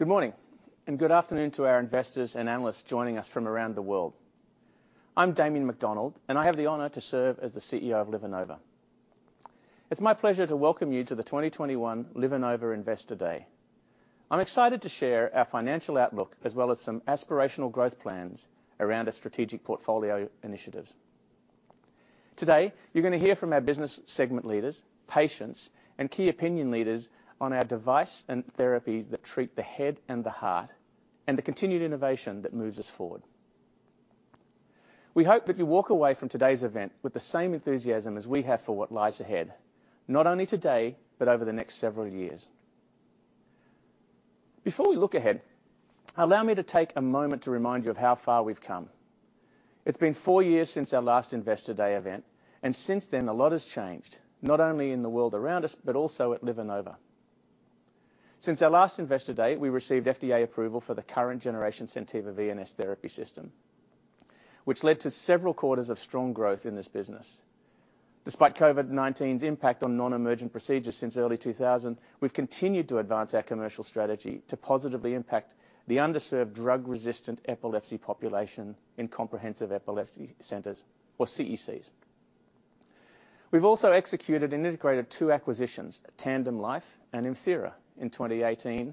Good morning, and good afternoon to our investors and analysts joining us from around the world. I'm Damien McDonald, and I have the honor to serve as the CEO of LivaNova. It's my pleasure to welcome you to the 2021 LivaNova Investor Day. I'm excited to share our financial outlook, as well as some aspirational growth plans around our Strategic Portfolio Initiatives. Today, you're gonna hear from our business segment leaders, patients, and key opinion leaders on our devices and therapies that treat the head and the heart, and the continued innovation that moves us forward. We hope that you walk away from today's event with the same enthusiasm as we have for what lies ahead, not only today, but over the next several years. Before we look ahead, allow me to take a moment to remind you of how far we've come. It's been four years since our last Investor Day event, and since then, a lot has changed, not only in the world around us, but also at LivaNova. Since our last Investor Day, we received FDA approval for the current generation SenTiva VNS Therapy System, which led to several quarters of strong growth in this business. Despite COVID-19's impact on non-emergent procedures since early 2020, we've continued to advance our commercial strategy to positively impact the underserved drug-resistant epilepsy population in comprehensive epilepsy centers or CECs. We've also executed and integrated two acquisitions, TandemLife and ImThera, in 2018.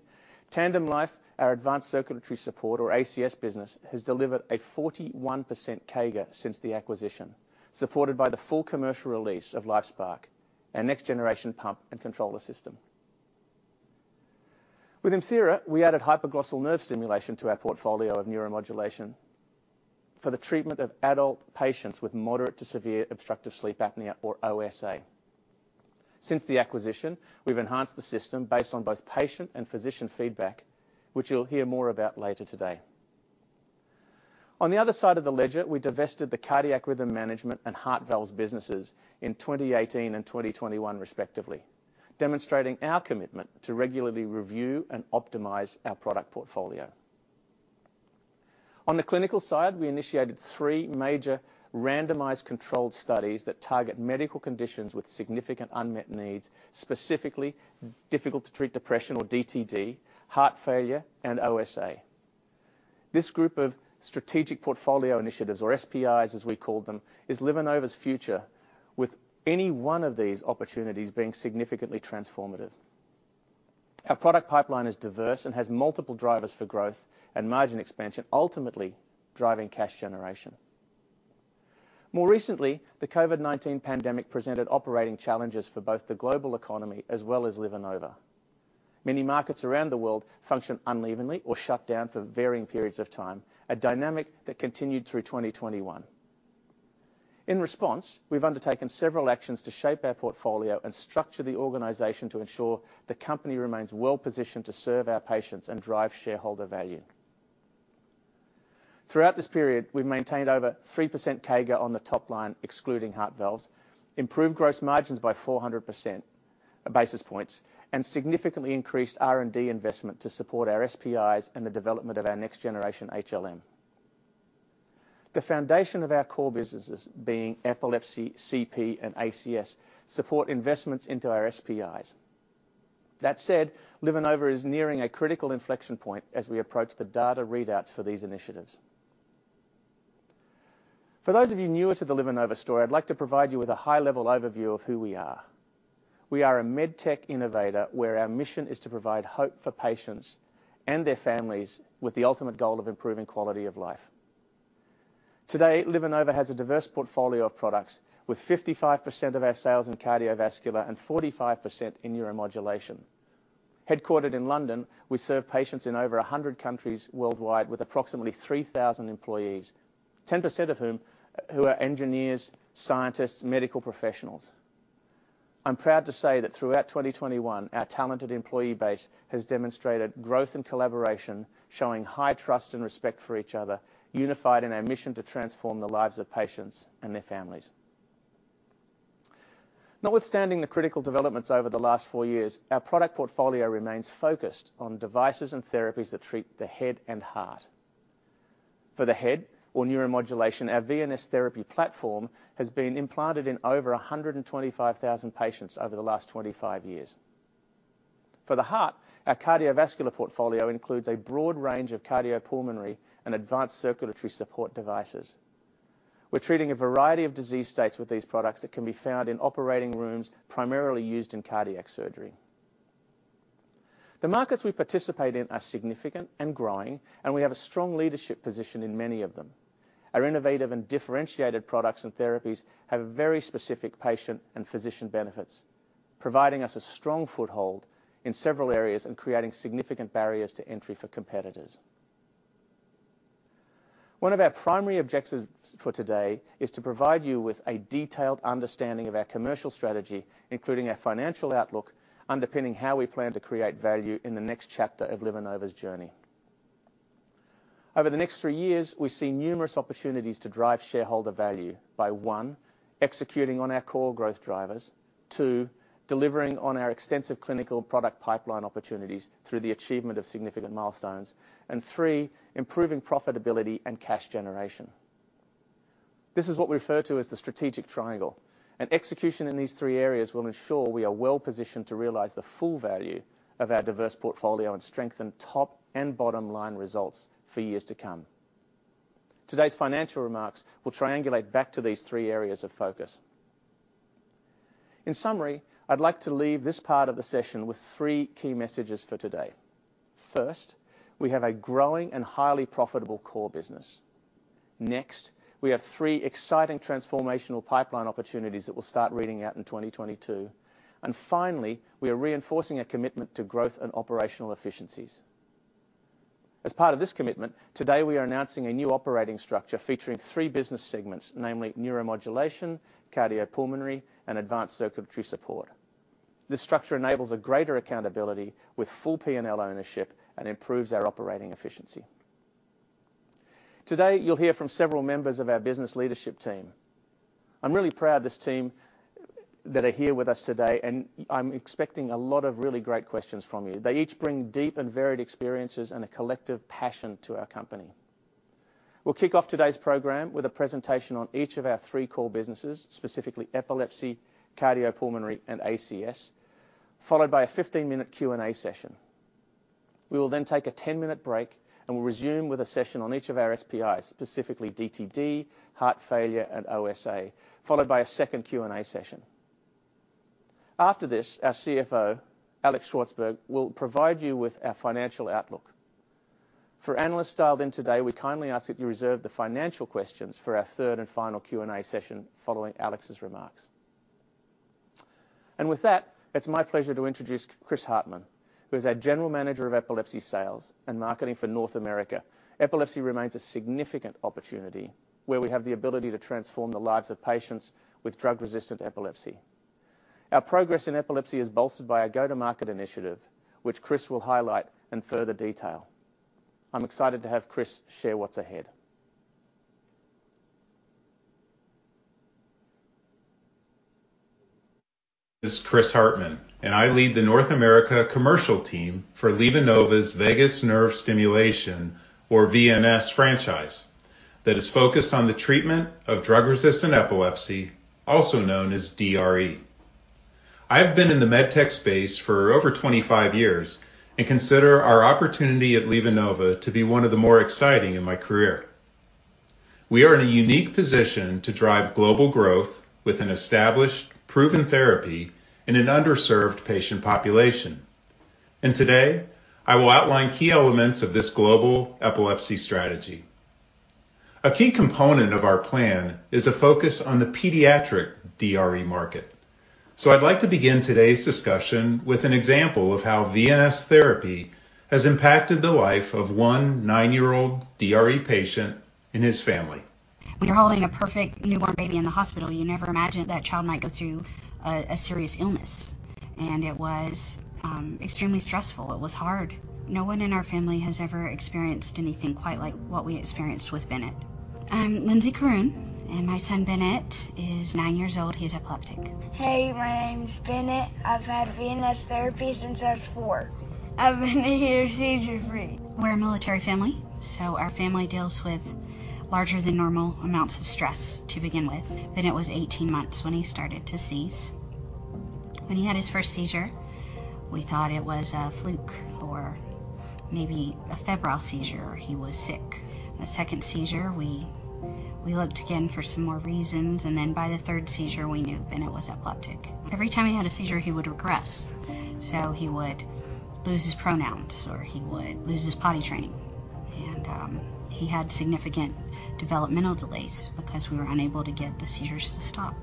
TandemLife, our advanced circulatory support or ACS business, has delivered a 41% CAGR since the acquisition, supported by the full commercial release of LifeSPARC, our next generation pump and controller system. With ImThera, we added hypoglossal nerve stimulation to our portfolio of neuromodulation for the treatment of adult patients with moderate to severe obstructive sleep apnea or OSA. Since the acquisition, we've enhanced the system based on both patient and physician feedback, which you'll hear more about later today. On the other side of the ledger, we divested the cardiac rhythm management and heart valves businesses in 2018 and 2021 respectively, demonstrating our commitment to regularly review and optimize our product portfolio. On the clinical side, we initiated three major randomized controlled studies that target medical conditions with significant unmet needs, specifically difficult to treat depression or DTD, heart failure, and OSA. This group of strategic portfolio initiatives or SPIs, as we call them, is LivaNova's future with any one of these opportunities being significantly transformative. Our product pipeline is diverse and has multiple drivers for growth and margin expansion, ultimately driving cash generation. More recently, the COVID-19 pandemic presented operating challenges for both the global economy as well as LivaNova. Many markets around the world function unevenly or shut down for varying periods of time, a dynamic that continued through 2021. In response, we've undertaken several actions to shape our portfolio and structure the organization to ensure the company remains well-positioned to serve our patients and drive shareholder value. Throughout this period, we've maintained over 3% CAGR on the top line, excluding heart valves, improved gross margins by 400 basis points, and significantly increased R&D investment to support our SPIs and the development of our next generation HLM. The foundation of our core businesses, being epilepsy, CP, and ACS, support investments into our SPIs. That said, LivaNova is nearing a critical inflection point as we approach the data readouts for these initiatives. For those of you newer to the LivaNova story, I'd like to provide you with a high-level overview of who we are. We are a med tech innovator, where our mission is to provide hope for patients and their families with the ultimate goal of improving quality of life. Today, LivaNova has a diverse portfolio of products with 55% of our sales in cardiovascular and 45% in neuromodulation. Headquartered in London, we serve patients in over 100 countries worldwide with approximately 3,000 employees, 10% of whom are engineers, scientists, medical professionals. I'm proud to say that throughout 2021, our talented employee base has demonstrated growth and collaboration, showing high trust and respect for each other, unified in our mission to transform the lives of patients and their families. Notwithstanding the critical developments over the last four years, our product portfolio remains focused on devices and therapies that treat the head and heart. For the head or neuromodulation, our VNS therapy platform has been implanted in over 125,000 patients over the last 25 years. For the heart, our cardiovascular portfolio includes a broad range of cardiopulmonary and advanced circulatory support devices. We're treating a variety of disease states with these products that can be found in operating rooms, primarily used in cardiac surgery. The markets we participate in are significant and growing, and we have a strong leadership position in many of them. Our innovative and differentiated products and therapies have very specific patient and physician benefits, providing us a strong foothold in several areas and creating significant barriers to entry for competitors. One of our primary objectives for today is to provide you with a detailed understanding of our commercial strategy, including our financial outlook, underpinning how we plan to create value in the next chapter of LivaNova's journey. Over the next three years, we see numerous opportunities to drive shareholder value by, one, executing on our core growth drivers. Two, delivering on our extensive clinical product pipeline opportunities through the achievement of significant milestones. And three, improving profitability and cash generation. This is what we refer to as the strategic triangle, and execution in these three areas will ensure we are well-positioned to realize the full value of our diverse portfolio and strengthen top and bottom line results for years to come. Today's financial remarks will triangulate back to these three areas of focus. In summary, I'd like to leave this part of the session with three key messages for today. First, we have a growing and highly profitable core business. Next, we have three exciting transformational pipeline opportunities that will start reading out in 2022. Finally, we are reinforcing a commitment to growth and operational efficiencies. As part of this commitment, today we are announcing a new operating structure featuring three business segments, namely Neuromodulation, Cardiopulmonary, and Advanced Circulatory Support. This structure enables a greater accountability with full P&L ownership and improves our operating efficiency. Today, you'll hear from several members of our business leadership team. I'm really proud of this team that are here with us today, and I'm expecting a lot of really great questions from you. They each bring deep and varied experiences and a collective passion to our company. We'll kick off today's program with a presentation on each of our three core businesses, specifically epilepsy, cardiopulmonary, and ACS, followed by a 15-minute Q&A session. We will then take a 10-minute break and we'll resume with a session on each of our SPIs, specifically DTD, heart failure, and OSA, followed by a second Q&A session. After this, our CFO, Alex Shvartsburg, will provide you with our financial outlook. For analysts dialed in today, we kindly ask that you reserve the financial questions for our third and final Q&A session following Alex's remarks. With that, it's my pleasure to introduce Chris Hartman, who is our General Manager of Epilepsy Sales and Marketing for North America. Epilepsy remains a significant opportunity where we have the ability to transform the lives of patients with drug-resistant epilepsy. Our progress in epilepsy is bolstered by our go-to-market initiative, which Chris will highlight in further detail. I'm excited to have Chris share what's ahead. This is Chris Hartman, and I lead the North America commercial team for LivaNova's Vagus Nerve Stimulation, or VNS, franchise that is focused on the treatment of drug-resistant epilepsy, also known as DRE. I have been in the med tech space for over 25 years and consider our opportunity at LivaNova to be one of the more exciting in my career. We are in a unique position to drive global growth with an established, proven therapy in an underserved patient population. Today, I will outline key elements of this global epilepsy strategy. A key component of our plan is a focus on the pediatric DRE market. I'd like to begin today's discussion with an example of how VNS therapy has impacted the life of one 9-year-old DRE patient and his family. When you're holding a perfect newborn baby in the hospital, you never imagine that child might go through a serious illness, and it was extremely stressful. It was hard. No one in our family has ever experienced anything quite like what we experienced with Bennett. I'm Lindsay Corroon, and my son Bennett is nine years old. He's epileptic. Hey, my name's Bennett. I've had VNS therapy since I was four. I've been a year seizure-free. We're a military family, so our family deals with larger than normal amounts of stress to begin with. Bennett was 18 months when he started to seize. When he had his first seizure, we thought it was a fluke or maybe a febrile seizure or he was sick. The second seizure, we looked again for some more reasons, and then by the third seizure, we knew Bennett was epileptic. Every time he had a seizure, he would regress. He would lose his pronouns or he would lose his potty training, and he had significant developmental delays because we were unable to get the seizures to stop.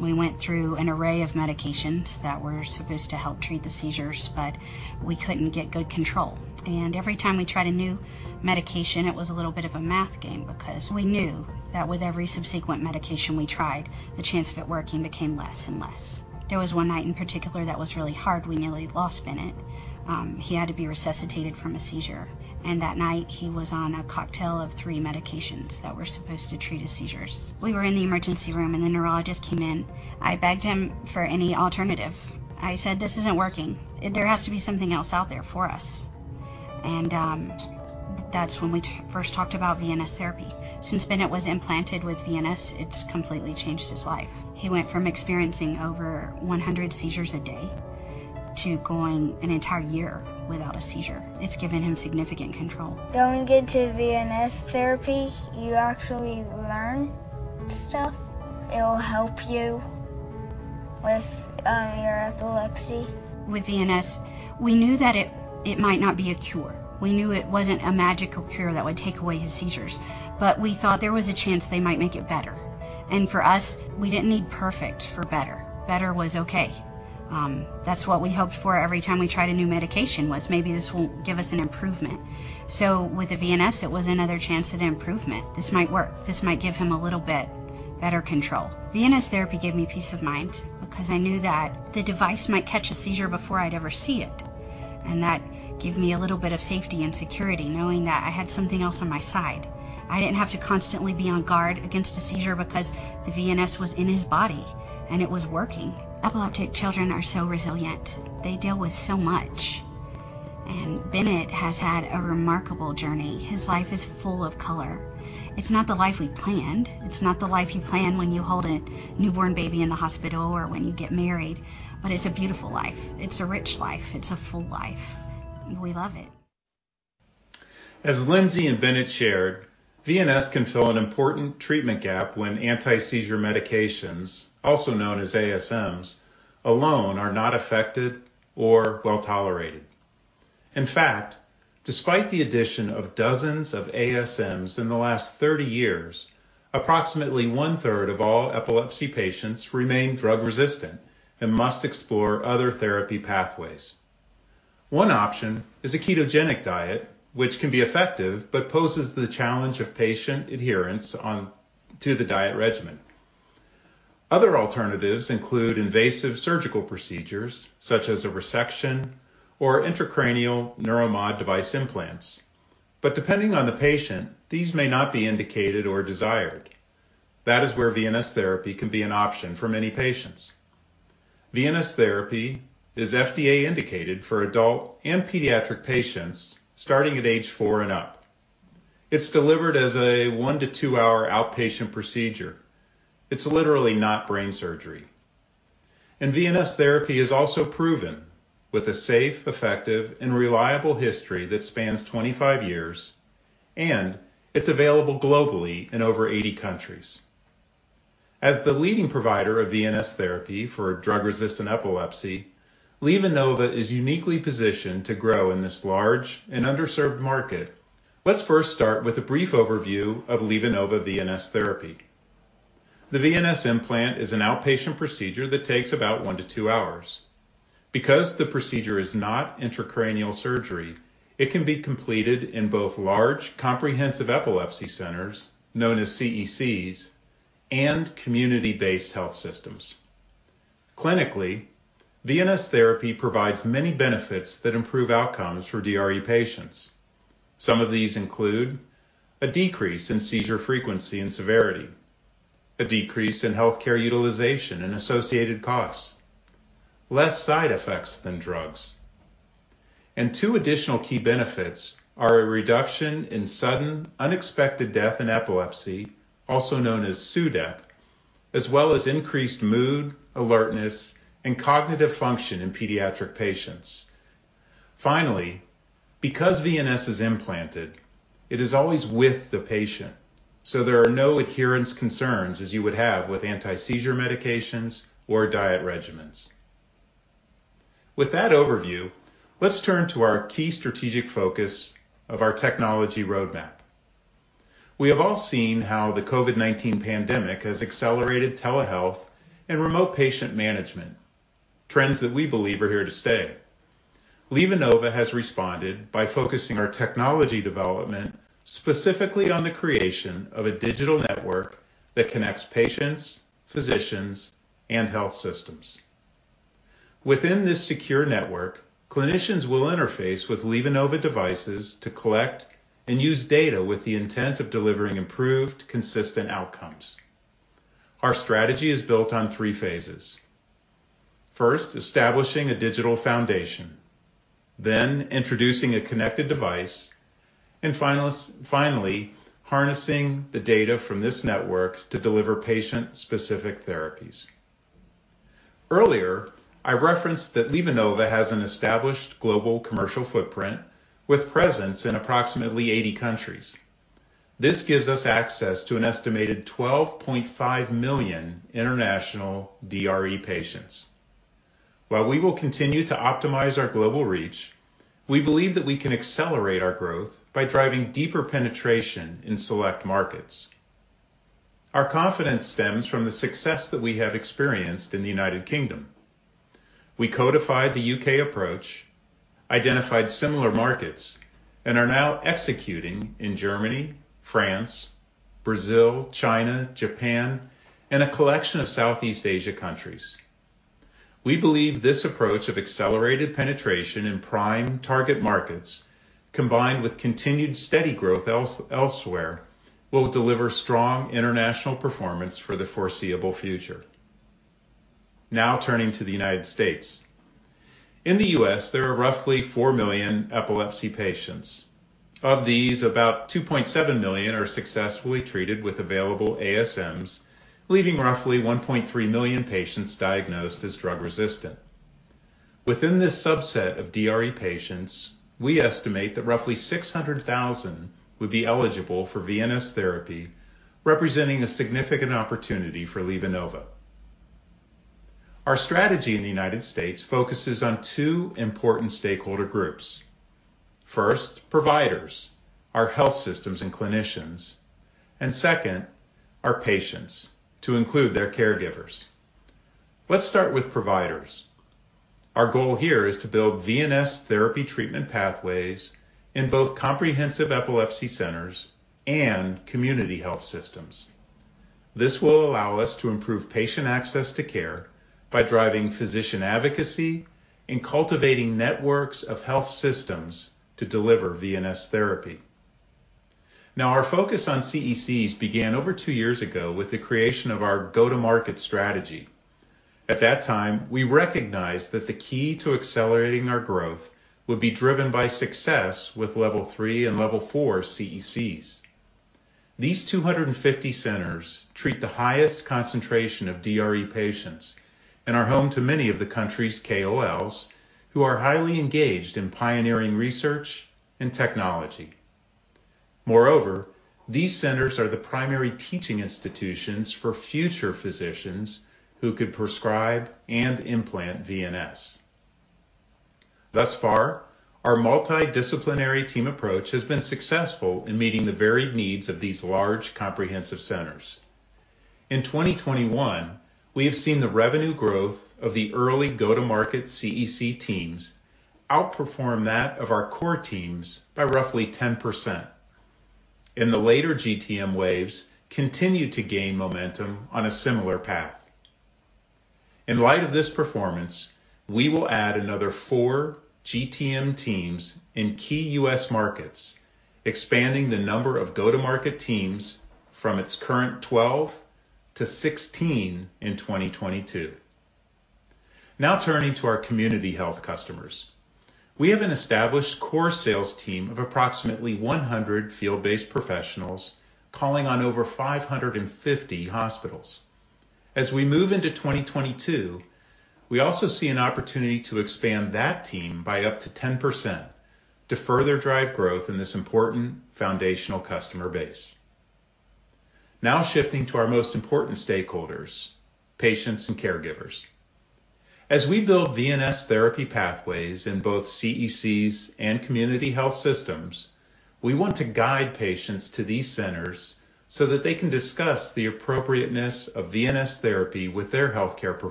We went through an array of medications that were supposed to help treat the seizures, but we couldn't get good control. Every time we tried a new medication, it was a little bit of a math game because we knew that with every subsequent medication we tried, the chance of it working became less and less. There was one night in particular that was really hard. We nearly lost Bennett. to going an entire year without a seizure. It's given him significant control. Going into VNS therapy, you actually learn stuff. It'll help you with your epilepsy. With VNS, we knew that it might not be a cure. We knew it wasn't a magical cure that would take away his seizures, but we thought there was a chance they might make it better. For us, we didn't need perfect for better. Better was okay. That's what we hoped for every time we tried a new medication, was maybe this will give us an improvement. With the VNS, it was another chance at improvement. This might work. This might give him a little bit better control. VNS therapy gave me peace of mind because I knew that the device might catch a seizure before I'd ever see it, and that gave me a little bit of safety and security knowing that I had something else on my side. I didn't have to constantly be on guard against a seizure because the VNS was in his body and it was working. Epileptic children are so resilient. They deal with so much, and Bennett has had a remarkable journey. His life is full of color. It's not the life we planned. It's not the life you plan when you hold a newborn baby in the hospital or when you get married, but it's a beautiful life. It's a rich life. It's a full life. We love it.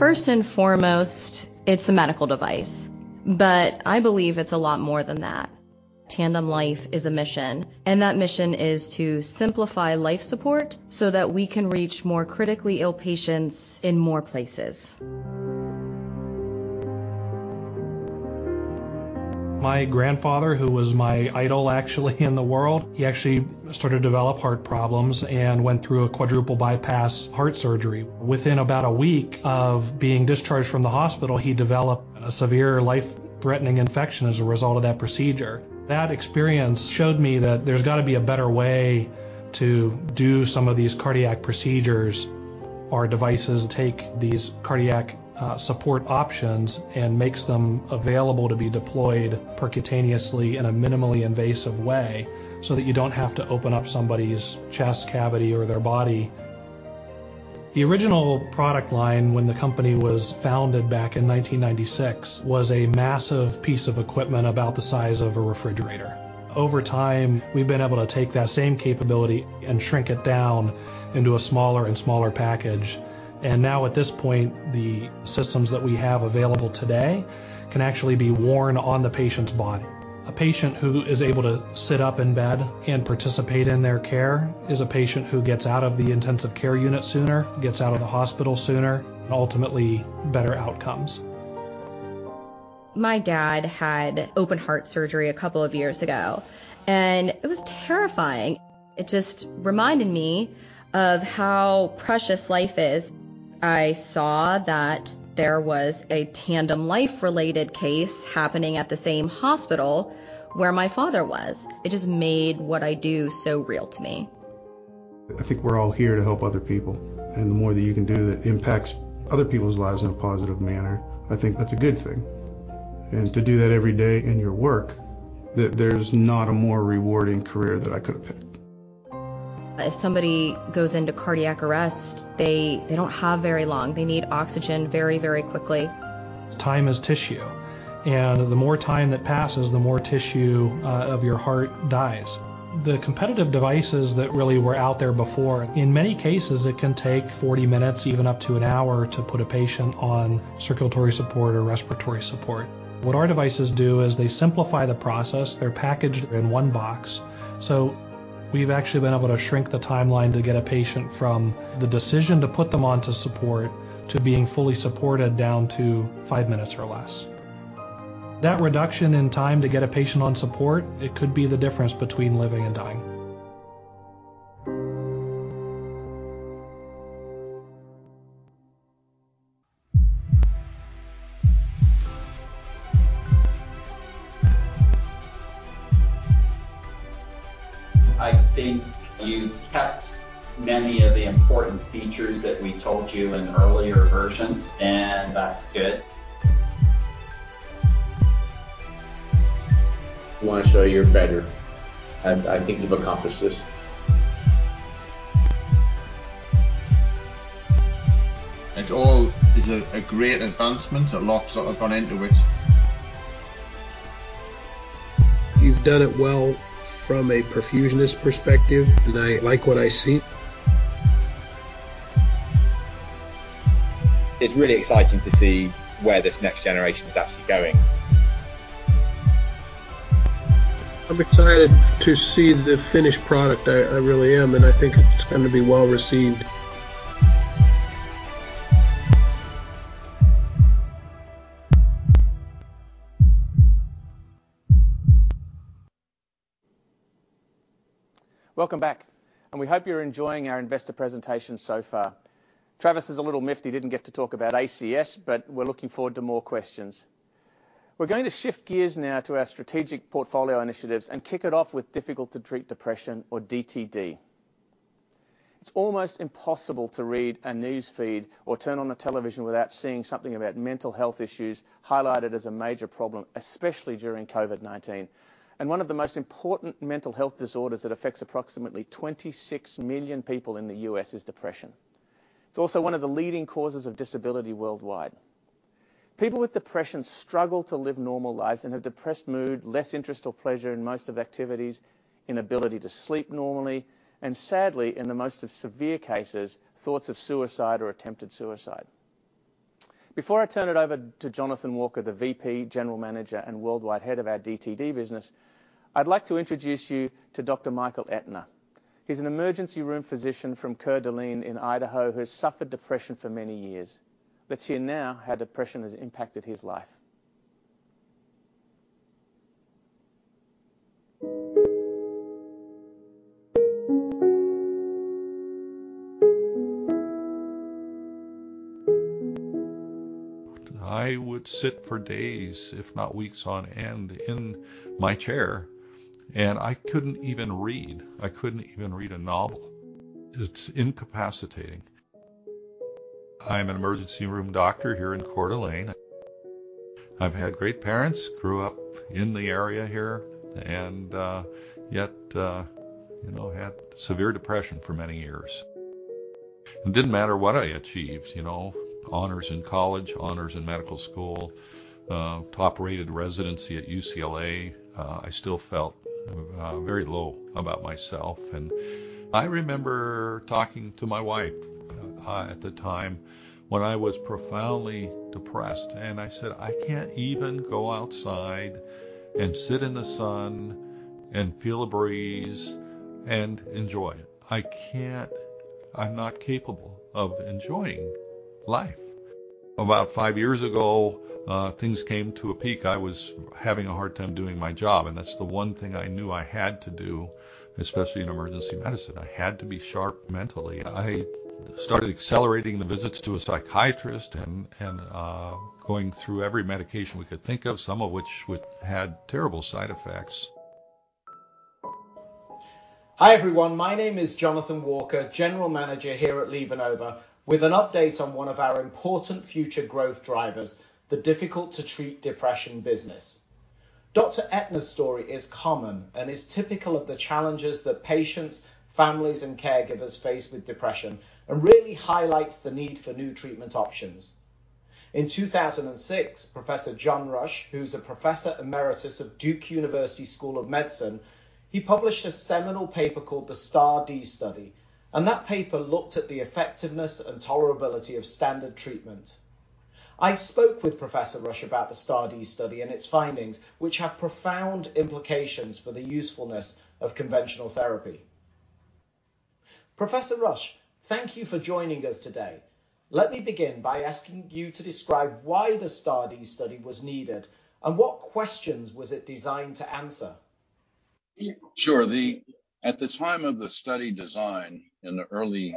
First and foremost, it's a medical device, but I believe it's a lot more than that. TandemLife is a mission, and that mission is to simplify life support so that we can reach more critically ill patients in more places. My grandfather, who was my idol actually in the world, he actually started to develop heart problems and went through a quadruple bypass heart surgery. Within about a week of being discharged from the hospital, he developed a severe life-threatening infection as a result of that procedure. That experience showed me that there's gotta be a better way to do some of these cardiac procedures. Our devices take these cardiac, support options and makes them available to be deployed percutaneously in a minimally invasive way so that you don't have to open up somebody's chest cavity or their body. The original product line when the company was founded back in 1996 was a massive piece of equipment about the size of a refrigerator. Over time, we've been able to take that same capability and shrink it down into a smaller and smaller package. Now at this point, the systems that we have available today can actually be worn on the patient's body. A patient who is able to sit up in bed and participate in their care is a patient who gets out of the intensive care unit sooner, gets out of the hospital sooner, ultimately better outcomes. My dad had open heart surgery a couple of years ago, and it was terrifying. It just reminded me of how precious life is. I saw that there was a TandemLife-related case happening at the same hospital where my father was. It just made what I do so real to me. I think we're all here to help other people, and the more that you can do that impacts other people's lives in a positive manner, I think that's a good thing. To do that every day in your work, there's not a more rewarding career that I could have picked. If somebody goes into cardiac arrest, they don't have very long. They need oxygen very, very quickly. Time is tissue, and the more time that passes, the more tissue of your heart dies. The competitive devices that really were out there before, in many cases, it can take 40 minutes, even up to an hour, to put a patient on circulatory support or respiratory support. What our devices do is they simplify the process. They're packaged in one box. We've actually been able to shrink the timeline to get a patient from the decision to put them onto support to being fully supported down to five minutes or less. That reduction in time to get a patient on support, it could be the difference between living and dying. I think you've kept many of the important features that we told you in earlier versions, and that's good. You wanna show you're better, and I think you've accomplished this. It all is a great advancement. A lot sort of gone into it. You've done it well from a perfusionist perspective, and I like what I see. It's really exciting to see where this next generation is actually going. I'm excited to see the finished product. I really am, and I think it's gonna be well-received. Welcome back, and we hope you're enjoying our investor presentation so far. Travis is a little miffed he didn't get to talk about ACS, but we're looking forward to more questions. We're going to shift gears now to our strategic portfolio initiatives and kick it off with difficult to treat depression or DTD. It's almost impossible to read a news feed or turn on a television without seeing something about mental health issues highlighted as a major problem, especially during COVID-19. One of the most important mental health disorders that affects approximately 26 million people in the U.S. is depression. It's also one of the leading causes of disability worldwide. People with depression struggle to live normal lives and have depressed mood, less interest or pleasure in most of activities, inability to sleep normally, and sadly, in the most severe cases, thoughts of suicide or attempted suicide. Before I turn it over to Jonathan Walker, the VP, general manager, and worldwide head of our DTD business, I'd like to introduce you to Dr. Michael Ettner. He's an emergency room physician from Coeur d'Alene in Idaho who has suffered depression for many years. Let's hear now how depression has impacted his life. I would sit for days, if not weeks on end, in my chair, and I couldn't even read. I couldn't even read a novel. It's incapacitating. I'm an emergency room doctor here in Coeur d'Alene. I've had great parents, grew up in the area here, and, yet, you know, had severe depression for many years. It didn't matter what I achieved, you know, honors in college, honors in medical school, top-rated residency at UCLA. I still felt, very low about myself. I remember talking to my wife, at the time when I was profoundly depressed, and I said, "I can't even go outside and sit in the sun and feel a breeze and enjoy it. I can't. I'm not capable of enjoying life." About five years ago, things came to a peak. I was having a hard time doing my job, and that's the one thing I knew I had to do, especially in emergency medicine. I had to be sharp mentally. I started accelerating the visits to a psychiatrist and going through every medication we could think of, some of which had terrible side effects. Hi, everyone. My name is Jonathan Walker, General Manager here at LivaNova, with an update on one of our important future growth drivers, the difficult to treat depression business. Dr. Ettner's story is common and is typical of the challenges that patients, families, and caregivers face with depression and really highlights the need for new treatment options. In 2006, Professor John Rush, who's a Professor Emeritus of Duke University School of Medicine, he published a seminal paper called the STAR*D Study, and that paper looked at the effectiveness and tolerability of standard treatment. I spoke with Professor John Rush about the STAR*D study and its findings, which have profound implications for the usefulness of conventional therapy. Professor John Rush, thank you for joining us today. Let me begin by asking you to describe why the STAR*D study was needed and what questions was it designed to answer? Sure. At the time of the study design in the early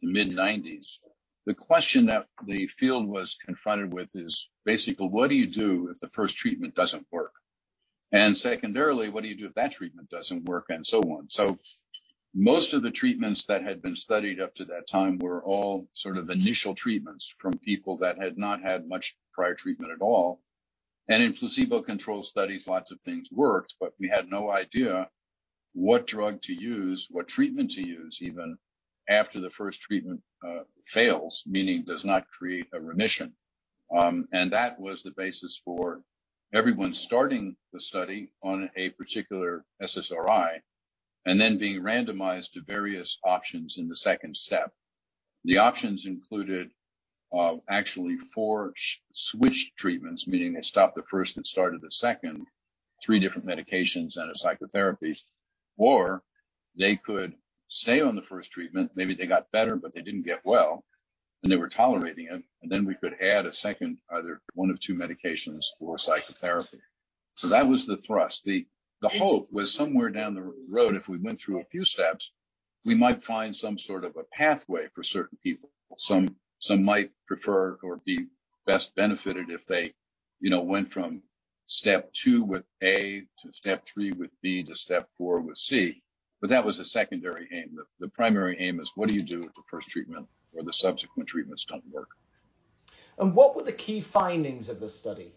to mid-90's, the question that the field was confronted with is basically, what do you do if the first treatment doesn't work? Secondarily, what do you do if that treatment doesn't work, and so on. Most of the treatments that had been studied up to that time were all sort of initial treatments from people that had not had much prior treatment at all. In placebo-controlled studies, lots of things worked, but we had no idea what drug to use, what treatment to use even after the first treatment fails, meaning does not create a remission. That was the basis for everyone starting the study on a particular SSRI and then being randomized to various options in the second step. The options included actually four switch treatments, meaning they stopped the first and started the second, three different medications and a psychotherapy. Or they could stay on the first treatment. Maybe they got better, but they didn't get well, and they were tolerating it, and then we could add a second, either one of two medications or psychotherapy. That was the thrust. The hope was somewhere down the road, if we went through a few steps, we might find some sort of a pathway for certain people. Some might prefer or be best benefited if they, you know, went from step two with A, to step three with B, to step four with C, but that was a secondary aim. The primary aim is what do you do if the first treatment or the subsequent treatments don't work? What were the key findings of the study?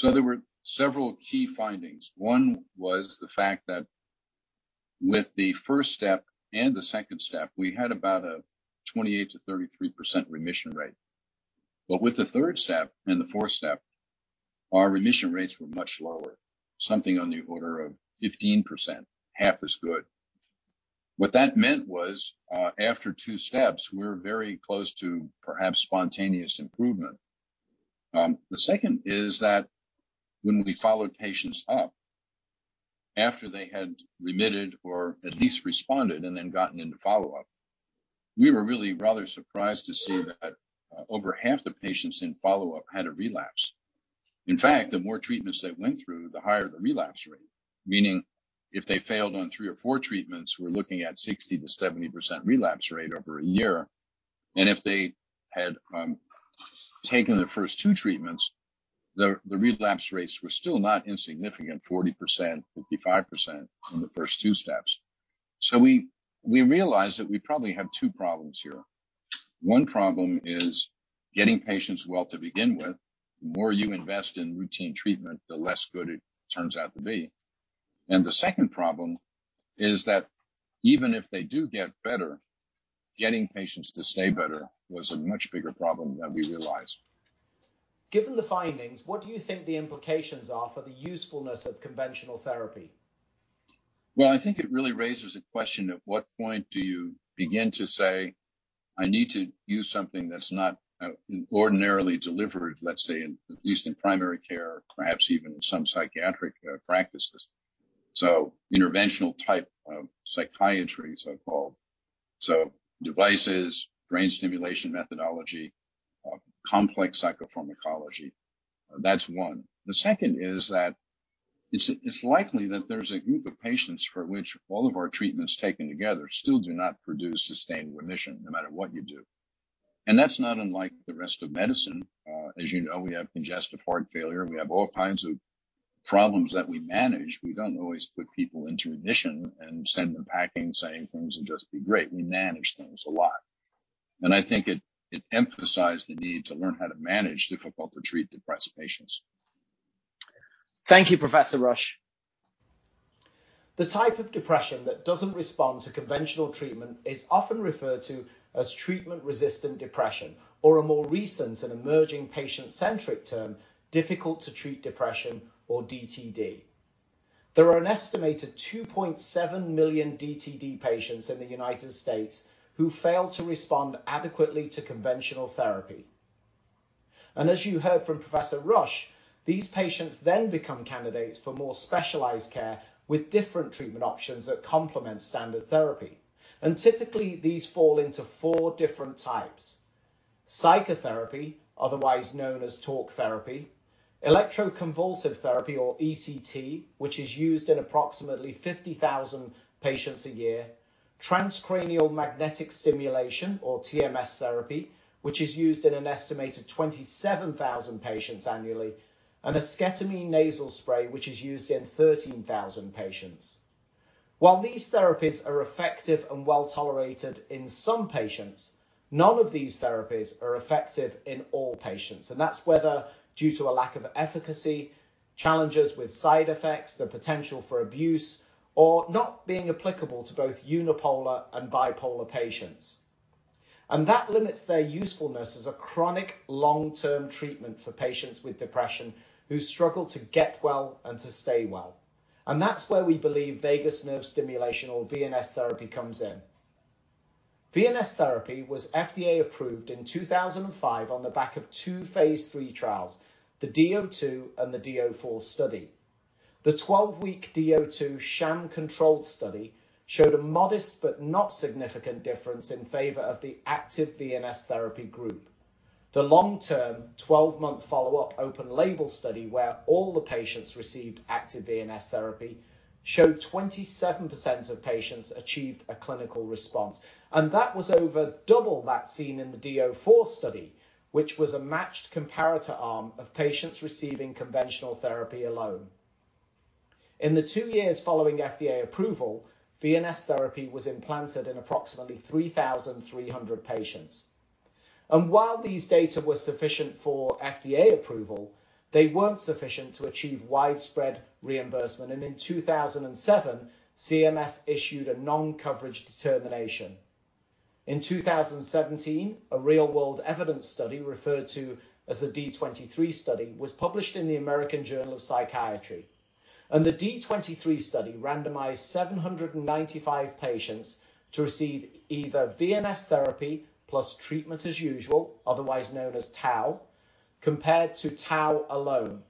There were several key findings. One was the fact that with the first step and the second step, we had about a 28%-33% remission rate. With the third step and the fourth step, our remission rates were much lower, something on the order of 15%, half as good. What that meant was, after two steps, we're very close to perhaps spontaneous improvement. The second is that when we followed patients up after they had remitted or at least responded and then gotten into follow-up, we were really rather surprised to see that, over half the patients in follow-up had a relapse. In fact, the more treatments they went through, the higher the relapse rate. Meaning if they failed on three or four treatments, we're looking at 60%-70% relapse rate over a year. If they had taken the first two treatments, the relapse rates were still not insignificant, 40%, 55% in the first two steps. We realized that we probably have two problems here. One problem is getting patients well to begin with. The more you invest in routine treatment, the less good it turns out to be. The second problem is that even if they do get better, getting patients to stay better was a much bigger problem than we realized. Given the findings, what do you think the implications are for the usefulness of conventional therapy? Well, I think it really raises a question of what point do you begin to say, "I need to use something that's not ordinarily delivered,"let's say, in at least primary care or perhaps even in some psychiatric practices. Interventional type of psychiatry, so-called. Devices, brain stimulation methodology, complex psychopharmacology. That's one. The second is that it's likely that there's a group of patients for which all of our treatments taken together still do not produce sustained remission no matter what you do. That's not unlike the rest of medicine. As you know, we have congestive heart failure. We have all kinds of problems that we manage. We don't always put people into remission and send them packing, saying things will just be great. We manage things a lot. I think it emphasized the need to learn how to manage difficult to treat depressed patients. Thank you, Professor Rush. The type of depression that doesn't respond to conventional treatment is often referred to as treatment-resistant depression or a more recent and emerging patient-centric term, difficult to treat depression or DTD. There are an estimated 2.7 million DTD patients in the United States who fail to respond adequately to conventional therapy. As you heard from Professor Rush, these patients then become candidates for more specialized care with different treatment options that complement standard therapy. Typically, these fall into four different types, psychotherapy, otherwise known as talk therapy, electroconvulsive therapy or ECT, which is used in approximately 50,000 patients a year, transcranial magnetic stimulation or TMS therapy, which is used in an estimated 27,000 patients annually, and esketamine nasal spray, which is used in 13,000 patients. While these therapies are effective and well-tolerated in some patients, none of these therapies are effective in all patients. That's whether due to a lack of efficacy, challenges with side effects, the potential for abuse, or not being applicable to both unipolar and bipolar patients. That limits their usefulness as a chronic long-term treatment for patients with depression who struggle to get well and to stay well. That's where we believe vagus nerve stimulation or VNS therapy comes in. VNS therapy was FDA approved in 2005 on the back of two phase III trials, the D-02 and the D-04 study. The 12-week D-02 sham-controlled study showed a modest but not significant difference in favor of the active VNS therapy group. The long-term twelve-month follow-up open label study, where all the patients received active VNS therapy, showed 27% of patients achieved a clinical response. That was over double that seen in the D-04 study, which was a matched comparator arm of patients receiving conventional therapy alone. In the two years following FDA approval, VNS therapy was implanted in approximately 3,300 patients. While these data were sufficient for FDA approval, they weren't sufficient to achieve widespread reimbursement. In 2007, CMS issued a non-coverage determination. In 2017, a real-world evidence study referred to as the D-23 study was published in the American Journal of Psychiatry. The D-23 study randomized 795 patients to receive either VNS therapy plus treatment as usual, otherwise known as TAU, compared to TAU alone,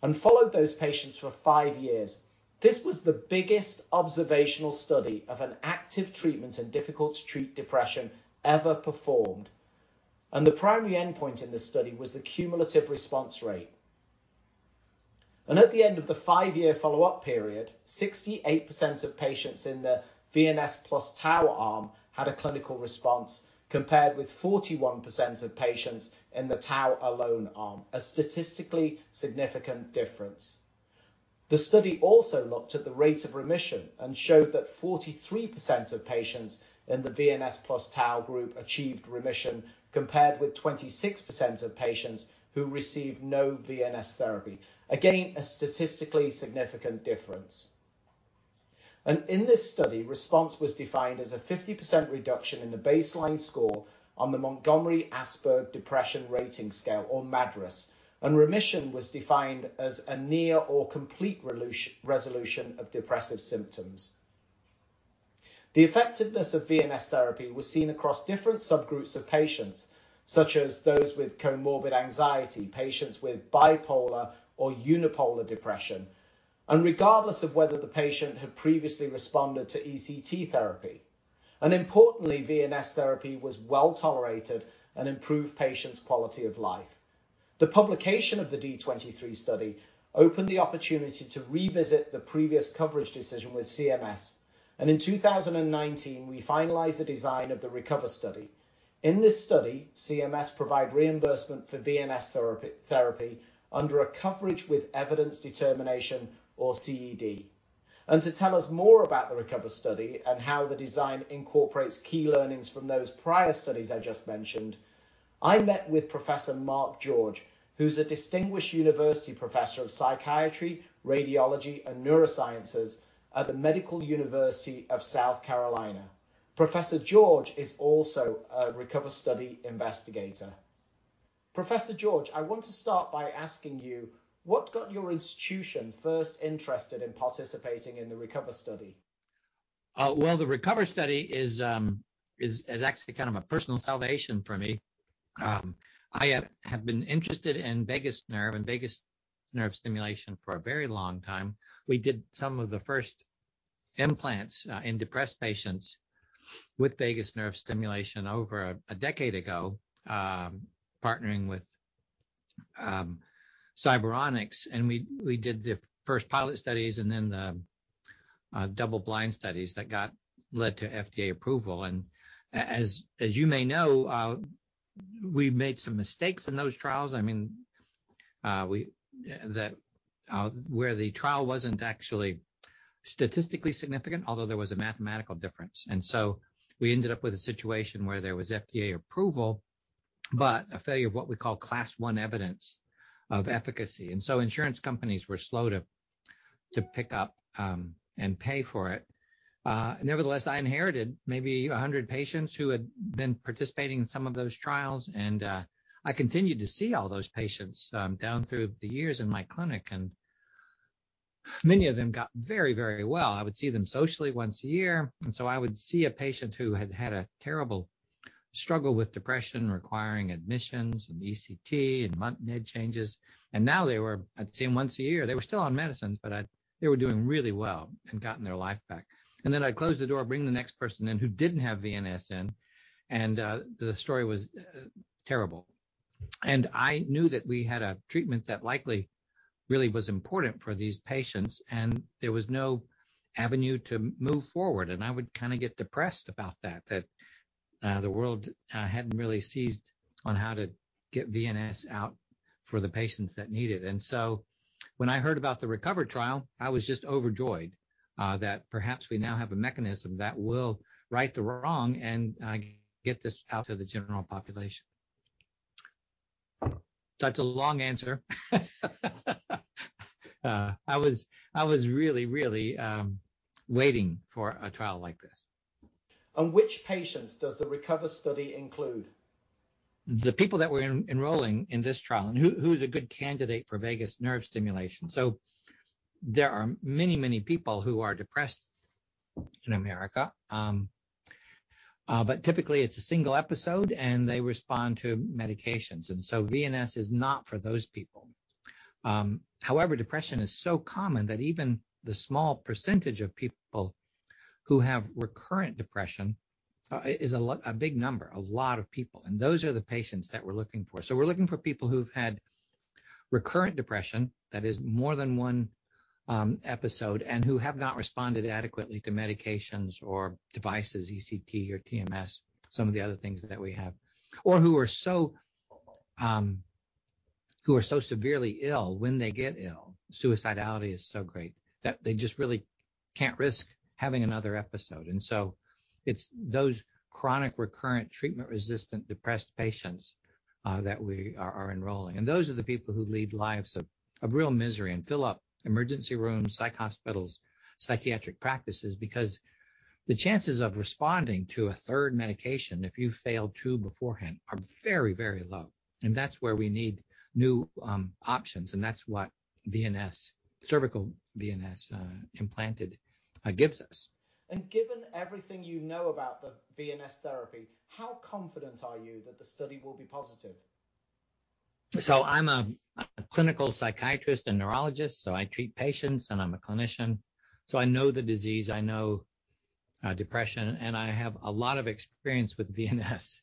and followed those patients for five years. This was the biggest observational study of an active treatment in difficult to treat depression ever performed. The primary endpoint in this study was the cumulative response rate. At the end of the five-year follow-up period, 68% of patients in the VNS plus TAU arm had a clinical response, compared with 41% of patients in the TAU alone arm. A statistically significant difference. The study also looked at the rate of remission and showed that 43% of patients in the VNS plus TAU group achieved remission, compared with 26% of patients who received no VNS therapy. Again, a statistically significant difference. In this study, response was defined as a 50% reduction in the baseline score on the Montgomery-Åsberg Depression Rating Scale, or MADRS. Remission was defined as a near or complete resolution of depressive symptoms. The effectiveness of VNS therapy was seen across different subgroups of patients, such as those with comorbid anxiety, patients with bipolar or unipolar depression, and regardless of whether the patient had previously responded to ECT therapy. Importantly, VNS therapy was well-tolerated and improved patients' quality of life. The publication of the D-23 study opened the opportunity to revisit the previous coverage decision with CMS. In 2019, we finalized the design of the RECOVER study. In this study, CMS provided reimbursement for VNS therapy under a coverage with evidence determination, or CED. To tell us more about the RECOVER study and how the design incorporates key learnings from those prior studies I just mentioned, I met with Professor Mark George, who's a Distinguished University Professor of psychiatry, radiology, and neurosciences at the Medical University of South Carolina. Professor George is also a RECOVER study investigator. Professor George, I want to start by asking you what got your institution first interested in participating in the RECOVER study? Well, the RECOVER study is actually kind of a personal salvation for me. I have been interested in vagus nerve and vagus nerve stimulation for a very long time. We did some of the first implants in depressed patients with vagus nerve stimulation over a decade ago, partnering with Cyberonics, and we did the first pilot studies and then the double-blind studies that led to FDA approval. As you may know, we made some mistakes in those trials. I mean, the trial wasn't actually statistically significant, although there was a mathematical difference. We ended up with a situation where there was FDA approval, but a failure of what we call class one evidence of efficacy. Insurance companies were slow to pick up and pay for it. Nevertheless, I inherited maybe 100 patients who had been participating in some of those trials, and I continued to see all those patients down through the years in my clinic, and many of them got very, very well. I would see them socially once a year. I would see a patient who had had a terrible struggle with depression requiring admissions and ECT and med changes, and now they were. I'd see them once a year. They were still on medicines, but they were doing really well and gotten their life back. Then I'd close the door, bring the next person in who didn't have VNS in, and the story was terrible. I knew that we had a treatment that likely really was important for these patients, and there was no avenue to move forward. I would kind of get depressed about that the world hadn't really seized on how to get VNS out for the patients that need it. When I heard about the RECOVER trial, I was just overjoyed that perhaps we now have a mechanism that will right the wrong and get this out to the general population. That's a long answer. I was really waiting for a trial like this. Which patients does the RECOVER study include? The people that we're enrolling in this trial and who is a good candidate for vagus nerve stimulation. There are many people who are depressed in America, but typically it's a single episode, and they respond to medications. VNS is not for those people. However, depression is so common that even the small percentage of people who have recurrent depression is a big number, a lot of people, and those are the patients that we're looking for. We're looking for people who've had recurrent depression, that is more than one episode, and who have not responded adequately to medications or devices, ECT or TMS, some of the other things that we have, or who are so severely ill when they get ill, suicidality is so great that they just really can't risk having another episode. It's those chronic recurrent treatment-resistant depressed patients that we are enrolling. Those are the people who lead lives of real misery and fill up emergency rooms, psych hospitals, psychiatric practices because the chances of responding to a third medication if you failed two beforehand are very, very low. That's where we need new options, and that's what VNS, cervical VNS implanted, gives us. Given everything you know about the VNS therapy, how confident are you that the study will be positive? I'm a clinical psychiatrist and neurologist, so I treat patients, and I'm a clinician, so I know the disease, I know depression, and I have a lot of experience with VNS.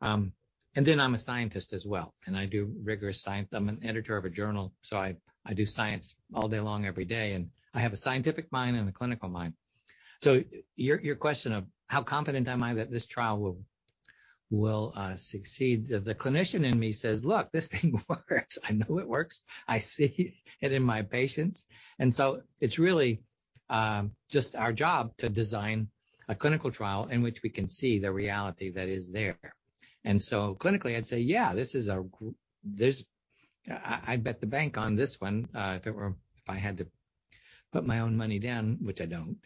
And then I'm a scientist as well, and I do rigorous science. I'm an editor of a journal, so I do science all day long, every day, and I have a scientific mind and a clinical mind. Your question of how confident am I that this trial will succeed? The clinician in me says, "Look, this thing works. I know it works. I see it in my patients." It's really just our job to design a clinical trial in which we can see the reality that is there. Clinically, I'd say, yeah, this is. I'd bet the bank on this one, if I had to put my own money down, which I don't.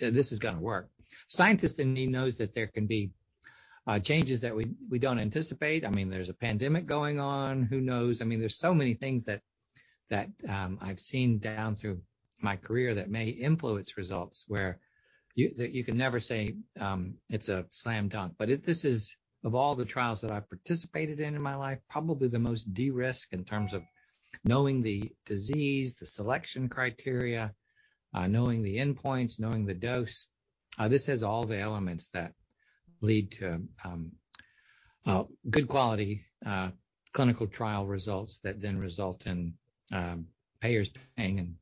This is gonna work. Scientist in me knows that there can be changes that we don't anticipate. I mean, there's a pandemic going on. Who knows? I mean, there's so many things that I've seen down through my career that may influence results that you can never say it's a slam dunk. If this is, of all the trials that I've participated in in my life, probably the most de-risk in terms of knowing the disease, the selection criteria, knowing the endpoints, knowing the dose. This has all the elements that lead to good quality clinical trial results that then result in payers paying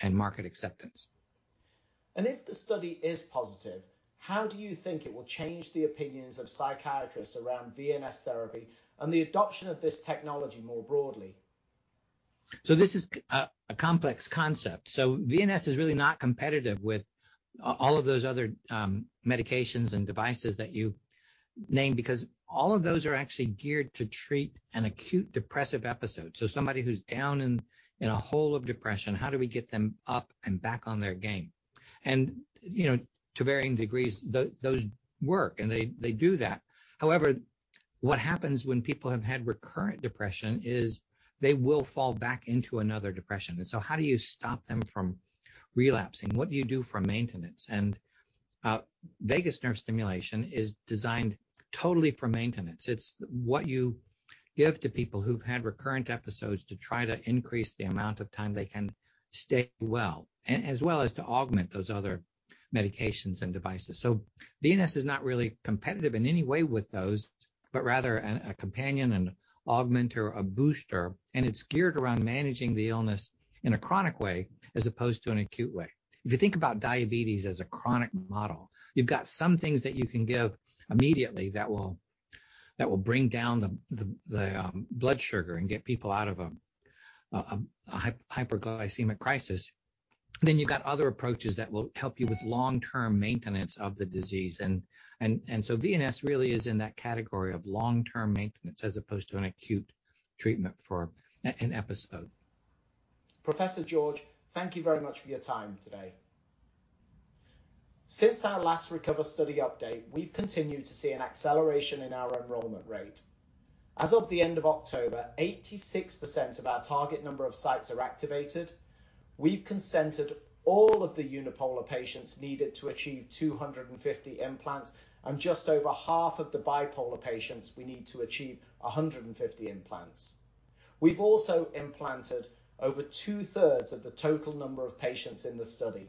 and market acceptance. If the study is positive, how do you think it will change the opinions of psychiatrists around VNS therapy and the adoption of this technology more broadly? This is a complex concept. VNS is really not competitive with all of those other medications and devices that you named because all of those are actually geared to treat an acute depressive episode. Somebody who's down in a hole of depression, how do we get them up and back on their game? You know, to varying degrees, those work, and they do that. However, what happens when people have had recurrent depression is they will fall back into another depression. How do you stop them from relapsing? What do you do for maintenance? Vagus nerve stimulation is designed totally for maintenance. It's what you give to people who've had recurrent episodes to try to increase the amount of time they can stay well, as well as to augment those other medications and devices. VNS is not really competitive in any way with those, but rather a companion, an augmenter, a booster, and it's geared around managing the illness in a chronic way as opposed to an acute way. If you think about diabetes as a chronic model, you've got some things that you can give immediately that will bring down the blood sugar and get people out of a hyperglycemic crisis. You've got other approaches that will help you with long-term maintenance of the disease. VNS really is in that category of long-term maintenance as opposed to an acute treatment for an episode. Professor Mark George, thank you very much for your time today. Since our last RECOVER study update, we've continued to see an acceleration in our enrollment rate. As of the end of October, 86% of our target number of sites are activated. We've consented all of the unipolar patients needed to achieve 250 implants and just over half of the bipolar patients we need to achieve 150 implants. We've also implanted over two-thirds of the total number of patients in the study.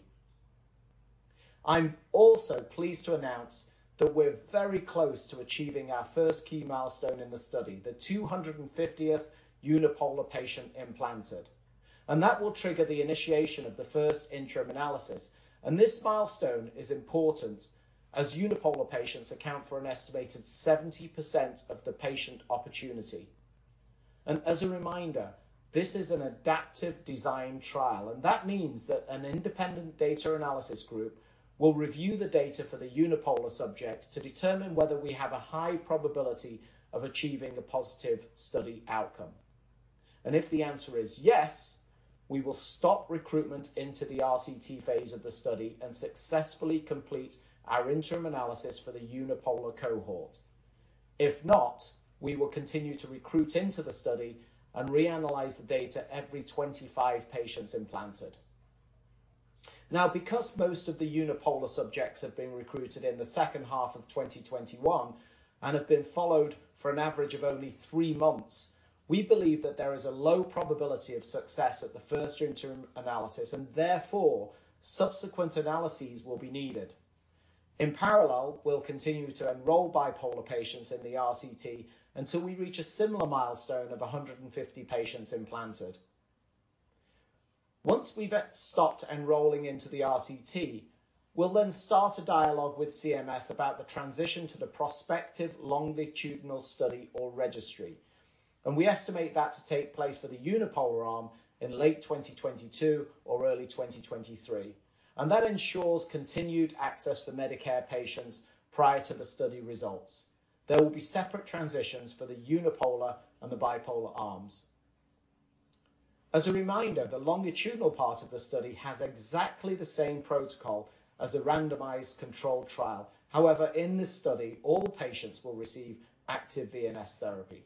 I'm also pleased to announce that we're very close to achieving our first key milestone in the study, the 250th unipolar patient implanted. That will trigger the initiation of the first interim analysis. This milestone is important as unipolar patients account for an estimated 70% of the patient opportunity. As a reminder, this is an adaptive design trial, and that means that an independent data analysis group will review the data for the unipolar subjects to determine whether we have a high probability of achieving a positive study outcome. If the answer is yes, we will stop recruitment into the RCT phase of the study and successfully complete our interim analysis for the unipolar cohort. If not, we will continue to recruit into the study and reanalyze the data every 25 patients implanted. Now, because most of the unipolar subjects have been recruited in the second half of 2021 and have been followed for an average of only three months, we believe that there is a low probability of success at the first interim analysis and therefore subsequent analyses will be needed. In parallel, we'll continue to enroll bipolar patients in the RCT until we reach a similar milestone of 150 patients implanted. Once we've stopped enrolling into the RCT, we'll then start a dialogue with CMS about the transition to the prospective longitudinal study or registry, and we estimate that to take place for the unipolar arm in late 2022 or early 2023. That ensures continued access for Medicare patients prior to the study results. There will be separate transitions for the unipolar and the bipolar arms. As a reminder, the longitudinal part of the study has exactly the same protocol as a randomized controlled trial. However, in this study, all patients will receive active VNS therapy.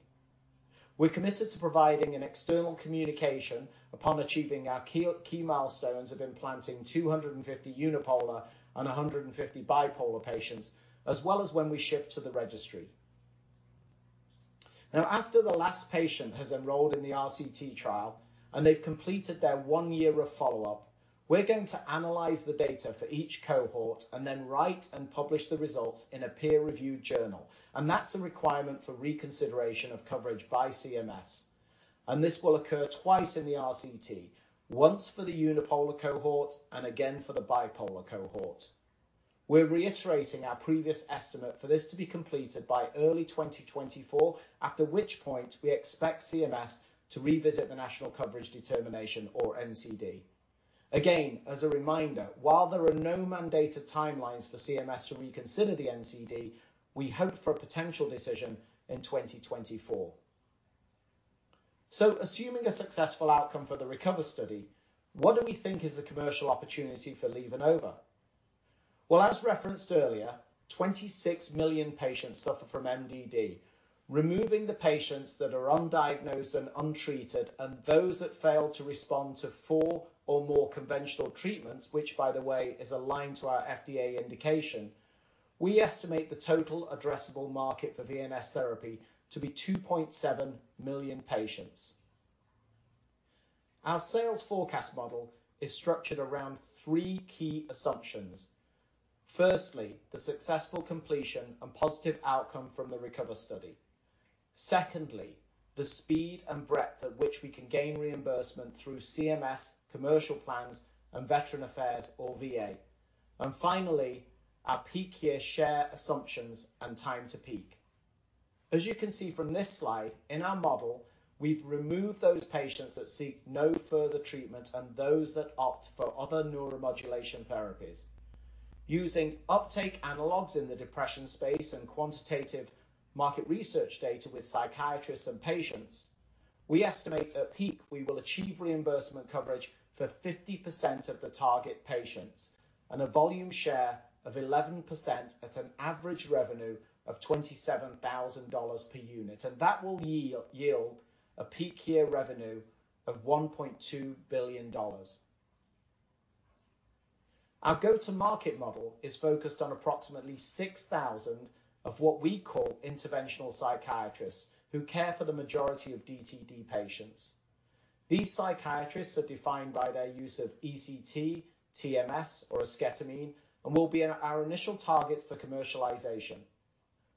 We're committed to providing an external communication upon achieving our key milestones of implanting 250 unipolar and 150 bipolar patients, as well as when we shift to the registry. Now, after the last patient has enrolled in the RCT trial, and they've completed their one year of follow-up, we're going to analyze the data for each cohort and then write and publish the results in a peer-reviewed journal. That's a requirement for reconsideration of coverage by CMS, and this will occur twice in the RCT, once for the unipolar cohort and again for the bipolar cohort. We're reiterating our previous estimate for this to be completed by early 2024, after which point we expect CMS to revisit the national coverage determination or NCD. Again, as a reminder, while there are no mandated timelines for CMS to reconsider the NCD, we hope for a potential decision in 2024. Assuming a successful outcome for the RECOVER study, what do we think is the commercial opportunity for LivaNova? Well, as referenced earlier, 26 million patients suffer from MDD. Removing the patients that are undiagnosed and untreated, and those that fail to respond to four or more conventional treatments, which by the way is aligned to our FDA indication, we estimate the total addressable market for VNS therapy to be 2.7 million patients. Our sales forecast model is structured around three key assumptions. Firstly, the successful completion and positive outcome from the RECOVER study. Secondly, the speed and breadth at which we can gain reimbursement through CMS, commercial plans, and Veterans Affairs or VA. Finally, our peak year share assumptions and time to peak. As you can see from this slide, in our model, we've removed those patients that seek no further treatment and those that opt for other neuromodulation therapies. Using uptake analogs in the depression space and quantitative market research data with psychiatrists and patients, we estimate at peak we will achieve reimbursement coverage for 50% of the target patients and a volume share of 11% at an average revenue of $27,000 per unit. That will yield a peak year revenue of $1.2 billion. Our go-to-market model is focused on approximately 6,000 of what we call interventional psychiatrists who care for the majority of DTD patients. These psychiatrists are defined by their use of ECT, TMS or esketamine and will be our initial targets for commercialization.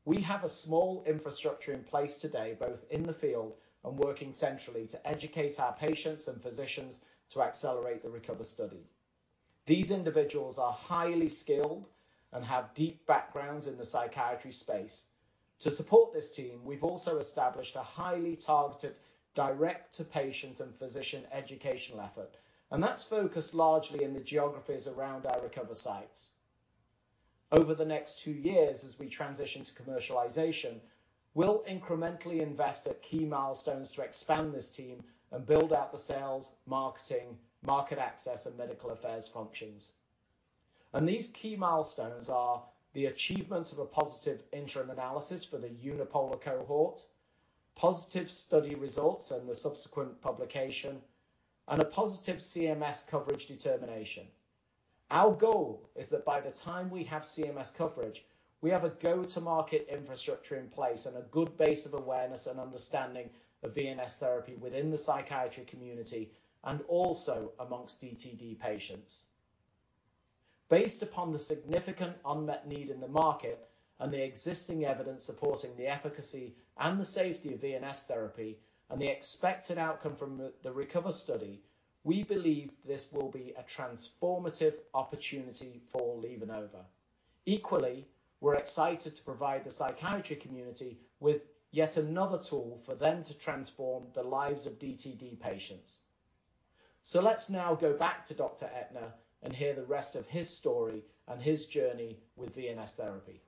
We have a small infrastructure in place today, both in the field and working centrally to educate our patients and physicians to accelerate the RECOVER study. These individuals are highly skilled and have deep backgrounds in the psychiatry space. To support this team, we've also established a highly targeted direct to patients and physician educational effort, and that's focused largely in the geographies around our RECOVER sites. Over the next two years, as we transition to commercialization, we'll incrementally invest at key milestones to expand this team and build out the sales, marketing, market access, and medical affairs functions. These key milestones are the achievement of a positive interim analysis for the unipolar cohort, positive study results and the subsequent publication, and a positive CMS coverage determination. Our goal is that by the time we have CMS coverage, we have a go-to-market infrastructure in place and a good base of awareness and understanding of VNS therapy within the psychiatry community and also amongst DTD patients. Based upon the significant unmet need in the market and the existing evidence supporting the efficacy and the safety of VNS therapy and the expected outcome from the RECOVER study, we believe this will be a transformative opportunity for LivaNova. Equally, we're excited to provide the psychiatry community with yet another tool for them to transform the lives of DTD patients. Let's now go back to Dr. Ettner and hear the rest of his story and his journey with VNS therapy.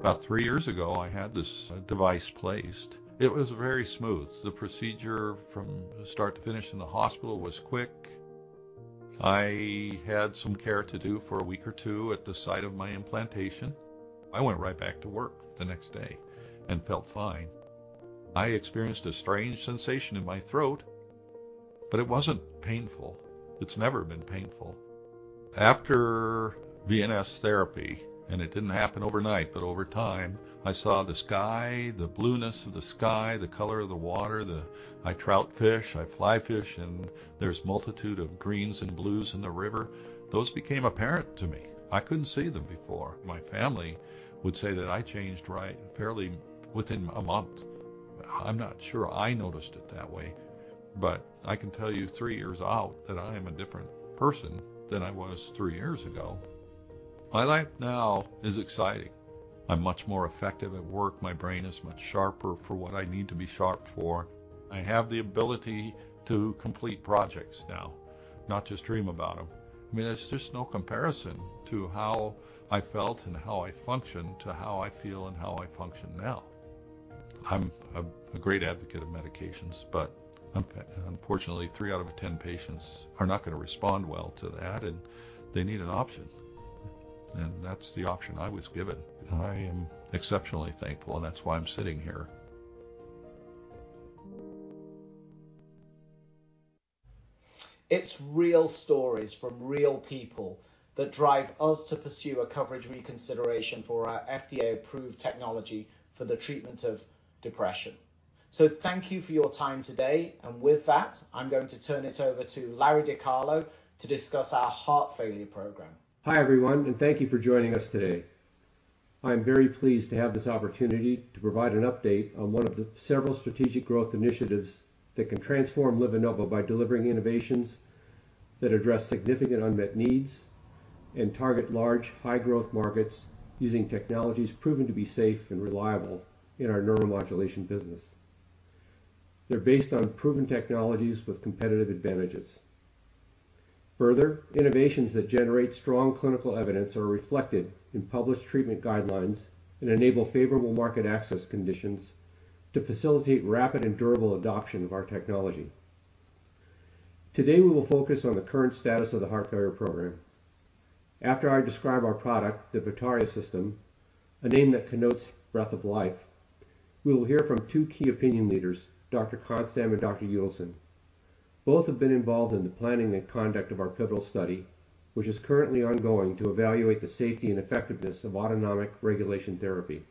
About three years ago, I had this device placed. It was very smooth. The procedure from start to finish in the hospital was quick. I had some care to do for a week or two at the site of my implantation. I went right back to work the next day and felt fine. I experienced a strange sensation in my throat, but it wasn't painful. It's never been painful. After VNS therapy, it didn't happen overnight, but over time, I saw the sky, the blueness of the sky, the color of the water, I trout fish, I fly-fish, and there's multitude of greens and blues in the river. Those became apparent to me. I couldn't see them before. My family would say that I changed right fairly within a month. I'm not sure I noticed it that way, but I can tell you three years out that I am a different person than I was three years ago. My life now is exciting. I'm much more effective at work. My brain is much sharper for what I need to be sharp for. I have the ability to complete projects now, not just dream about them. I mean, there's just no comparison to how I felt and how I functioned to how I feel and how I function now. I'm a great advocate of medications, but unfortunately, three out of ten patients are not gonna respond well to that, and they need an option. That's the option I was given. I am exceptionally thankful, and that's why I'm sitting here. It's real stories from real people that drive us to pursue a coverage reconsideration for our FDA-approved technology for the treatment of depression. Thank you for your time today. With that, I'm going to turn it over to Lorenzo DiCarlo to discuss our heart failure program. Hi, everyone, and thank you for joining us today. I'm very pleased to have this opportunity to provide an update on one of the several strategic growth initiatives that can transform LivaNova by delivering innovations that address significant unmet needs and target large, high-growth markets using technologies proven to be safe and reliable in our neuromodulation business. They're based on proven technologies with competitive advantages. Further, innovations that generate strong clinical evidence are reflected in published treatment guidelines and enable favorable market access conditions to facilitate rapid and durable adoption of our technology. Today, we will focus on the current status of the heart failure program. After I describe our product, the VITARIA system, a name that connotes breath of life, we will hear from two key opinion leaders, Dr. Konstam and Dr. Udelson. Both have been involved in the planning and conduct of our pivotal study, which is currently ongoing to evaluate the safety and effectiveness of autonomic regulation therapy.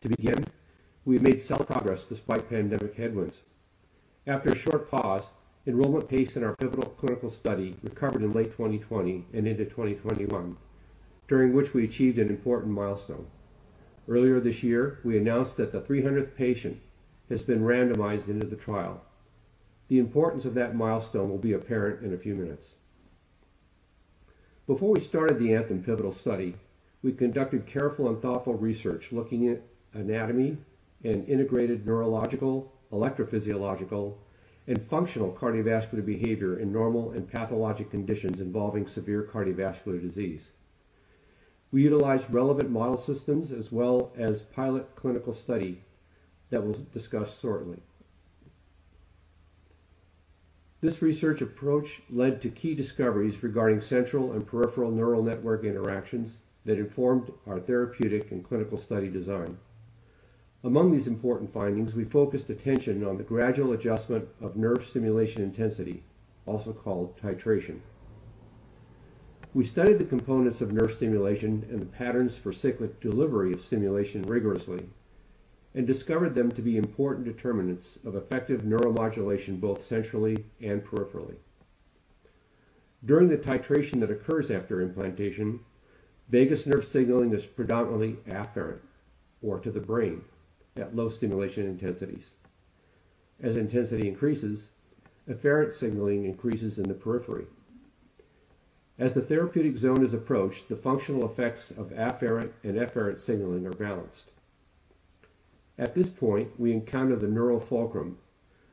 To begin, we've made solid progress despite pandemic headwinds. After a short pause, enrollment pace in our pivotal clinical study recovered in late 2020 and into 2021, during which we achieved an important milestone. Earlier this year, we announced that the 300th patient has been randomized into the trial. The importance of that milestone will be apparent in a few minutes. Before we started the ANTHEM pivotal study, we conducted careful and thoughtful research looking at anatomy and integrated neurological, electrophysiological, and functional cardiovascular behavior in normal and pathologic conditions involving severe cardiovascular disease. We utilized relevant model systems as well as pilot clinical study that we'll discuss shortly. This research approach led to key discoveries regarding central and peripheral neural network interactions that informed our therapeutic and clinical study design. Among these important findings, we focused attention on the gradual adjustment of nerve stimulation intensity, also called titration. We studied the components of nerve stimulation and the patterns for cyclic delivery of stimulation rigorously and discovered them to be important determinants of effective neuromodulation, both centrally and peripherally. During the titration that occurs after implantation, vagus nerve signaling is predominantly afferent, or to the brain, at low stimulation intensities. As intensity increases, efferent signaling increases in the periphery. As the therapeutic zone is approached, the functional effects of afferent and efferent signaling are balanced. At this point, we encounter the neural fulcrum,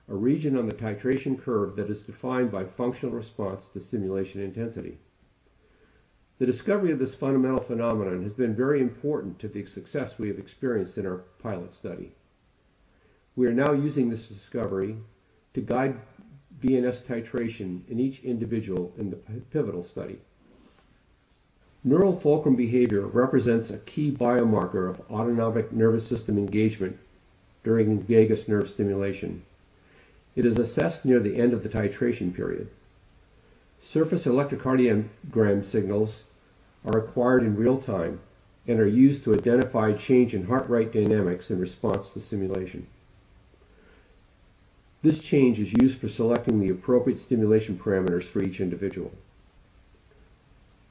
a region on the titration curve that is defined by functional response to stimulation intensity. The discovery of this fundamental phenomenon has been very important to the success we have experienced in our pilot study. We are now using this discovery to guide VNS titration in each individual in the pivotal study. Neural fulcrum behavior represents a key biomarker of autonomic nervous system engagement during vagus nerve stimulation. It is assessed near the end of the titration period. Surface electrocardiogram signals are acquired in real time and are used to identify change in heart rate dynamics in response to stimulation. This change is used for selecting the appropriate stimulation parameters for each individual.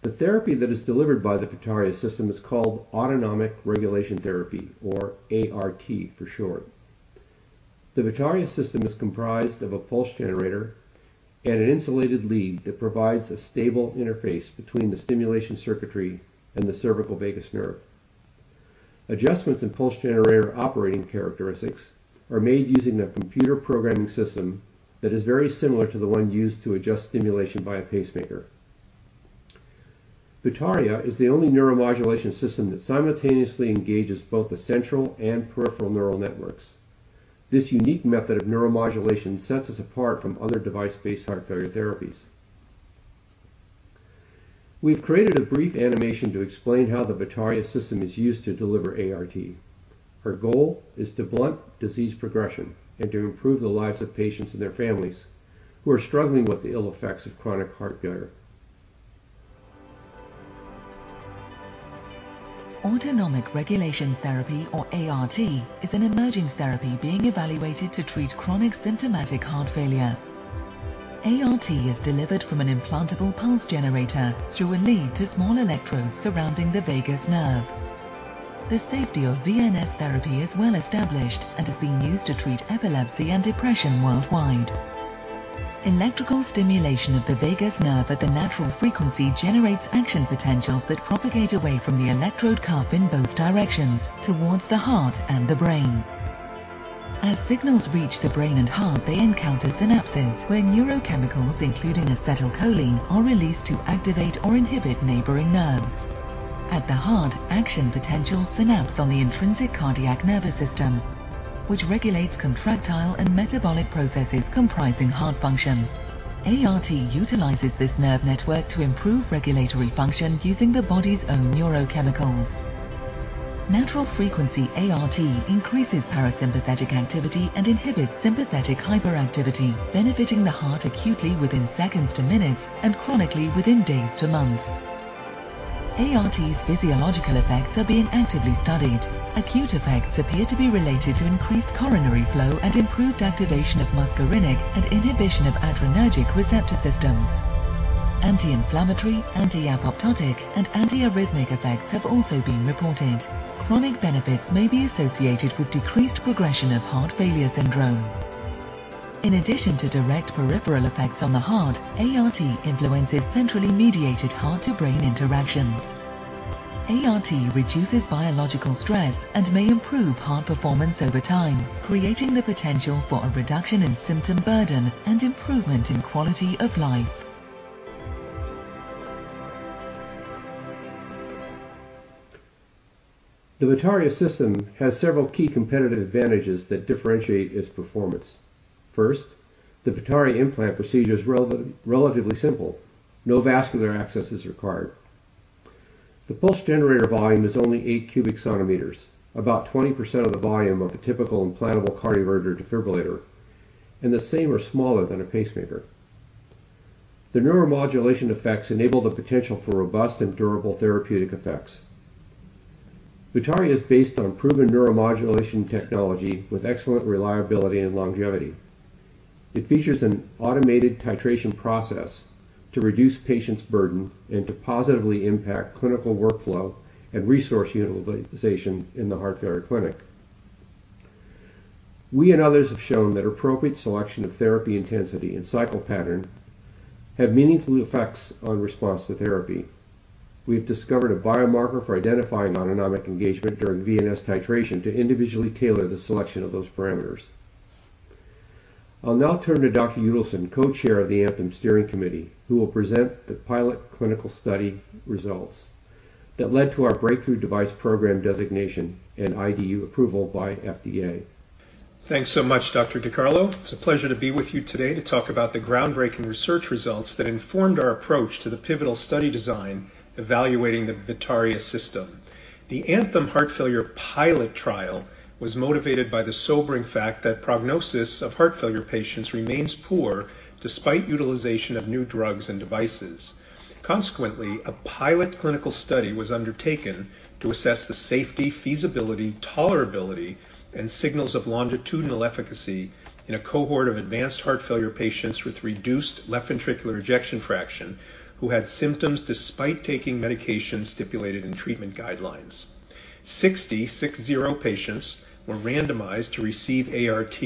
The therapy that is delivered by the VITARIA system is called Autonomic Regulation Therapy or ART for short. The VITARIA system is comprised of a pulse generator and an insulated lead that provides a stable interface between the stimulation circuitry and the cervical vagus nerve. Adjustments in pulse generator operating characteristics are made using a computer programming system that is very similar to the one used to adjust stimulation by a pacemaker. VITARIA is the only neuromodulation system that simultaneously engages both the central and peripheral neural networks. This unique method of neuromodulation sets us apart from other device-based heart failure therapies. We've created a brief animation to explain how the VITARIA system is used to deliver ART. Our goal is to blunt disease progression and to improve the lives of patients and their families who are struggling with the ill effects of chronic heart failure. Autonomic Regulation Therapy, or ART, is an emerging therapy being evaluated to treat chronic symptomatic heart failure. ART is delivered from an implantable pulse generator through a lead to small electrodes surrounding the vagus nerve. The safety of VNS therapy is well established and has been used to treat epilepsy and depression worldwide. Electrical stimulation of the vagus nerve at the natural frequency generates action potentials that propagate away from the electrode cuff in both directions towards the heart and the brain. As signals reach the brain and heart, they encounter synapses where neurochemicals, including acetylcholine, are released to activate or inhibit neighboring nerves. At the heart, action potentials synapse on the intrinsic cardiac nervous system, which regulates contractile and metabolic processes comprising heart function. ART utilizes this nerve network to improve regulatory function using the body's own neurochemicals. Natural frequency ART increases parasympathetic activity and inhibits sympathetic hyperactivity, benefiting the heart acutely within seconds to minutes and chronically within days to months. ART's physiological effects are being actively studied. Acute effects appear to be related to increased coronary flow and improved activation of muscarinic and inhibition of adrenergic receptor systems. Anti-inflammatory, anti-apoptotic, and anti-arrhythmic effects have also been reported. Chronic benefits may be associated with decreased progression of heart failure syndrome. In addition to direct peripheral effects on the heart, ART influences centrally mediated heart-to-brain interactions. ART reduces biological stress and may improve heart performance over time, creating the potential for a reduction in symptom burden and improvement in quality of life. The VITARIA system has several key competitive advantages that differentiate its performance. First, the VITARIA implant procedure is relatively simple. No vascular access is required. The pulse generator volume is only 8 cu cm, about 20% of the volume of a typical implantable cardioverter defibrillator, and the same or smaller than a pacemaker. The neuromodulation effects enable the potential for robust and durable therapeutic effects. VITARIA is based on proven neuromodulation technology with excellent reliability and longevity. It features an automated titration process to reduce patients' burden and to positively impact clinical workflow and resource utilization in the heart failure clinic. We and others have shown that appropriate selection of therapy intensity and cycle pattern have meaningful effects on response to therapy. We have discovered a biomarker for identifying autonomic engagement during VNS titration to individually tailor the selection of those parameters. I'll now turn to Dr. Udelson, Co-Chair of the ANTHEM Steering Committee, who will present the pilot clinical study results that led to our Breakthrough Devices Program designation and IDE approval by FDA. Thanks so much, Dr. DiCarlo. It's a pleasure to be with you today to talk about the groundbreaking research results that informed our approach to the pivotal study design evaluating the VITARIA system. The ANTHEM heart failure pilot trial was motivated by the sobering fact that prognosis of heart failure patients remains poor despite utilization of new drugs and devices. Consequently, a pilot clinical study was undertaken to assess the safety, feasibility, tolerability, and signals of longitudinal efficacy in a cohort of advanced heart failure patients with reduced left ventricular ejection fraction who had symptoms despite taking medications stipulated in treatment guidelines. 60 patients were randomized to receive ART.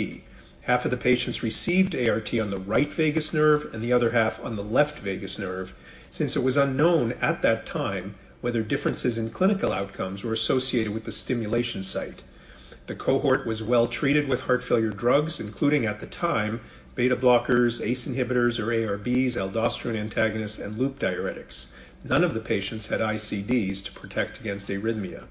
Half of the patients received ART on the right vagus nerve and the other half on the left vagus nerve since it was unknown at that time whether differences in clinical outcomes were associated with the stimulation site. The cohort was well treated with heart failure drugs, including, at the time, beta blockers, ACE inhibitors or ARBs, aldosterone antagonists, and loop diuretics. None of the patients had ICDs to protect against arrhythmia.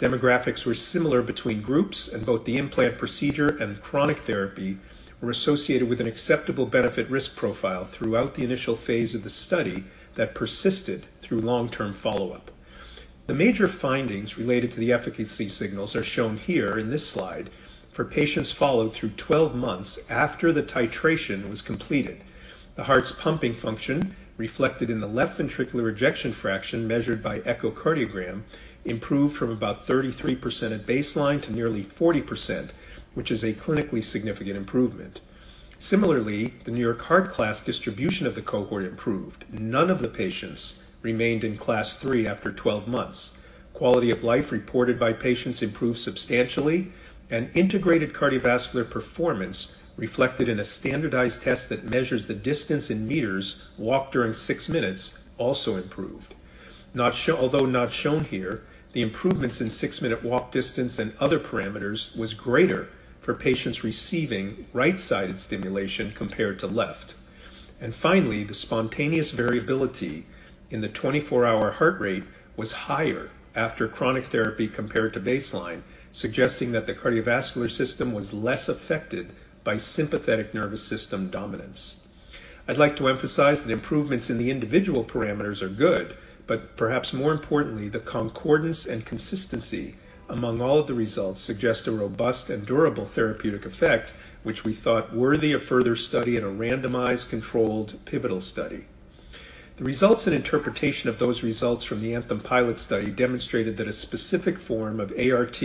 Demographics were similar between groups, and both the implant procedure and chronic therapy were associated with an acceptable benefit risk profile throughout the initial phase of the study that persisted through long-term follow-up. The major findings related to the efficacy signals are shown here in this slide for patients followed through 12 months after the titration was completed. The heart's pumping function, reflected in the left ventricular ejection fraction measured by echocardiogram, improved from about 33% at baseline to nearly 40%, which is a clinically significant improvement. Similarly, the New York Heart Association class distribution of the cohort improved. None of the patients remained in class three after 12 months. Quality of life reported by patients improved substantially and integrated cardiovascular performance reflected in a standardized test that measures the distance in meters walked during six minutes also improved. Although not shown here, the improvements in six-minute walk distance and other parameters was greater for patients receiving right-sided stimulation compared to left. Finally, the spontaneous variability in the 24-hour heart rate was higher after chronic therapy compared to baseline, suggesting that the cardiovascular system was less affected by sympathetic nervous system dominance. I'd like to emphasize that improvements in the individual parameters are good, but perhaps more importantly, the concordance and consistency among all of the results suggest a robust and durable therapeutic effect which we thought worthy of further study in a randomized, controlled, pivotal study. The results and interpretation of those results from the ANTHEM pilot study demonstrated that a specific form of ART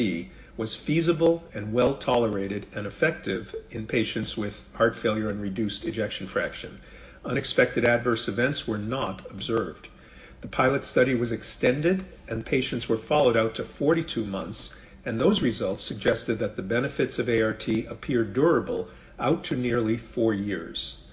was feasible and well-tolerated and effective in patients with heart failure and reduced ejection fraction. Unexpected adverse events were not observed. The pilot study was extended and patients were followed out to 42 months, and those results suggested that the benefits of ART appeared durable out to nearly four years.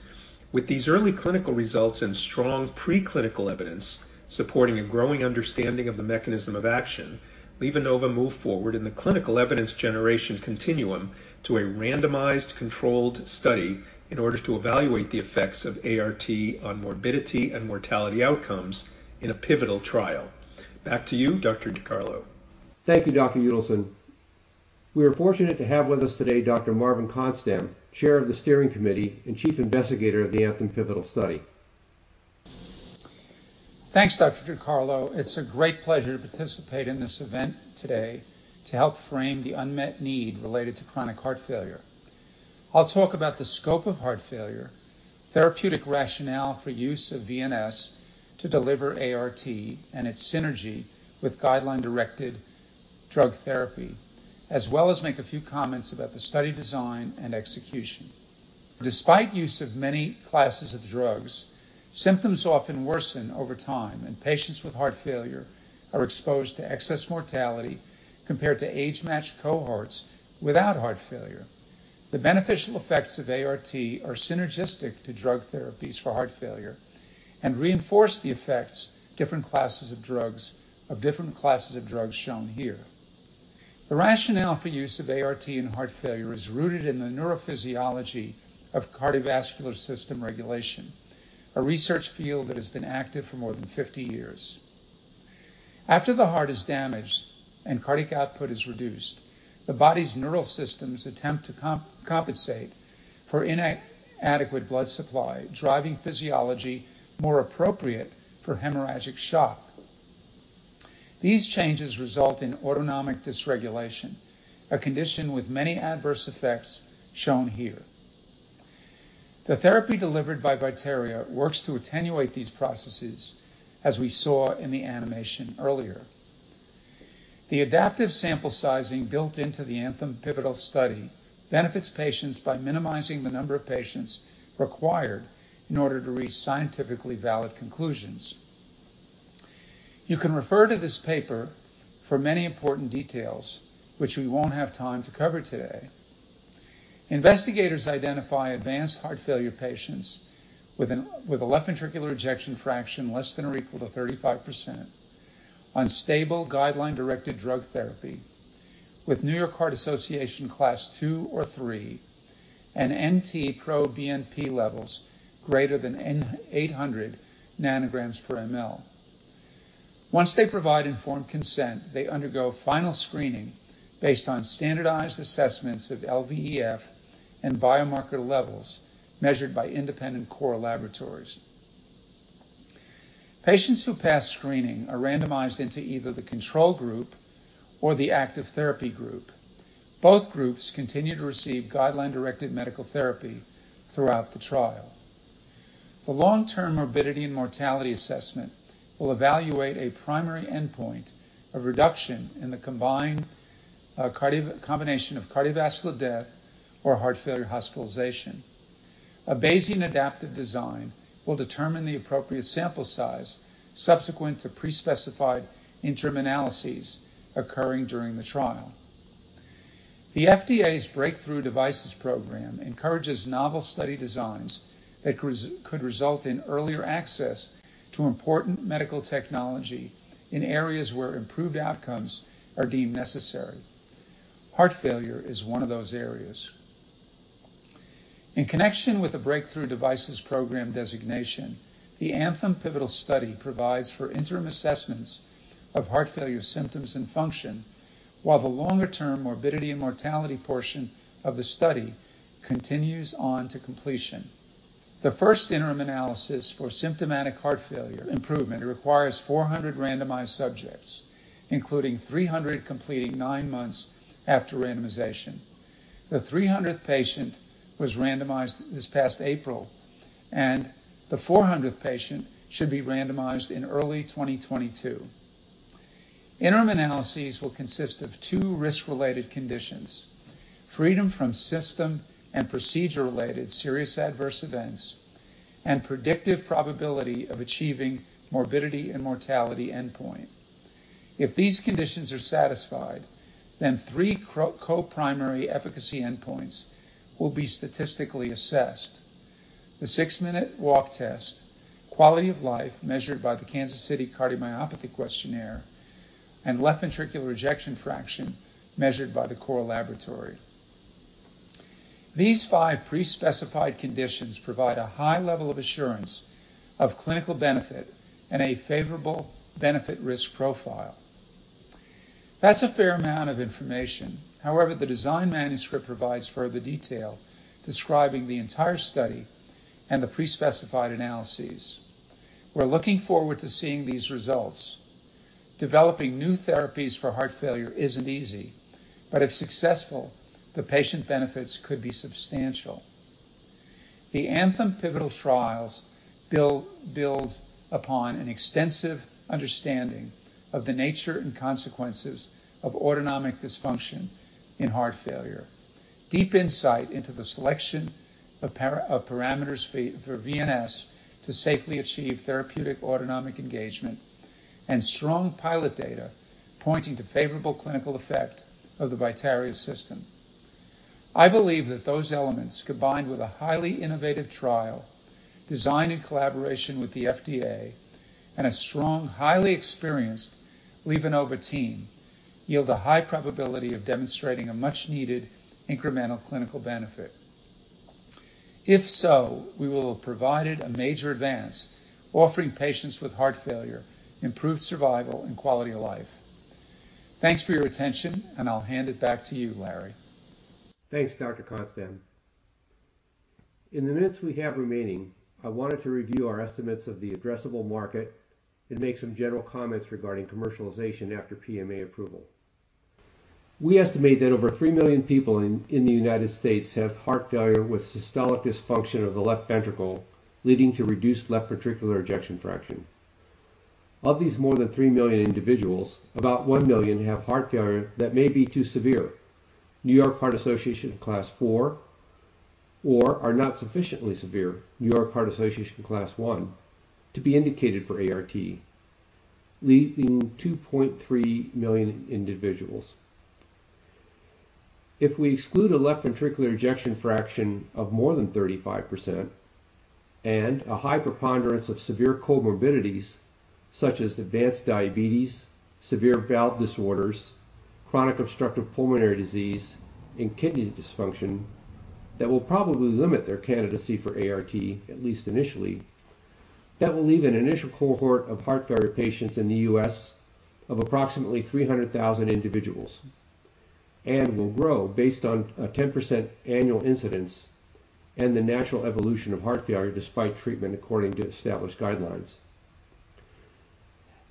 With these early clinical results and strong preclinical evidence supporting a growing understanding of the mechanism of action, LivaNova moved forward in the clinical evidence generation continuum to a randomized controlled study in order to evaluate the effects of ART on morbidity and mortality outcomes in a pivotal trial. Back to you, Dr. DiCarlo. Thank you, Dr. Udelson. We are fortunate to have with us today Dr. Marvin Konstam, chair of the steering committee and chief investigator of the ANTHEM pivotal study. Thanks, Dr. DiCarlo. It's a great pleasure to participate in this event today to help frame the unmet need related to chronic heart failure. I'll talk about the scope of heart failure, therapeutic rationale for use of VNS to deliver ART and its synergy with guideline-directed drug therapy, as well as make a few comments about the study design and execution. Despite use of many classes of drugs, symptoms often worsen over time, and patients with heart failure are exposed to excess mortality compared to age-matched cohorts without heart failure. The beneficial effects of ART are synergistic to drug therapies for heart failure and reinforce the effects of different classes of drugs shown here. The rationale for use of ART in heart failure is rooted in the neurophysiology of cardiovascular system regulation, a research field that has been active for more than 50 years. After the heart is damaged and cardiac output is reduced, the body's neural systems attempt to compensate for inadequate blood supply, driving physiology more appropriate for hemorrhagic shock. These changes result in autonomic dysregulation, a condition with many adverse effects shown here. The therapy delivered by VITARIA works to attenuate these processes, as we saw in the animation earlier. The adaptive sample sizing built into the ANTHEM pivotal study benefits patients by minimizing the number of patients required in order to reach scientifically valid conclusions. You can refer to this paper for many important details which we won't have time to cover today. Investigators identify advanced heart failure patients with a left ventricular ejection fraction less than or equal to 35% on stable guideline-directed drug therapy with New York Heart Association Class II or III and NT-proBNP levels greater than 800 nanograms per mL. Once they provide informed consent, they undergo final screening based on standardized assessments of LVEF and biomarker levels measured by independent core laboratories. Patients who pass screening are randomized into either the control group or the active therapy group. Both groups continue to receive guideline-directed medical therapy throughout the trial. The long-term morbidity and mortality assessment will evaluate a primary endpoint of reduction in the combined combination of cardiovascular death or heart failure hospitalization. A Bayesian adaptive design will determine the appropriate sample size subsequent to pre-specified interim analyses occurring during the trial. The FDA's Breakthrough Devices Program encourages novel study designs that could result in earlier access to important medical technology in areas where improved outcomes are deemed necessary. Heart failure is one of those areas. In connection with the Breakthrough Devices Program designation, the ANTHEM pivotal study provides for interim assessments of heart failure symptoms and function while the longer-term morbidity and mortality portion of the study continues on to completion. The first interim analysis for symptomatic heart failure improvement requires 400 randomized subjects, including 300 completing nine months after randomization. The 300th patient was randomized this past April, and the 400th patient should be randomized in early 2022. Interim analyses will consist of two risk-related conditions, freedom from system and procedure-related serious adverse events and predictive probability of achieving morbidity and mortality endpoint. If these conditions are satisfied, then three co-primary efficacy endpoints will be statistically assessed. The six-minute walk test, quality of life measured by the Kansas City Cardiomyopathy Questionnaire, and left ventricular ejection fraction measured by the core laboratory. These five pre-specified conditions provide a high level of assurance of clinical benefit and a favorable benefit risk profile. That's a fair amount of information. However, the design manuscript provides further detail describing the entire study and the pre-specified analyses. We're looking forward to seeing these results. Developing new therapies for heart failure isn't easy, but if successful, the patient benefits could be substantial. The ANTHEM pivotal trials build upon an extensive understanding of the nature and consequences of autonomic dysfunction in heart failure. Deep insight into the selection of parameters for VNS to safely achieve therapeutic autonomic engagement and strong pilot data pointing to favorable clinical effect of the VITARIA system. I believe that those elements, combined with a highly innovative trial designed in collaboration with the FDA and a strong, highly experienced LivaNova team, yield a high probability of demonstrating a much-needed incremental clinical benefit. If so, we will have provided a major advance offering patients with heart failure, improved survival, and quality of life. Thanks for your attention, and I'll hand it back to you, Lore. Thanks, Dr. Konstam. In the minutes we have remaining, I wanted to review our estimates of the addressable market and make some general comments regarding commercialization after PMA approval. We estimate that over 3 million people in the United States have heart failure with systolic dysfunction of the left ventricle, leading to reduced left ventricular ejection fraction. Of these more than 3 million individuals, about 1 million have heart failure that may be too severe, New York Heart Association Class Four, or are not sufficiently severe, New York Heart Association Class One, to be indicated for ART, leaving 2.3 million individuals. If we exclude a left ventricular ejection fraction of more than 35% and a high preponderance of severe comorbidities such as advanced diabetes, severe valve disorders, chronic obstructive pulmonary disease, and kidney dysfunction, that will probably limit their candidacy for ART, at least initially. That will leave an initial cohort of heart failure patients in the U.S. of approximately 300,000 individuals and will grow based on a 10% annual incidence and the natural evolution of heart failure despite treatment according to established guidelines.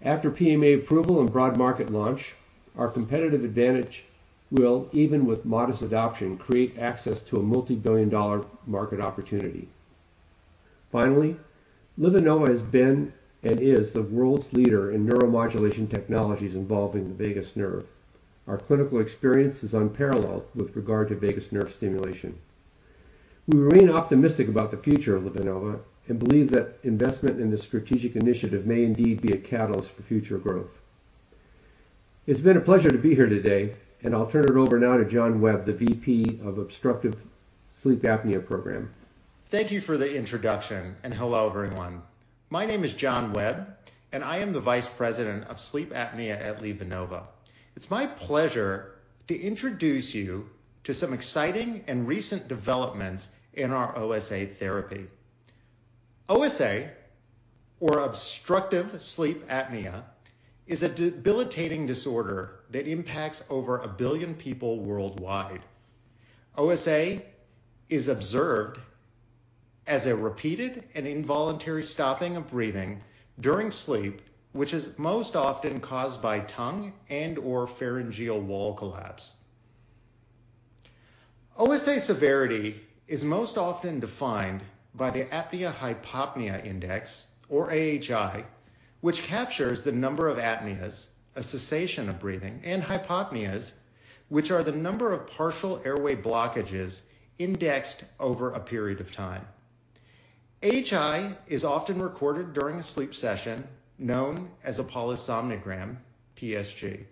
After PMA approval and broad market launch, our competitive advantage will, even with modest adoption, create access to a multibillion-dollar market opportunity. Finally, LivaNova has been and is the world's leader in neuromodulation technologies involving the vagus nerve. Our clinical experience is unparalleled with regard to vagus nerve stimulation. We remain optimistic about the future of LivaNova and believe that investment in this strategic initiative may indeed be a catalyst for future growth. It's been a pleasure to be here today, and I'll turn it over now to John Webb, the VP of Obstructive Sleep Apnea Program. Thank you for the introduction, and hello, everyone. My name is John Webb, and I am the Vice President of Sleep Apnea at LivaNova. It's my pleasure to introduce you to some exciting and recent developments in our OSA therapy. OSA, or obstructive sleep apnea, is a debilitating disorder that impacts over a billion people worldwide. OSA is observed as a repeated and involuntary stopping of breathing during sleep, which is most often caused by tongue and/or pharyngeal wall collapse. OSA severity is most often defined by the apnea-hypopnea index or AHI, which captures the number of apneas, a cessation of breathing, and hypopneas, which are the number of partial airway blockages indexed over a period of time. AHI is often recorded during a sleep session known as a polysomnogram, PSG.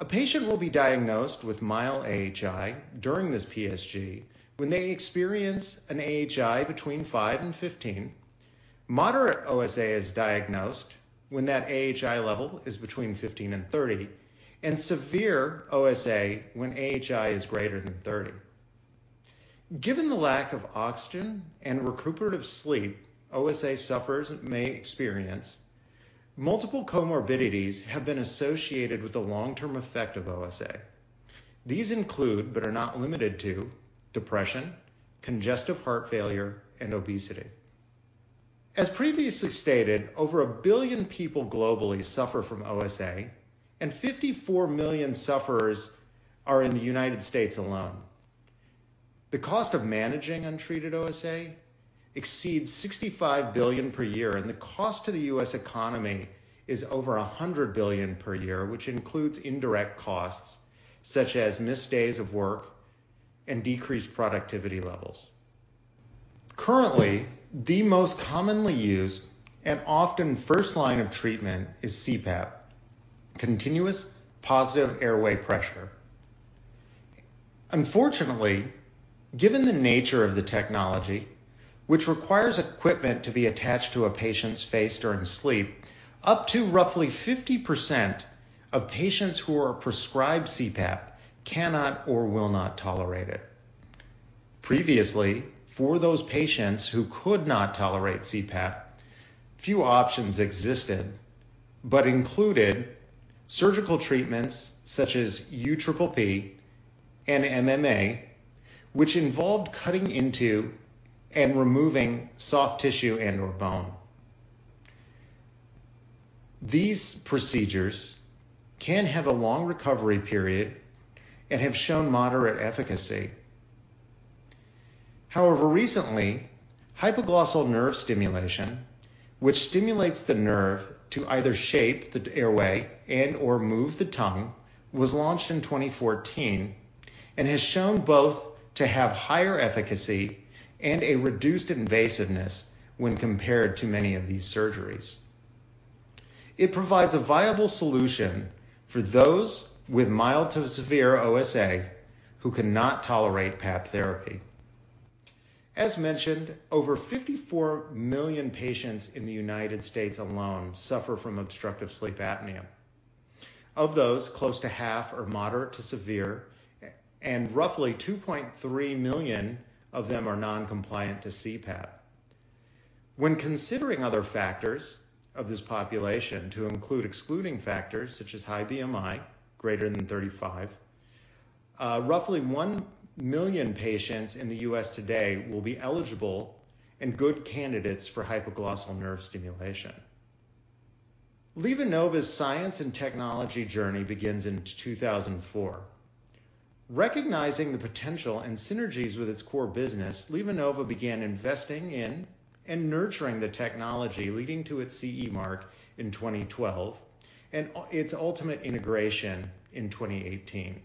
A patient will be diagnosed with mild AHI during this PSG when they experience an AHI between 5-15. Moderate OSA is diagnosed when that AHI level is between 15-30, and severe OSA when AHI is greater than 30. Given the lack of oxygen and recuperative sleep OSA sufferers may experience, multiple comorbidities have been associated with the long-term effect of OSA. These include, but are not limited to, depression, congestive heart failure, and obesity. As previously stated, over 1 billion people globally suffer from OSA, and 54 million sufferers are in the United States alone. The cost of managing untreated OSA exceeds $65 billion per year, and the cost to the U.S. economy is over $100 billion per year, which includes indirect costs such as missed days of work and decreased productivity levels. Currently, the most commonly used and often first line of treatment is CPAP, continuous positive airway pressure. Unfortunately, given the nature of the technology, which requires equipment to be attached to a patient's face during sleep, up to roughly 50% of patients who are prescribed CPAP cannot or will not tolerate it. Previously, for those patients who could not tolerate CPAP, few options existed, but included surgical treatments such as UPPP and MMA, which involved cutting into and removing soft tissue and/or bone. These procedures can have a long recovery period and have shown moderate efficacy. However, recently, hypoglossal nerve stimulation, which stimulates the nerve to either shape the airway and/or move the tongue, was launched in 2014 and has shown both to have higher efficacy and a reduced invasiveness when compared to many of these surgeries. It provides a viable solution for those with mild to severe OSA who cannot tolerate PAP therapy. As mentioned, over 54 million patients in the United States alone suffer from obstructive sleep apnea. Of those, close to half are moderate to severe, and roughly 2.3 million of them are non-compliant to CPAP. When considering other factors of this population to include excluding factors such as high BMI greater than 35, roughly 1 million patients in the U.S. today will be eligible and good candidates for hypoglossal nerve stimulation. LivaNova's science and technology journey begins in 2004. Recognizing the potential and synergies with its core business, LivaNova began investing in and nurturing the technology leading to its CE mark in 2012 and its ultimate integration in 2018.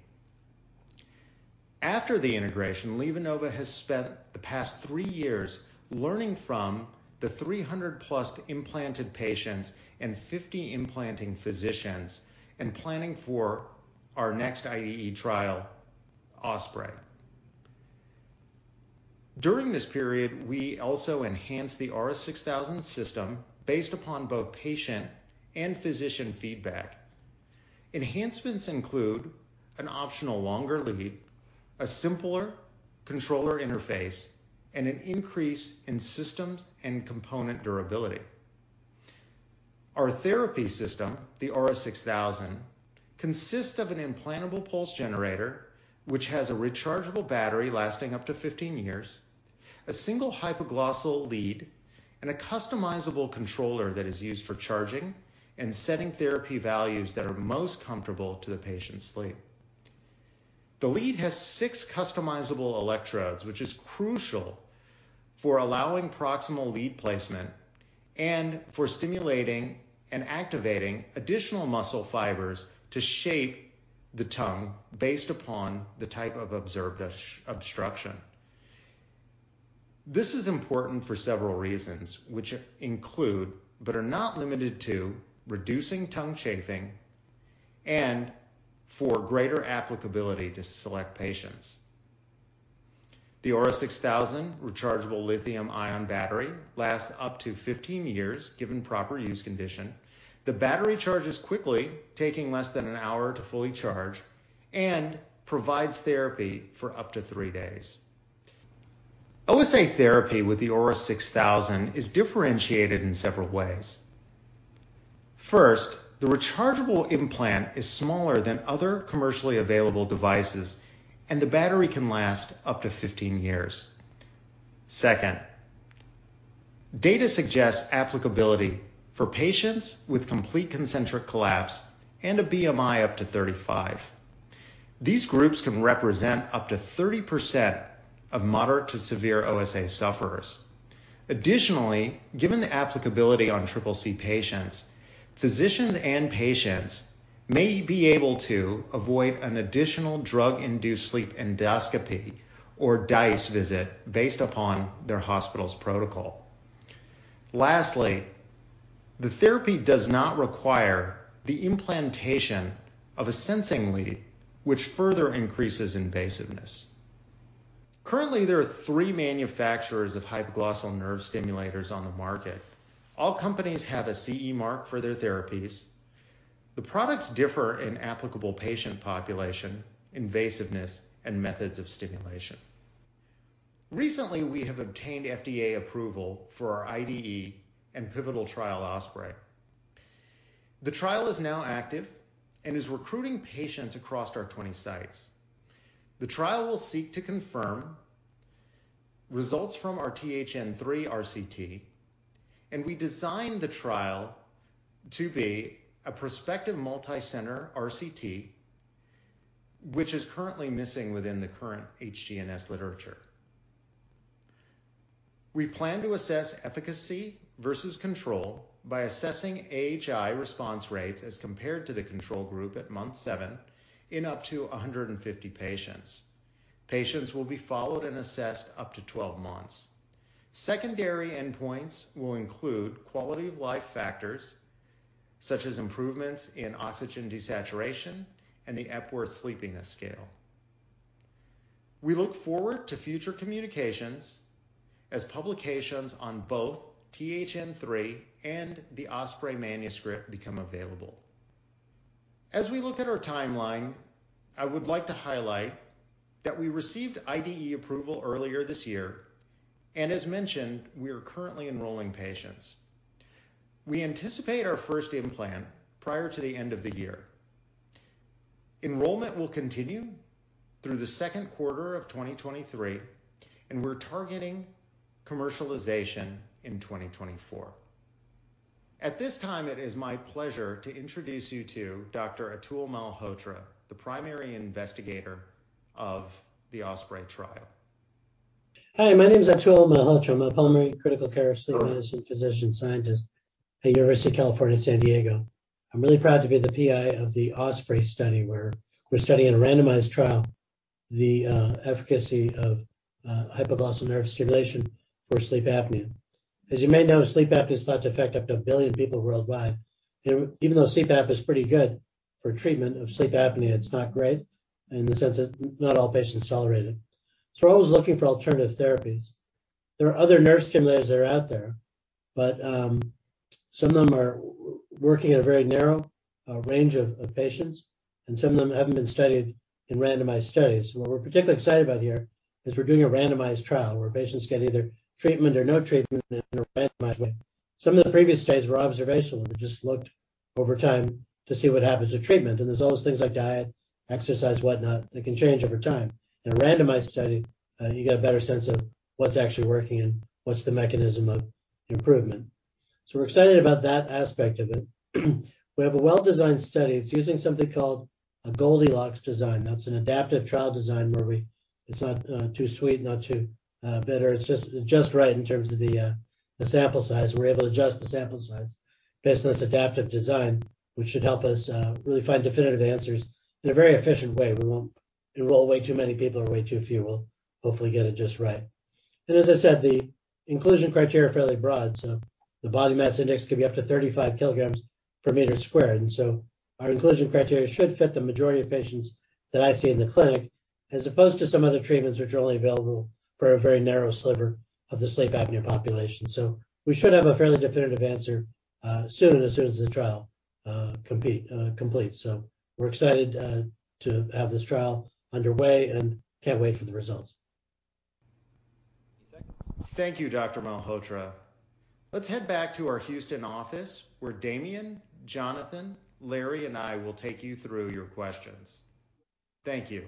After the integration, LivaNova has spent the past three years learning from the 300+ implanted patients and 50 implanting physicians and planning for our next IDE trial, OSPREY. During this period, we also enhanced the aura6000 system based upon both patient and physician feedback. Enhancements include an optional longer lead, a simpler controller interface, and an increase in systems and component durability. Our therapy system, the aura6000, consists of an implantable pulse generator, which has a rechargeable battery lasting up to 15 years, a single hypoglossal lead, and a customizable controller that is used for charging and setting therapy values that are most comfortable to the patient's sleep. The lead has six customizable electrodes, which is crucial for allowing proximal lead placement and for stimulating and activating additional muscle fibers to shape the tongue based upon the type of observed obstruction. This is important for several reasons, which include but are not limited to reducing tongue chafing and for greater applicability to select patients. The aura6000 rechargeable lithium-ion battery lasts up to 15 years given proper use condition. The battery charges quickly, taking less than an hour to fully charge, and provides therapy for up to three days. OSA therapy with the aura6000 is differentiated in several ways. First, the rechargeable implant is smaller than other commercially available devices, and the battery can last up to 15 years. Second, data suggests applicability for patients with complete concentric collapse and a BMI up to 35. These groups can represent up to 30% of moderate to severe OSA sufferers. Additionally, given the applicability on triple C patients, physicians and patients may be able to avoid an additional drug-induced sleep endoscopy or DISE visit based upon their hospital's protocol. Lastly, the therapy does not require the implantation of a sensing lead, which further increases invasiveness. Currently, there are three manufacturers of hypoglossal nerve stimulators on the market. All companies have a CE mark for their therapies. The products differ in applicable patient population, invasiveness, and methods of stimulation. Recently, we have obtained FDA approval for our IDE and pivotal trial OSPREY. The trial is now active and is recruiting patients across our 20 sites. The trial will seek to confirm results from our THN3 RCT, and we designed the trial to be a prospective multi-center RCT, which is currently missing within the current HGNS literature. We plan to assess efficacy versus control by assessing AHI response rates as compared to the control group at month seven in up to 150 patients. Patients will be followed and assessed up to 12 months. Secondary endpoints will include quality of life factors such as improvements in oxygen desaturation and the Epworth Sleepiness Scale. We look forward to future communications as publications on both THN3 and the OSPREY manuscript become available. As we look at our timeline, I would like to highlight that we received IDE approval earlier this year and as mentioned, we are currently enrolling patients. We anticipate our first implant prior to the end of the year. Enrollment will continue through the second quarter of 2023, and we're targeting commercialization in 2024. At this time, it is my pleasure to introduce you to Dr. Atul Malhotra, the principal investigator of the OSPREY trial. Hi, my name is Atul Malhotra. I'm a pulmonary critical care sleep medicine physician scientist at University of California, San Diego. I'm really proud to be the PI of the OSPREY study, where we're studying a randomized trial, the efficacy of hypoglossal nerve stimulation for sleep apnea. As you may know, sleep apnea is thought to affect up to 1 billion people worldwide. Even though CPAP is pretty good for treatment of sleep apnea, it's not great in the sense that not all patients tolerate it. We're always looking for alternative therapies. There are other nerve stimulators that are out there, but some of them are working at a very narrow range of patients, and some of them haven't been studied in randomized studies. What we're particularly excited about here is we're doing a randomized trial where patients get either treatment or no treatment in a randomized way. Some of the previous studies were observational, and just looked over time to see what happens with treatment. There's always things like diet, exercise, whatnot, that can change over time. In a randomized study, you get a better sense of what's actually working and what's the mechanism of improvement. We're excited about that aspect of it. We have a well-designed study. It's using something called a Goldilocks design. That's an adaptive trial design where it's not too sweet, not too bitter. It's just right in terms of the sample size. We're able to adjust the sample size based on this adaptive design, which should help us really find definitive answers in a very efficient way. We won't enroll way too many people or way too few. We'll hopefully get it just right. As I said, the inclusion criteria are fairly broad, so the body mass index can be up to 35 km per meter squared. Our inclusion criteria should fit the majority of patients that I see in the clinic, as opposed to some other treatments which are only available for a very narrow sliver of the sleep apnea population. We should have a fairly definitive answer soon, as soon as the trial completes. We're excited to have this trial underway and can't wait for the results. Thank you, Dr. Malhotra. Let's head back to our Houston office, where Damien, Jonathan, Lore, and I will take you through your questions. Thank you.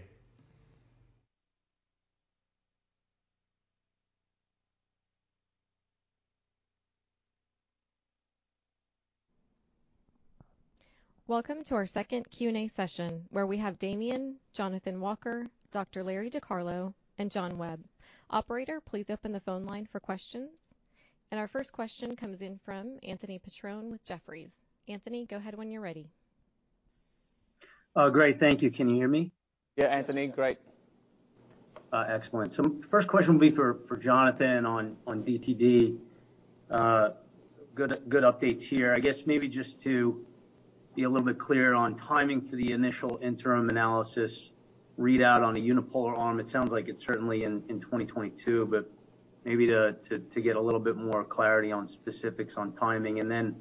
Welcome to our second Q&A session where we have Damien, Jonathan Walker, Dr. Lorenzo DiCarlo, and John Webb. Operator, please open the phone line for questions. Our first question comes in from Anthony Petrone with Jefferies. Anthony, go ahead when you're ready. Oh, great. Thank you. Can you hear me? Yeah, Anthony. Great. Excellent. First question will be for Jonathan on DTD. Good updates here. I guess maybe just to be a little bit clearer on timing for the initial interim analysis readout on the unipolar arm. It sounds like it's certainly in 2022, but maybe to get a little bit more clarity on specifics on timing. Then,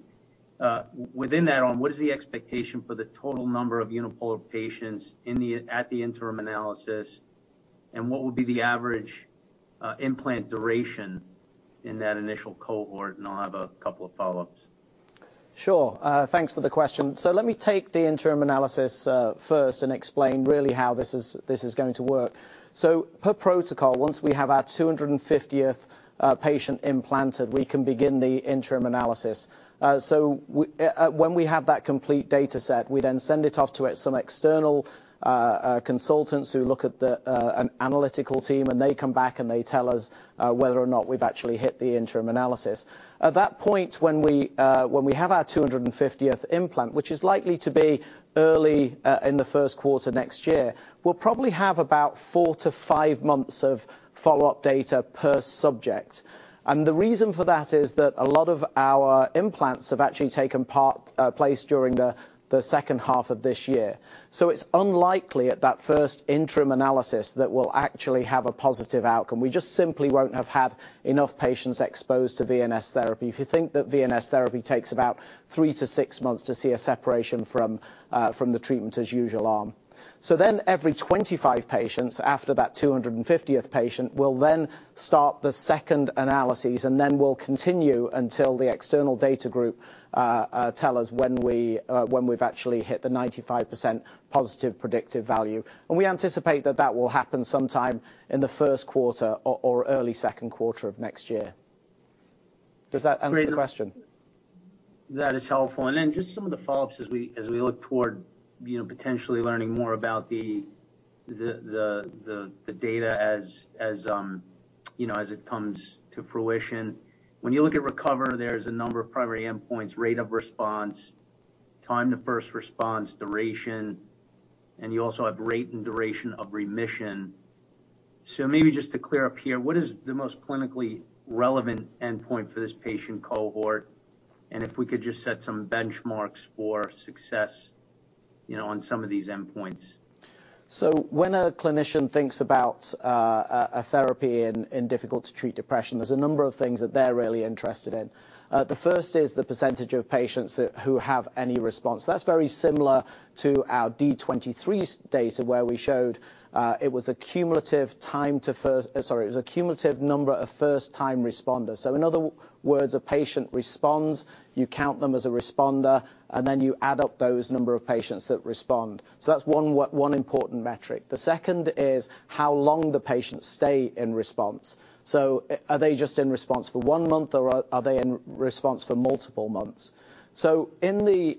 within that arm, what is the expectation for the total number of unipolar patients at the interim analysis, and what would be the average implant duration in that initial cohort? I'll have a couple of follow-ups. Sure. Thanks for the question. Let me take the interim analysis first and explain really how this is going to work. Per protocol, once we have our 250th patient implanted, we can begin the interim analysis. When we have that complete data set, we then send it off to some external consultants who look at the an analytical team, and they come back, and they tell us whether or not we've actually hit the interim analysis. At that point, when we have our 250th implant, which is likely to be early in the first quarter next year, we'll probably have about 4-5 months of follow-up data per subject. The reason for that is that a lot of our implants have actually taken place during the second half of this year. It's unlikely at that first interim analysis that we'll actually have a positive outcome. We just simply won't have had enough patients exposed to VNS therapy. If you think that VNS therapy takes about 3-6 months to see a separation from the treatment as usual arm. Every 25 patients after that 250th patient will then start the second analysis, and then we'll continue until the external data group tell us when we've actually hit the 95% positive predictive value. We anticipate that that will happen sometime in the first quarter or early second quarter of next year. Does that answer the question? That is helpful. Then just some of the follow-ups as we look toward, you know, potentially learning more about the data as you know, as it comes to fruition. When you look at RECOVER, there's a number of primary endpoints, rate of response, time to first response, duration, and you also have rate and duration of remission. Maybe just to clear up here, what is the most clinically relevant endpoint for this patient cohort? If we could just set some benchmarks for success, you know, on some of these endpoints. When a clinician thinks about a therapy in difficult to treat depression, there's a number of things that they're really interested in. The first is the percentage of patients who have any response. That's very similar to our D-23 data, where we showed it was a cumulative number of first time responders. In other words, a patient responds, you count them as a responder, and then you add up those number of patients that respond. That's one important metric. The second is how long the patients stay in response. Are they just in response for one month, or are they in response for multiple months? In the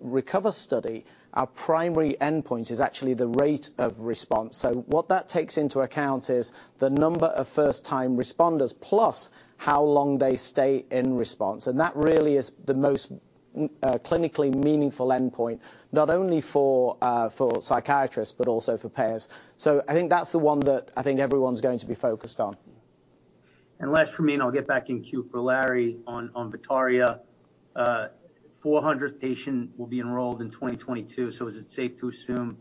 RECOVER study, our primary endpoint is actually the rate of response. What that takes into account is the number of first time responders plus how long they stay in response. That really is the most clinically meaningful endpoint, not only for psychiatrists, but also for payers. I think that's the one everyone's going to be focused on. Last for me, and I'll get back in queue for Lore on VITARIA. 400 patients will be enrolled in 2022, so is it safe to assume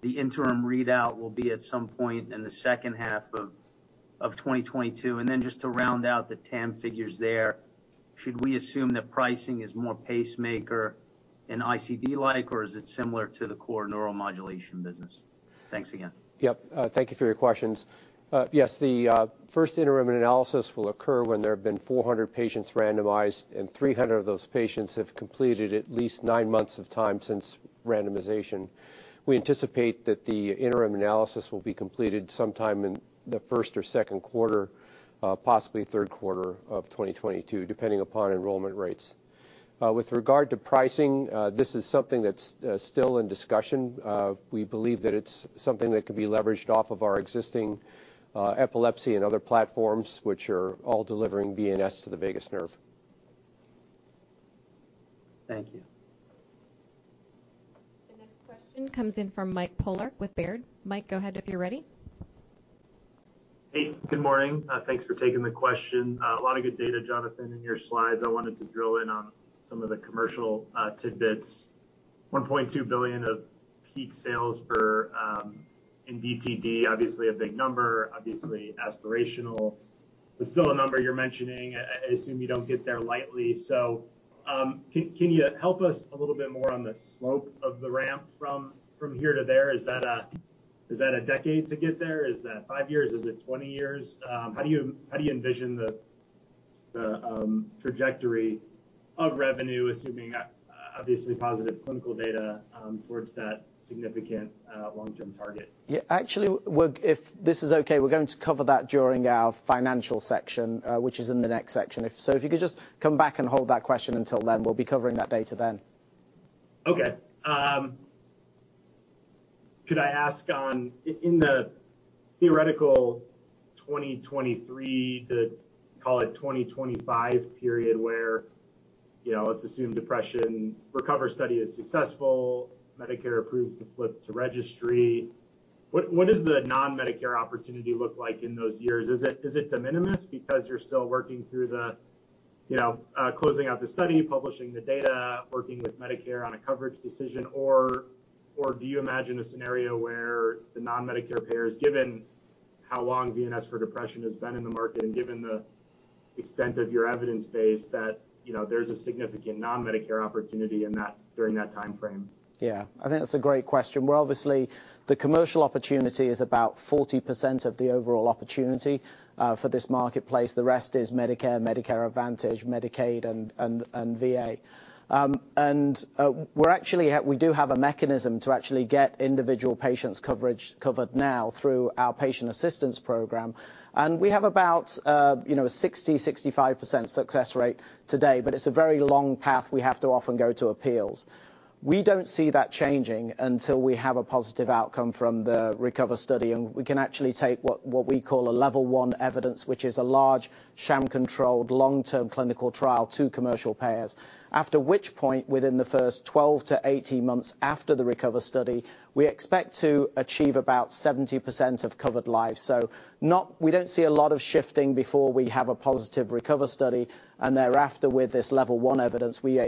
the interim readout will be at some point in the second half of 2022? Then just to round out the TAM figures there, should we assume that pricing is more pacemaker and ICD like, or is it similar to the core neuromodulation business? Thanks again. Yes. Thank you for your questions. Yes, the first interim analysis will occur when there have been 400 patients randomized, and 300 of those patients have completed at least nine months of time since randomization. We anticipate that the interim analysis will be completed sometime in the first or second quarter, possibly third quarter of 2022, depending upon enrollment rates. With regard to pricing, this is something that's still in discussion. We believe that it's something that can be leveraged off of our existing epilepsy and other platforms, which are all delivering VNS to the vagus nerve. Thank you. The next question comes in from Mike Polark with Baird. Mike, go ahead if you're ready. Hey, good morning. Thanks for taking the question. A lot of good data, Jonathan, in your slides. I wanted to drill in on some of the commercial tidbits. $1.2 billion of peak sales for DTD, obviously a big number, obviously aspirational, but still a number you're mentioning. I assume you don't get there lightly. Can you help us a little bit more on the slope of the ramp from here to there? Is that a decade to get there? Is that five years? Is it 20 years? How do you envision the trajectory of revenue, assuming obviously positive clinical data, towards that significant long-term target? Actually, if this is okay, we're going to cover that during our financial section, which is in the next section. If you could just come back and hold that question until then, we'll be covering that data then. Okay. Could I ask in the theoretical 2023 to call it 2025 period where, you know, let's assume depression RECOVER study is successful, Medicare approves the flip to registry. What does the non-Medicare opportunity look like in those years? Is it de minimis because you're still working through the, you know, closing out the study, publishing the data, working with Medicare on a coverage decision, or do you imagine a scenario where the non-Medicare payers, given how long VNS for depression has been in the market and given the extent of your evidence base that, you know, there's a significant non-Medicare opportunity in that during that timeframe? Yeah. I think that's a great question. Well, obviously, the commercial opportunity is about 40% of the overall opportunity for this marketplace. The rest is Medicare Advantage, Medicaid, and VA. We do have a mechanism to actually get individual patients coverage covered now through our patient assistance program. We have about, you know, a 65% success rate today, but it's a very long path. We have to often go to appeals. We don't see that changing until we have a positive outcome from the RECOVER study, and we can actually take what we call a level 1 evidence, which is a large sham controlled long-term clinical trial to commercial payers. After which point, within the first 12-18 months after the RECOVER study, we expect to achieve about 70% of covered lives. We don't see a lot of shifting before we have a positive RECOVER study, and thereafter with this level one evidence, we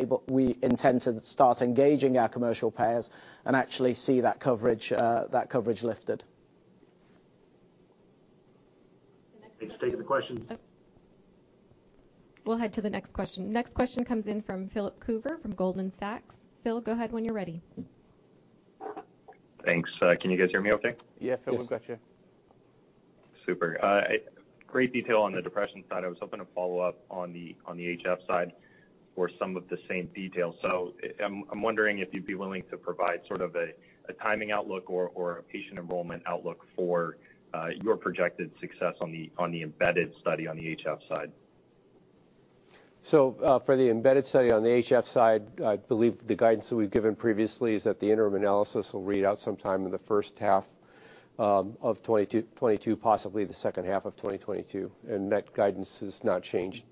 intend to start engaging our commercial payers and actually see that coverage, that coverage lifted. Thanks for taking the questions. We'll head to the next question. Next question comes in from Philip Coover from Goldman Sachs. Phil, go ahead when you're ready. Thanks. Can you guys hear me okay? Yeah. Yes. Philip, we've got you. Super. Great detail on the depression side. I was hoping to follow up on the HF side for some of the same details. I'm wondering if you'd be willing to provide sort of a timing outlook or a patient enrollment outlook for your projected success on the ANTHEM study on the HF side. For the embedded study on the HF side, I believe the guidance that we've given previously is that the interim analysis will read out sometime in the first half of 2022, possibly the second half of 2022, and that guidance has not changed.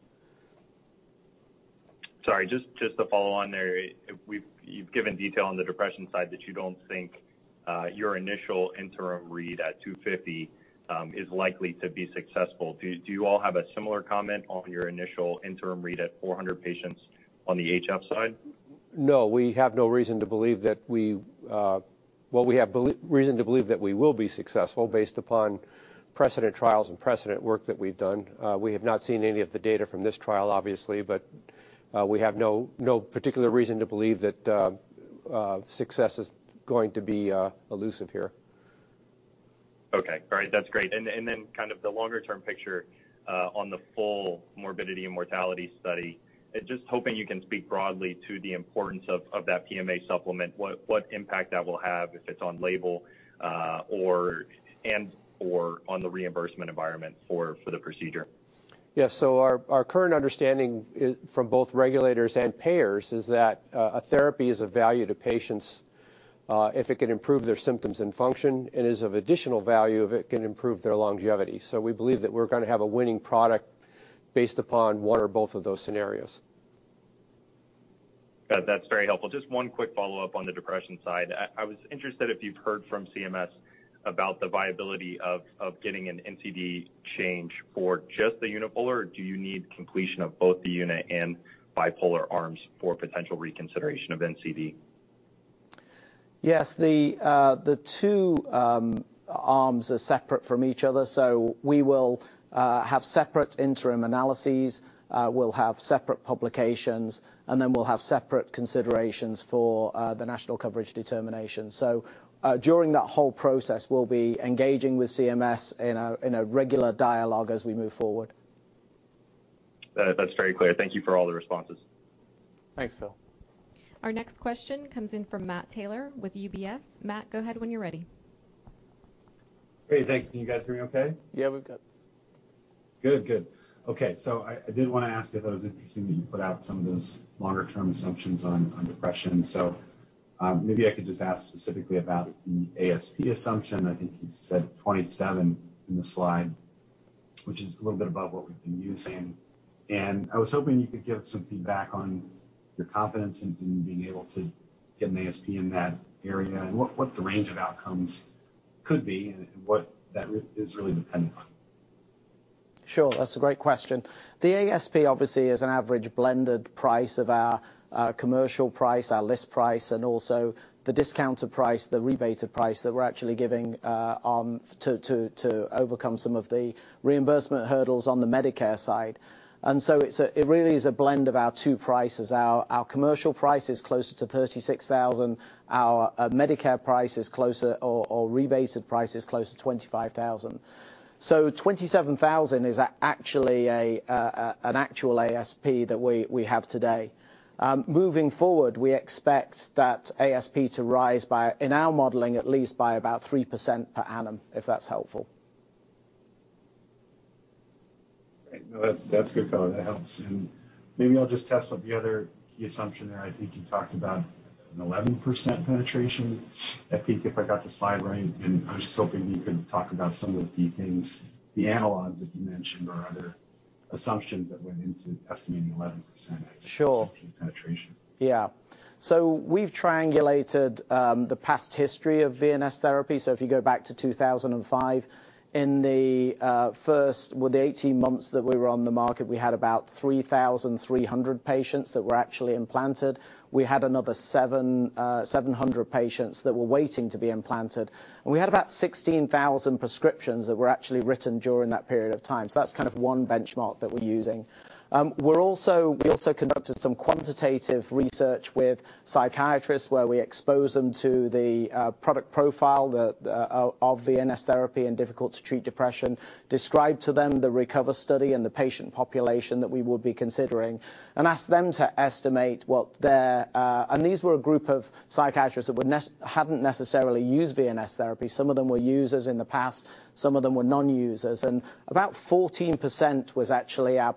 Sorry, just to follow on there. You've given detail on the depression side that you don't think your initial interim read at 250 is likely to be successful. Do you all have a similar comment on your initial interim read at 400 patients on the HF side? No. We have no reason to believe. Well, we have reason to believe that we will be successful based upon precedent trials and precedent work that we've done. We have not seen any of the data from this trial, obviously, but we have no particular reason to believe that success is going to be elusive here. Okay. All right. That's great. Then kind of the longer term picture on the full morbidity and mortality study. Just hoping you can speak broadly to the importance of that PMA supplement. What impact that will have if it's on label or and/or on the reimbursement environment for the procedure. Our current understanding from both regulators and payers is that a therapy is of value to patients if it can improve their symptoms and function and is of additional value if it can improve their longevity. We believe that we're gonna have a winning product based upon one or both of those scenarios. That's very helpful. Just one quick follow-up on the depression side. I was interested if you've heard from CMS about the viability of getting an NCD change for just the unipolar, or do you need completion of both the uni and bipolar arms for potential reconsideration of NCD? Yes. The two arms are separate from each other, so we will have separate interim analyses. We'll have separate publications, and then we'll have separate considerations for the national coverage determination. During that whole process, we'll be engaging with CMS in a regular dialogue as we move forward. That's very clear. Thank you for all the responses. Thanks, Phil. Our next question comes in from Matt Taylor with UBS. Matt, go ahead when you're ready. Great. Thanks. Can you guys hear me okay? Yeah, we're good. Good. Okay. I did wanna ask. I thought it was interesting that you put out some of those longer term assumptions on depression. Maybe I could just ask specifically about the ASP assumption. I think you said 27 in the slide, which is a little bit above what we've been using. I was hoping you could give some feedback on your confidence in being able to get an ASP in that area and what the range of outcomes could be and what that is really dependent on. Sure. That's a great question. The ASP, obviously, is an average blended price of our commercial price, our list price, and also the discounted price, the rebated price that we're actually giving, to overcome some of the reimbursement hurdles on the Medicare side. It really is a blend of our two prices. Our commercial price is closer to $36,000. Our Medicare price, or rebated price, is close to $25,000. 27,000 is actually an actual ASP that we have today. Moving forward, we expect that ASP to rise by, in our modeling, at least by about 3% per annum, if that's helpful. Great. No, that's good, Damien. That helps. Maybe I'll just test the other key assumption there. I think you talked about an 11% penetration, I think, if I got the slide right. I was just hoping you could talk about some of the key things, the analogs that you mentioned or other assumptions that went into estimating 11%. Sure. as the penetration. Yeah. We've triangulated the past history of VNS therapy. If you go back to 2005, in the 18 months that we were on the market, we had about 3,300 patients that were actually implanted. We had another 700 patients that were waiting to be implanted. We had about 16,000 prescriptions that were actually written during that period of time. That's kind of one benchmark that we're using. We also conducted some quantitative research with psychiatrists where we expose them to the product profile of VNS therapy in difficult to treat depression, described to them the RECOVER study and the patient population that we would be considering, and asked them to estimate what their... These were a group of psychiatrists that hadn't necessarily used VNS therapy. Some of them were users in the past, some of them were non-users. About 14% was actually our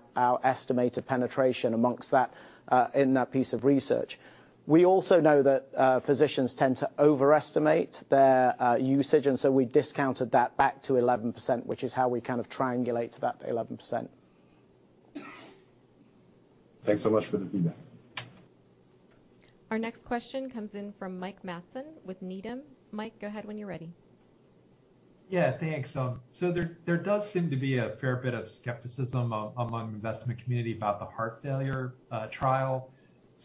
estimated penetration amongst that in that piece of research. We also know that physicians tend to overestimate their usage, and so we discounted that back to 11%, which is how we kind of triangulate to that 11%. Thanks so much for the feedback. Our next question comes in from Mike Matson with Needham. Mike, go ahead when you're ready. Yeah. Thanks. There does seem to be a fair bit of skepticism among investment community about the heart failure trial.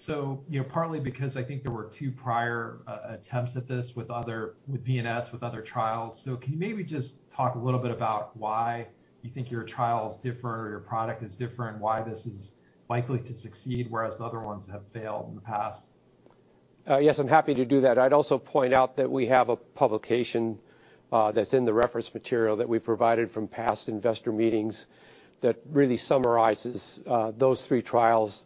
You know, partly because I think there were two prior attempts at this with VNS, with other trials. Can you maybe just talk a little bit about why you think your trial is different or your product is different, why this is likely to succeed, whereas the other ones have failed in the past? Yes, I'm happy to do that. I'd also point out that we have a publication that's in the reference material that we provided from past investor meetings that really summarizes those three trials,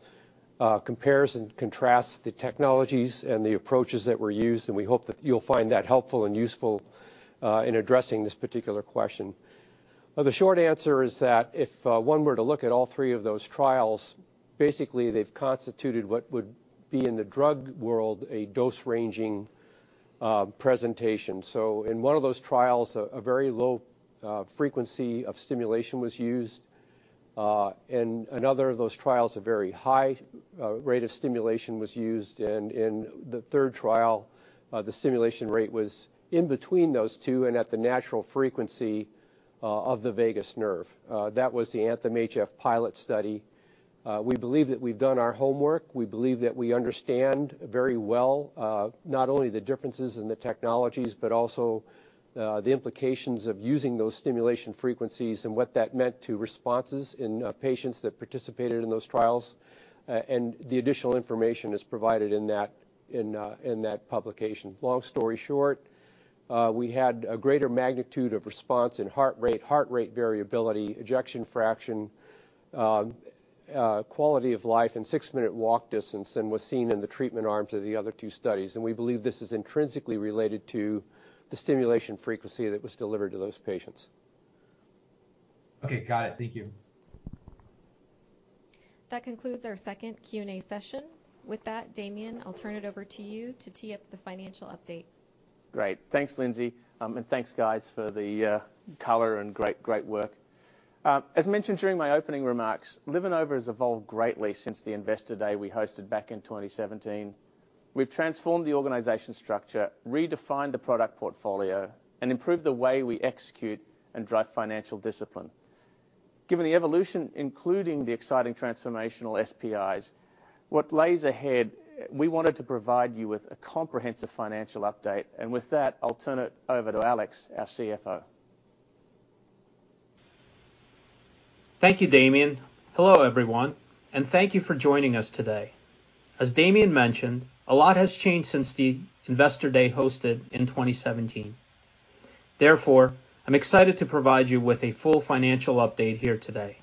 compares and contrasts the technologies and the approaches that were used, and we hope that you'll find that helpful and useful in addressing this particular question. The short answer is that if one were to look at all three of those trials, basically they've constituted what would be in the drug world, a dose-ranging presentation. In one of those trials, a very low frequency of stimulation was used. In another of those trials, a very high rate of stimulation was used. In the third trial, the stimulation rate was in between those two and at the natural frequency of the vagus nerve. That was the ANTHEM-HF pilot study. We believe that we've done our homework. We believe that we understand very well not only the differences in the technologies, but also the implications of using those stimulation frequencies and what that meant to responses in patients that participated in those trials. The additional information is provided in that publication. Long story short, we had a greater magnitude of response in heart rate, heart rate variability, ejection fraction, quality of life and six-minute walk distance than was seen in the treatment arms of the other two studies. We believe this is intrinsically related to the stimulation frequency that was delivered to those patients. Okay. Got it. Thank you. That concludes our second Q&A session. With that, Damien, I'll turn it over to you to tee up the financial update. Great. Thanks, Lindsey. Thanks guys for the color and great work. As mentioned during my opening remarks, LivaNova has evolved greatly since the investor day we hosted back in 2017. We've transformed the organization structure, redefined the product portfolio, and improved the way we execute and drive financial discipline. Given the evolution, including the exciting transformational SPIs, what lies ahead, we wanted to provide you with a comprehensive financial update, and with that, I'll turn it over to Alex, our CFO. Thank you, Damien. Hello, everyone, and thank you for joining us today. As Damien mentioned, a lot has changed since the investor day hosted in 2017. Therefore, I'm excited to provide you with a full financial update here today.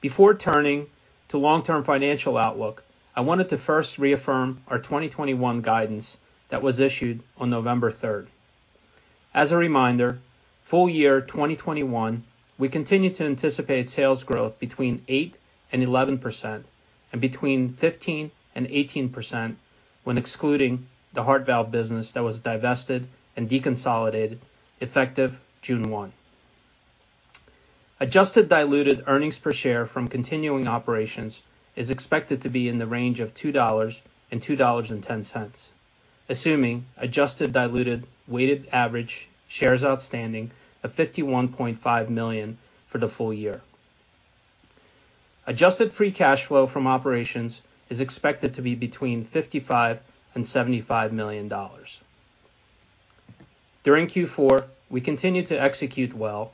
Before turning to long-term financial outlook, I wanted to first reaffirm our 2021 guidance that was issued on November 3rd. As a reminder, full year 2021, we continue to anticipate sales growth between 8% and 11% and between 15% and 18% when excluding the heart valve business that was divested and deconsolidated effective June 1. Adjusted diluted earnings per share from continuing operations is expected to be in the range of $2-$2.10, assuming adjusted diluted weighted average shares outstanding of 51.5 million for the full year. Adjusted free cash flow from operations is expected to be between $55 million and $75 million. During Q4, we continued to execute well.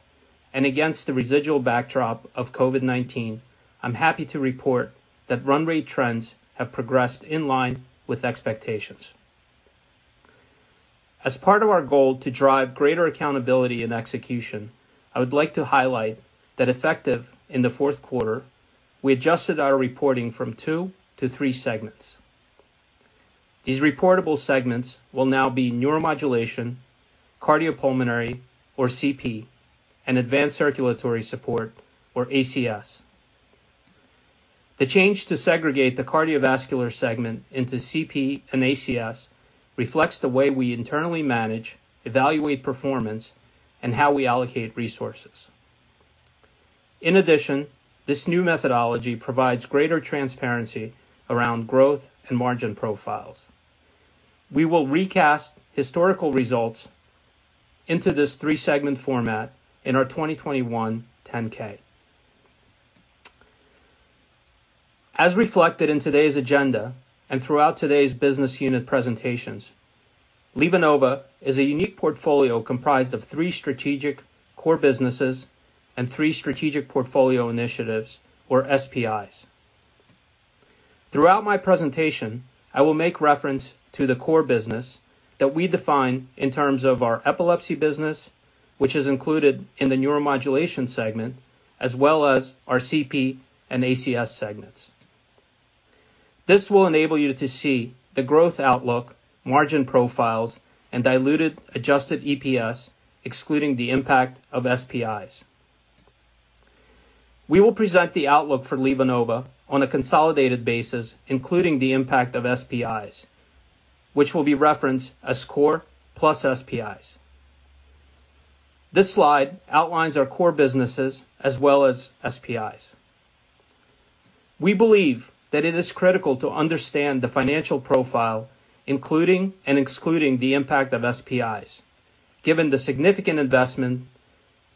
Against the residual backdrop of COVID-19, I'm happy to report that run rate trends have progressed in line with expectations. As part of our goal to drive greater accountability and execution, I would like to highlight that effective in the fourth quarter, we adjusted our reporting from 2-3 segments. These reportable segments will now be neuromodulation, cardiopulmonary or CP, and advanced circulatory support or ACS. The change to segregate the cardiovascular segment into CP and ACS reflects the way we internally manage, evaluate performance, and how we allocate resources. In addition, this new methodology provides greater transparency around growth and margin profiles. We will recast historical results into this three-segment format in our 2021 10-K. As reflected in today's agenda and throughout today's business unit presentations, LivaNova is a unique portfolio comprised of three strategic core businesses and three strategic portfolio initiatives, or SPIs. Throughout my presentation, I will make reference to the core business that we define in terms of our epilepsy business, which is included in the neuromodulation segment, as well as our CP and ACS segments. This will enable you to see the growth outlook, margin profiles, and diluted adjusted EPS, excluding the impact of SPIs. We will present the outlook for LivaNova on a consolidated basis, including the impact of SPIs, which will be referenced as core plus SPIs. This slide outlines our core businesses as well as SPIs. We believe that it is critical to understand the financial profile, including and excluding the impact of SPIs, given the significant investment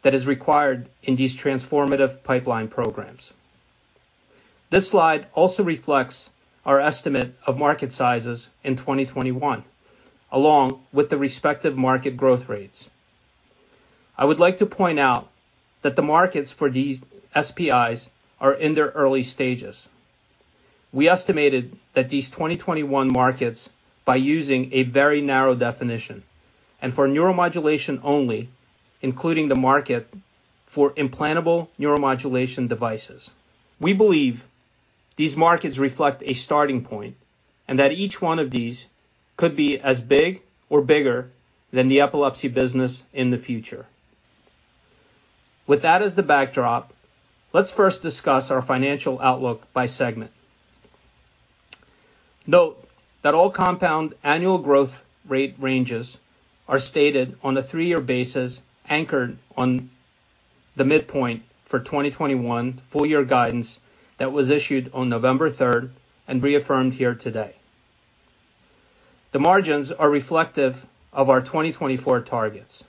that is required in these transformative pipeline programs. This slide also reflects our estimate of market sizes in 2021, along with the respective market growth rates. I would like to point out that the markets for these SPIs are in their early stages. We estimated that these 2021 markets by using a very narrow definition, and for neuromodulation only, including the market for implantable neuromodulation devices. We believe these markets reflect a starting point, and that each one of these could be as big or bigger than the epilepsy business in the future. With that as the backdrop, let's first discuss our financial outlook by segment. Note that all compound annual growth rate ranges are stated on a three-year basis, anchored on the midpoint for 2021 full year guidance that was issued on November 3rd and reaffirmed here today. The margins are reflective of our 2024 targets.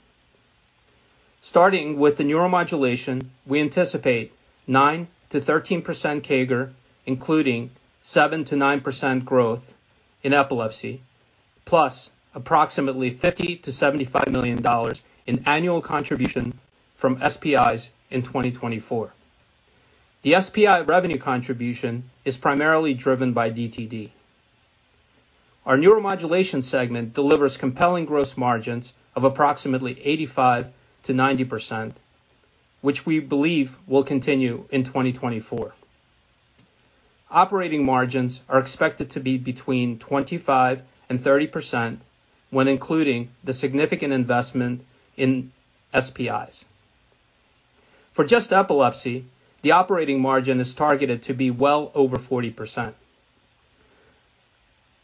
Starting with the neuromodulation, we anticipate 9%-13% CAGR, including 7%-9% growth in epilepsy, plus approximately $50 million-$75 million in annual contribution from SPIs in 2024. The SPI revenue contribution is primarily driven by DTD. Our neuromodulation segment delivers compelling gross margins of approximately 85%-90%, which we believe will continue in 2024. Operating margins are expected to be between 25% and 30% when including the significant investment in SPIs. For just epilepsy, the operating margin is targeted to be well over 40%.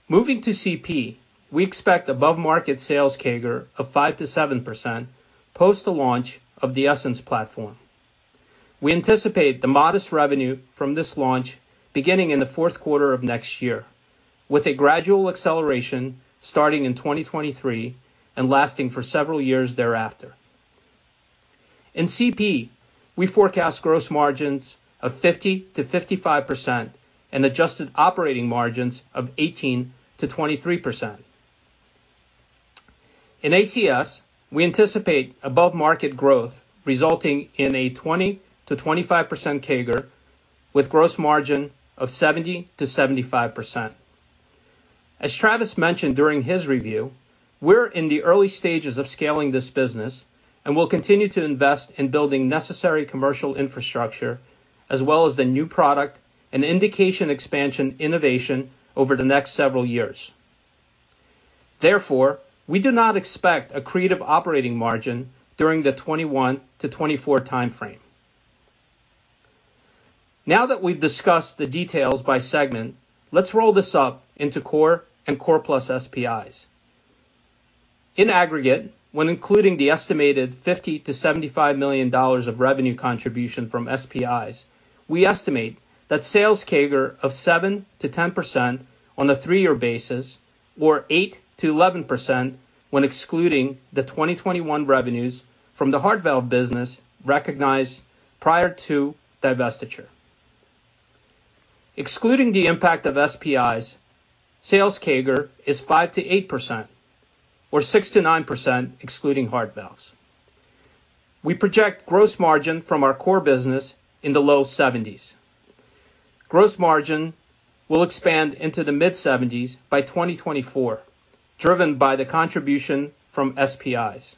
Moving to CP, we expect above-market sales CAGR of 5%-7% post the launch of the Essenz platform. We anticipate the modest revenue from this launch beginning in the fourth quarter of next year, with a gradual acceleration starting in 2023 and lasting for several years thereafter. In CP, we forecast gross margins of 50%-55% and adjusted operating margins of 18%-23%. In ACS, we anticipate above-market growth resulting in a 20%-25% CAGR with gross margin of 70%-75%. As Travis mentioned during his review, we're in the early stages of scaling this business and will continue to invest in building necessary commercial infrastructure as well as the new product and indication expansion innovation over the next several years. Therefore, we do not expect accretive operating margin during the 2021-2024 time frame. Now that we've discussed the details by segment, let's roll this up into core and core plus SPIs. In aggregate, when including the estimated $50-$75 million of revenue contribution from SPIs, we estimate that sales CAGR of 7%-10% on a three-year basis or 8%-11% when excluding the 2021 revenues from the heart valve business recognized prior to divestiture. Excluding the impact of SPIs, sales CAGR is 5%-8% or 6%-9% excluding heart valves. We project gross margin from our core business in the low 70s%. Gross margin will expand into the mid-70s% by 2024, driven by the contribution from SPIs.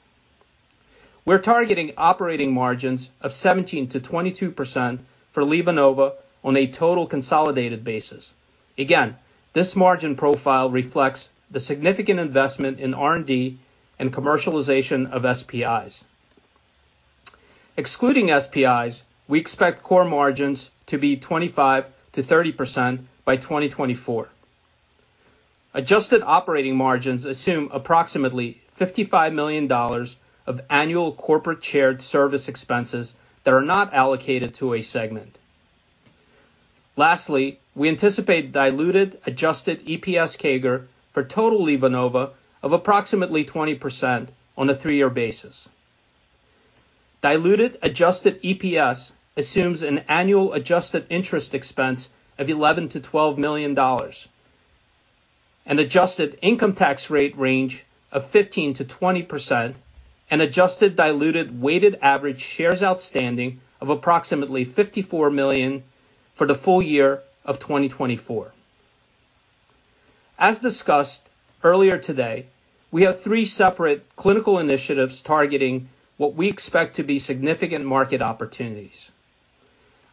We're targeting operating margins of 17%-22% for LivaNova on a total consolidated basis. Again, this margin profile reflects the significant investment in R&D and commercialization of SPIs. Excluding SPIs, we expect core margins to be 25%-30% by 2024. Adjusted operating margins assume approximately $55 million of annual corporate shared service expenses that are not allocated to a segment. Lastly, we anticipate diluted adjusted EPS CAGR for total LivaNova of approximately 20% on a three-year basis. Diluted adjusted EPS assumes an annual adjusted interest expense of $11 million-$12 million, an adjusted income tax rate range of 15%-20%, and adjusted diluted weighted average shares outstanding of approximately 54 million for the full year of 2024. As discussed earlier today, we have three separate clinical initiatives targeting what we expect to be significant market opportunities.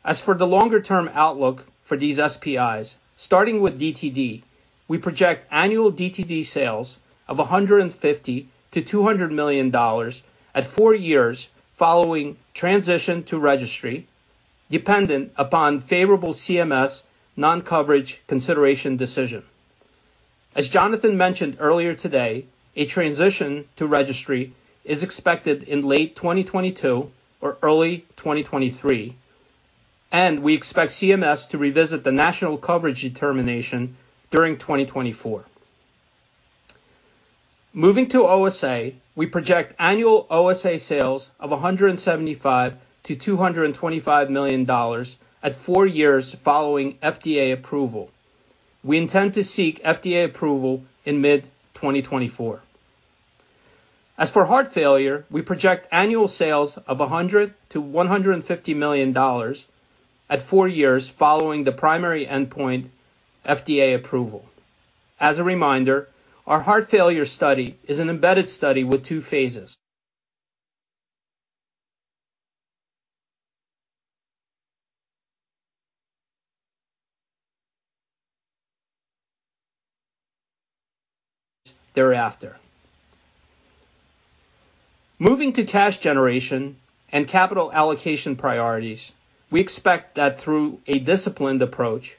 As for the longer-term outlook for these SPIs, starting with DTD, we project annual DTD sales of $150 million-$200 million at four years following transition to registry, dependent upon favorable CMS non-coverage consideration decision. As Jonathan mentioned earlier today, a transition to registry is expected in late 2022 or early 2023, and we expect CMS to revisit the national coverage determination during 2024. Moving to OSA, we project annual OSA sales of $175 million-$225 million at four years following FDA approval. We intend to seek FDA approval in mid-2024. As for heart failure, we project annual sales of $100 million-$150 million at four years following the primary endpoint FDA approval. As a reminder, our heart failure study is an embedded study with two phases. Thereafter, moving to cash generation and capital allocation priorities, we expect that through a disciplined approach,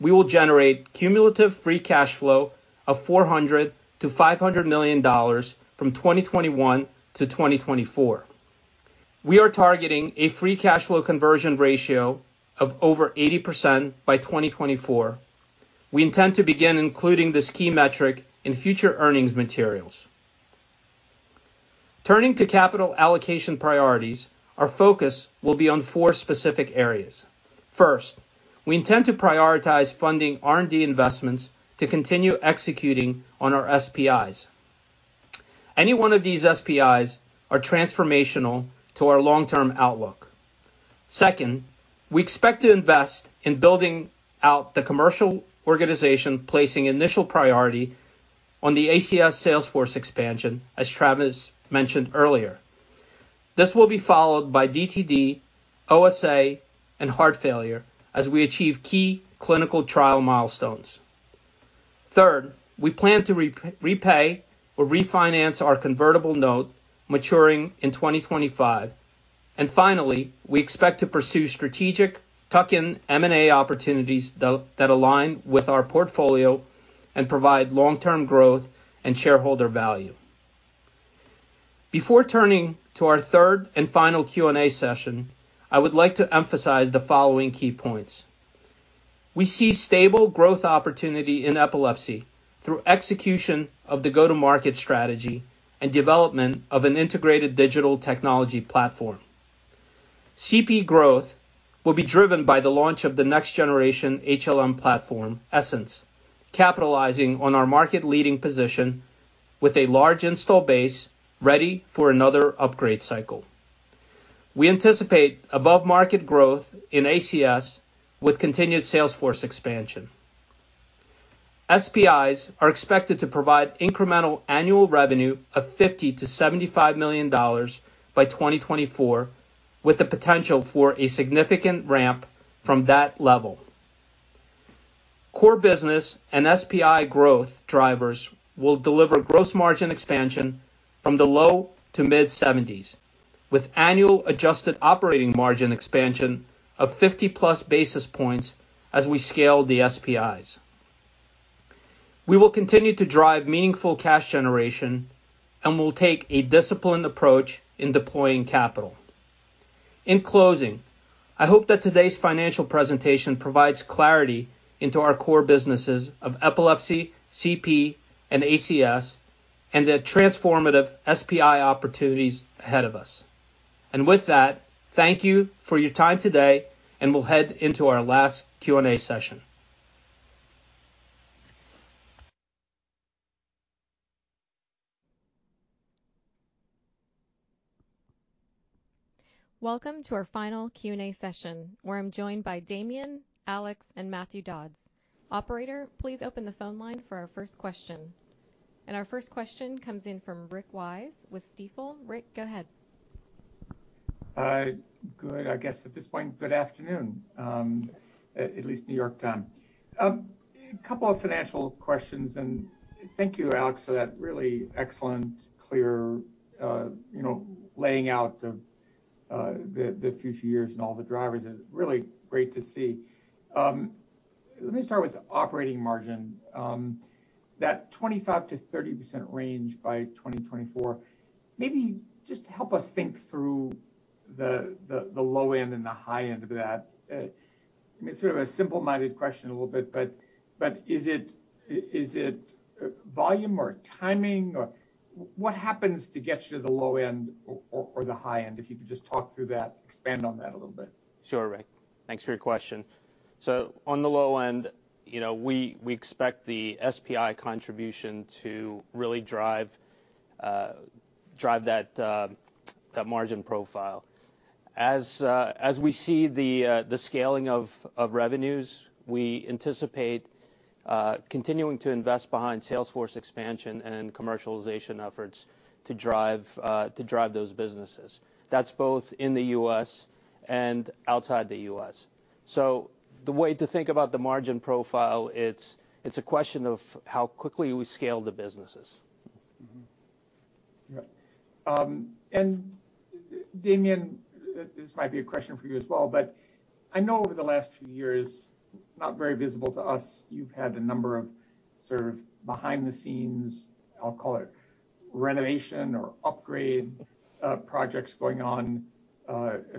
we will generate cumulative free cash flow of $400 million-$500 million from 2021 to 2024. We are targeting a free cash flow conversion ratio of over 80% by 2024. We intend to begin including this key metric in future earnings materials. Turning to capital allocation priorities, our focus will be on four specific areas. First, we intend to prioritize funding R&D investments to continue executing on our SPIs. Any one of these SPIs are transformational to our long-term outlook. Second, we expect to invest in building out the commercial organization, placing initial priority on the ACS sales force expansion, as Travis mentioned earlier. This will be followed by DTD, OSA, and heart failure as we achieve key clinical trial milestones. Third, we plan to repay or refinance our convertible note maturing in 2025. Finally, we expect to pursue strategic tuck-in M&A opportunities that align with our portfolio and provide long-term growth and shareholder value. Before turning to our third and final Q&A session, I would like to emphasize the following key points. We see stable growth opportunity in epilepsy through execution of the go-to-market strategy and development of an integrated digital technology platform. CP growth will be driven by the launch of the next generation HLM platform, Essenz, capitalizing on our market-leading position with a large install base ready for another upgrade cycle. We anticipate above-market growth in ACS with continued sales force expansion. SPIs are expected to provide incremental annual revenue of $50 million-$75 million by 2024, with the potential for a significant ramp from that level. Core business and SPI growth drivers will deliver gross margin expansion from the low to mid-70s, with annual adjusted operating margin expansion of 50+ basis points as we scale the SPIs. We will continue to drive meaningful cash generation and will take a disciplined approach in deploying capital. In closing, I hope that today's financial presentation provides clarity into our core businesses of Epilepsy, CP, and ACS, and the transformative SPI opportunities ahead of us. With that, thank you for your time today, and we'll head into our last Q&A session. Welcome to our final Q&A session, where I'm joined by Damien, Alex, and Matthew Dodds. Operator, please open the phone line for our first question. Our first question comes in from Rick Wise with Stifel. Rick, go ahead. Good. I guess at this point, good afternoon, at least New York time. A couple of financial questions, and thank you, Alex, for that really excellent, clear, you know, laying out of the future years and all the drivers. It's really great to see. Let me start with operating margin. That 25%-30% range by 2024, maybe just help us think through the low end and the high end of that. I mean, sort of a simple-minded question a little bit, but is it volume or timing or what happens to get you to the low end or the high end? If you could just talk through that, expand on that a little bit. Sure, Rick. Thanks for your question. On the low end, you know, we expect the SPI contribution to really drive that margin profile. As we see the scaling of revenues, we anticipate continuing to invest behind sales force expansion and commercialization efforts to drive those businesses. That's both in the U.S. and outside the U.S. The way to think about the margin profile, it's a question of how quickly we scale the businesses. Right. Damien, this might be a question for you as well, but I know over the last few years, not very visible to us, you've had a number of sort of behind the scenes, I'll call it renovation or upgrade projects going on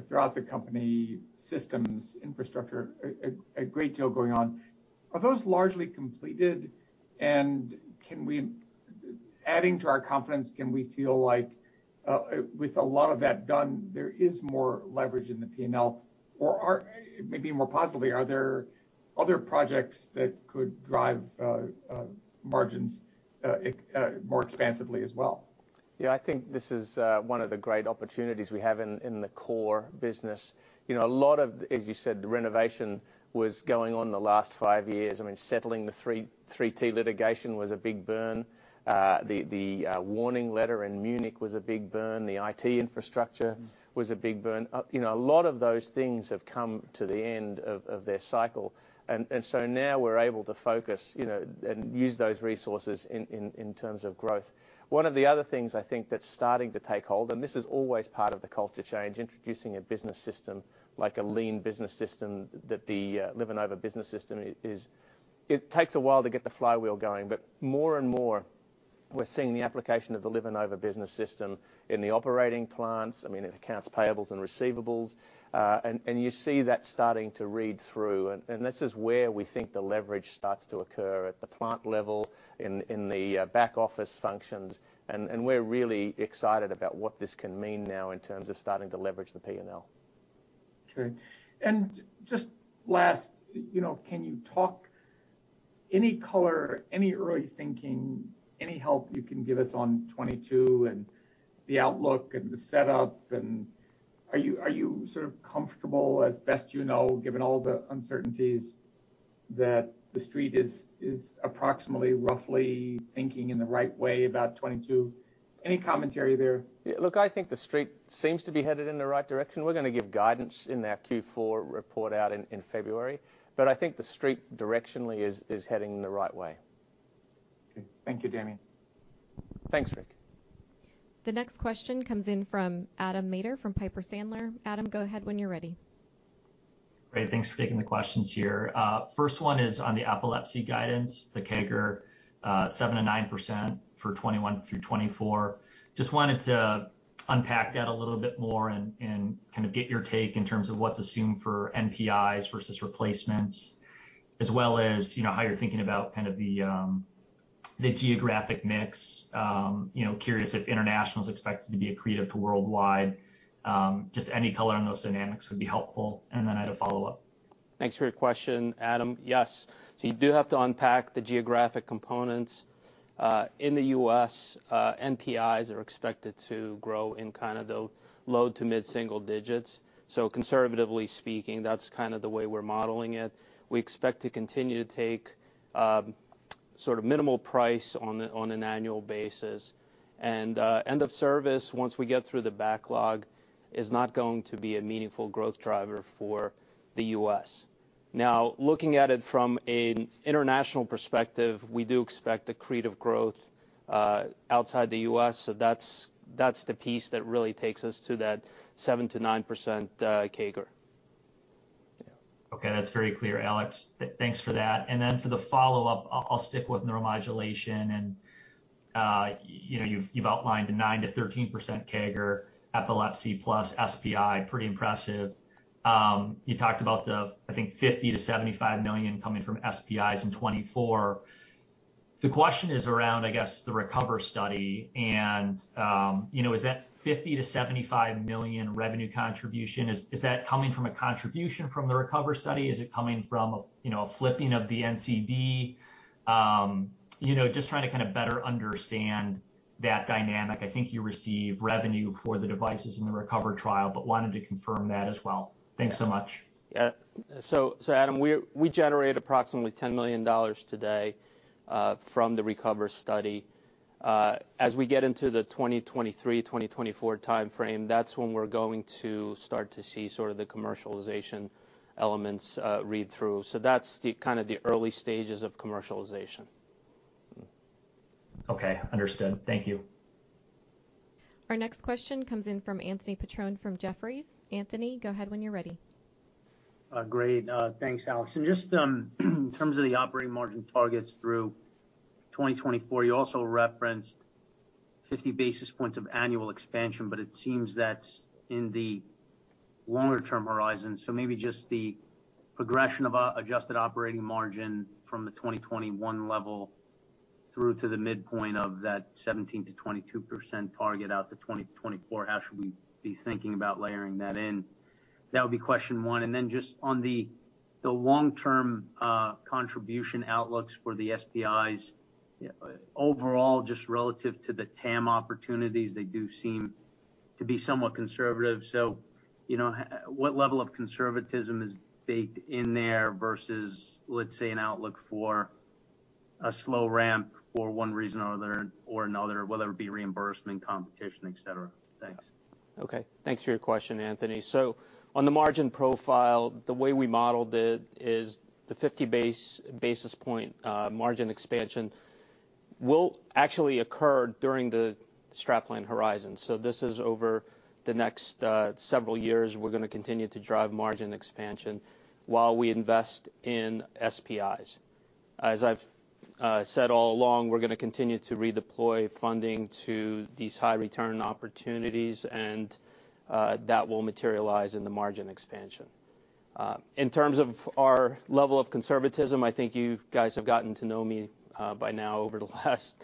throughout the company systems, infrastructure, a great deal going on. Are those largely completed? Can we- Adding to our confidence, can we feel like with a lot of that done, there is more leverage in the P&L? Or maybe more positively, are there other projects that could drive margins more expansively as well? Yeah, I think this is one of the great opportunities we have in the core business. You know, a lot of as you said, the renovation was going on the last five years. I mean, settling the 3T litigation was a big burn. The warning letter in Munich was a big burn. The IT infrastructure was a big burn. You know, a lot of those things have come to the end of their cycle. So now we're able to focus, you know, and use those resources in terms of growth. One of the other things I think that's starting to take hold, and this is always part of the culture change, introducing a business system, like a lean business system that the LivaNova Business System is. It takes a while to get the flywheel going, but more and more we're seeing the application of the LivaNova Business System in the operating plants, I mean, in accounts payables and receivables, and you see that starting to read through. This is where we think the leverage starts to occur, at the plant level, in the back office functions. We're really excited about what this can mean now in terms of starting to leverage the P&L. Okay. Just last, you know, can you talk any color, any early thinking, any help you can give us on 2022, and the outlook and the setup? Are you sort of comfortable, as best you know, given all the uncertainties, that the Street is approximately roughly thinking in the right way about 2022? Any commentary there? Yeah, look, I think the Street seems to be headed in the right direction. We're gonna give guidance in our Q4 report out in February. I think the Street directionally is heading in the right way. Okay. Thank you, Damien. Thanks, Rick. The next question comes in from Adam Maeder from Piper Sandler. Adam, go ahead when you're ready. Great. Thanks for taking the questions here. First one is on the epilepsy guidance, the CAGR, 7%-9% for 2021 through 2024. Just wanted to unpack that a little bit more and kind of get your take in terms of what's assumed for NPIs versus replacements, as well as, you know, how you're thinking about kind of the geographic mix. You know, curious if international is expected to be accretive to worldwide. Just any color on those dynamics would be helpful. I had a follow-up. Thanks for your question, Adam. Yes. You do have to unpack the geographic components. In the U.S., NPIs are expected to grow in kind of the low to mid-single digits. Conservatively speaking, that's kind of the way we're modeling it. We expect to continue to take sort of minimal price on an annual basis. End of service, once we get through the backlog, is not going to be a meaningful growth driver for the U.S. Now, looking at it from an international perspective, we do expect accretive growth outside the U.S. That's the piece that really takes us to that 7%-9% CAGR. Okay. That's very clear, Alex. Thanks for that. Then for the follow-up, I'll stick with neuromodulation and you know, you've outlined a 9%-13% CAGR, epilepsy plus SPI, pretty impressive. You talked about the, I think, $50 million-$75 million coming from SPIs in 2024. The question is around, I guess, the RECOVER study and you know, is that $50 million-$75 million revenue contribution, is that coming from a contribution from the RECOVER study? Is it coming from a you know, a flipping of the NCD? You know, just trying to kind of better understand that dynamic. I think you receive revenue for the devices in the RECOVER trial, but wanted to confirm that as well. Thanks so much. Yeah. Adam, we generate approximately $10 million today from the RECOVER study. As we get into the 2023/2024 timeframe, that's when we're going to start to see sort of the commercialization elements read through. That's the kind of the early stages of commercialization. Okay. Understood. Thank you. Our next question comes in from Anthony Petrone from Jefferies. Anthony, go ahead when you're ready. Great. Thanks, Alex. Just in terms of the operating margin targets through 2024, you also referenced 50 basis points of annual expansion, but it seems that's in the longer term horizon. Maybe just the progression of an adjusted operating margin from the 2021 level through to the midpoint of that 17%-22% target out to 2024, how should we be thinking about layering that in? That would be question one. Then just on the long-term contribution outlooks for the SPIs, overall, just relative to the TAM opportunities, they do seem to be somewhat conservative. You know, what level of conservatism is baked in there versus, let's say, an outlook for a slow ramp for one reason or another, whether it be reimbursement, competition, et cetera? Thanks. Okay. Thanks for your question, Anthony. On the margin profile, the way we modeled it is the 50 basis point margin expansion will actually occur during the strategic plan horizon. This is over the next several years, we're gonna continue to drive margin expansion while we invest in SPIs. As I've said all along, we're gonna continue to redeploy funding to these high return opportunities and that will materialize in the margin expansion. In terms of our level of conservatism, I think you guys have gotten to know me by now over the last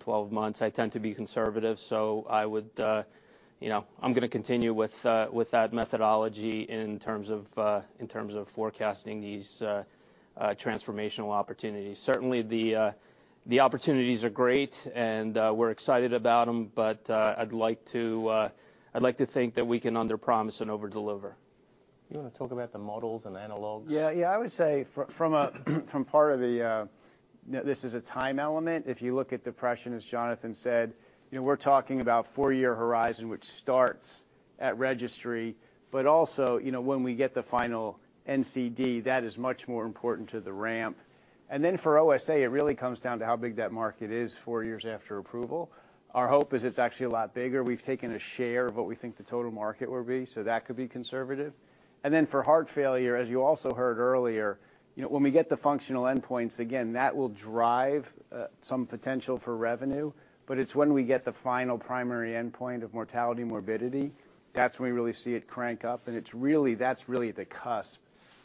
12 months. I tend to be conservative, so I would you know, I'm gonna continue with that methodology in terms of forecasting these transformational opportunities. Certainly the opportunities are great, and we're excited about them, but I'd like to think that we can underpromise and overdeliver. You wanna talk about the models and analogs? I would say from a part of the, you know, this is a time element. If you look at depression, as Jonathan said, you know, we're talking about four-year horizon, which starts at registry. Also, you know, when we get the final NCD, that is much more important to the ramp. Then for OSA, it really comes down to how big that market is four years after approval. Our hope is it's actually a lot bigger. We've taken a share of what we think the total market will be, so that could be conservative. Then for heart failure, as you also heard earlier, you know, when we get the functional endpoints, again, that will drive some potential for revenue, but it's when we get the final primary endpoint of mortality, morbidity, that's when we really see it crank up. That's really the cusp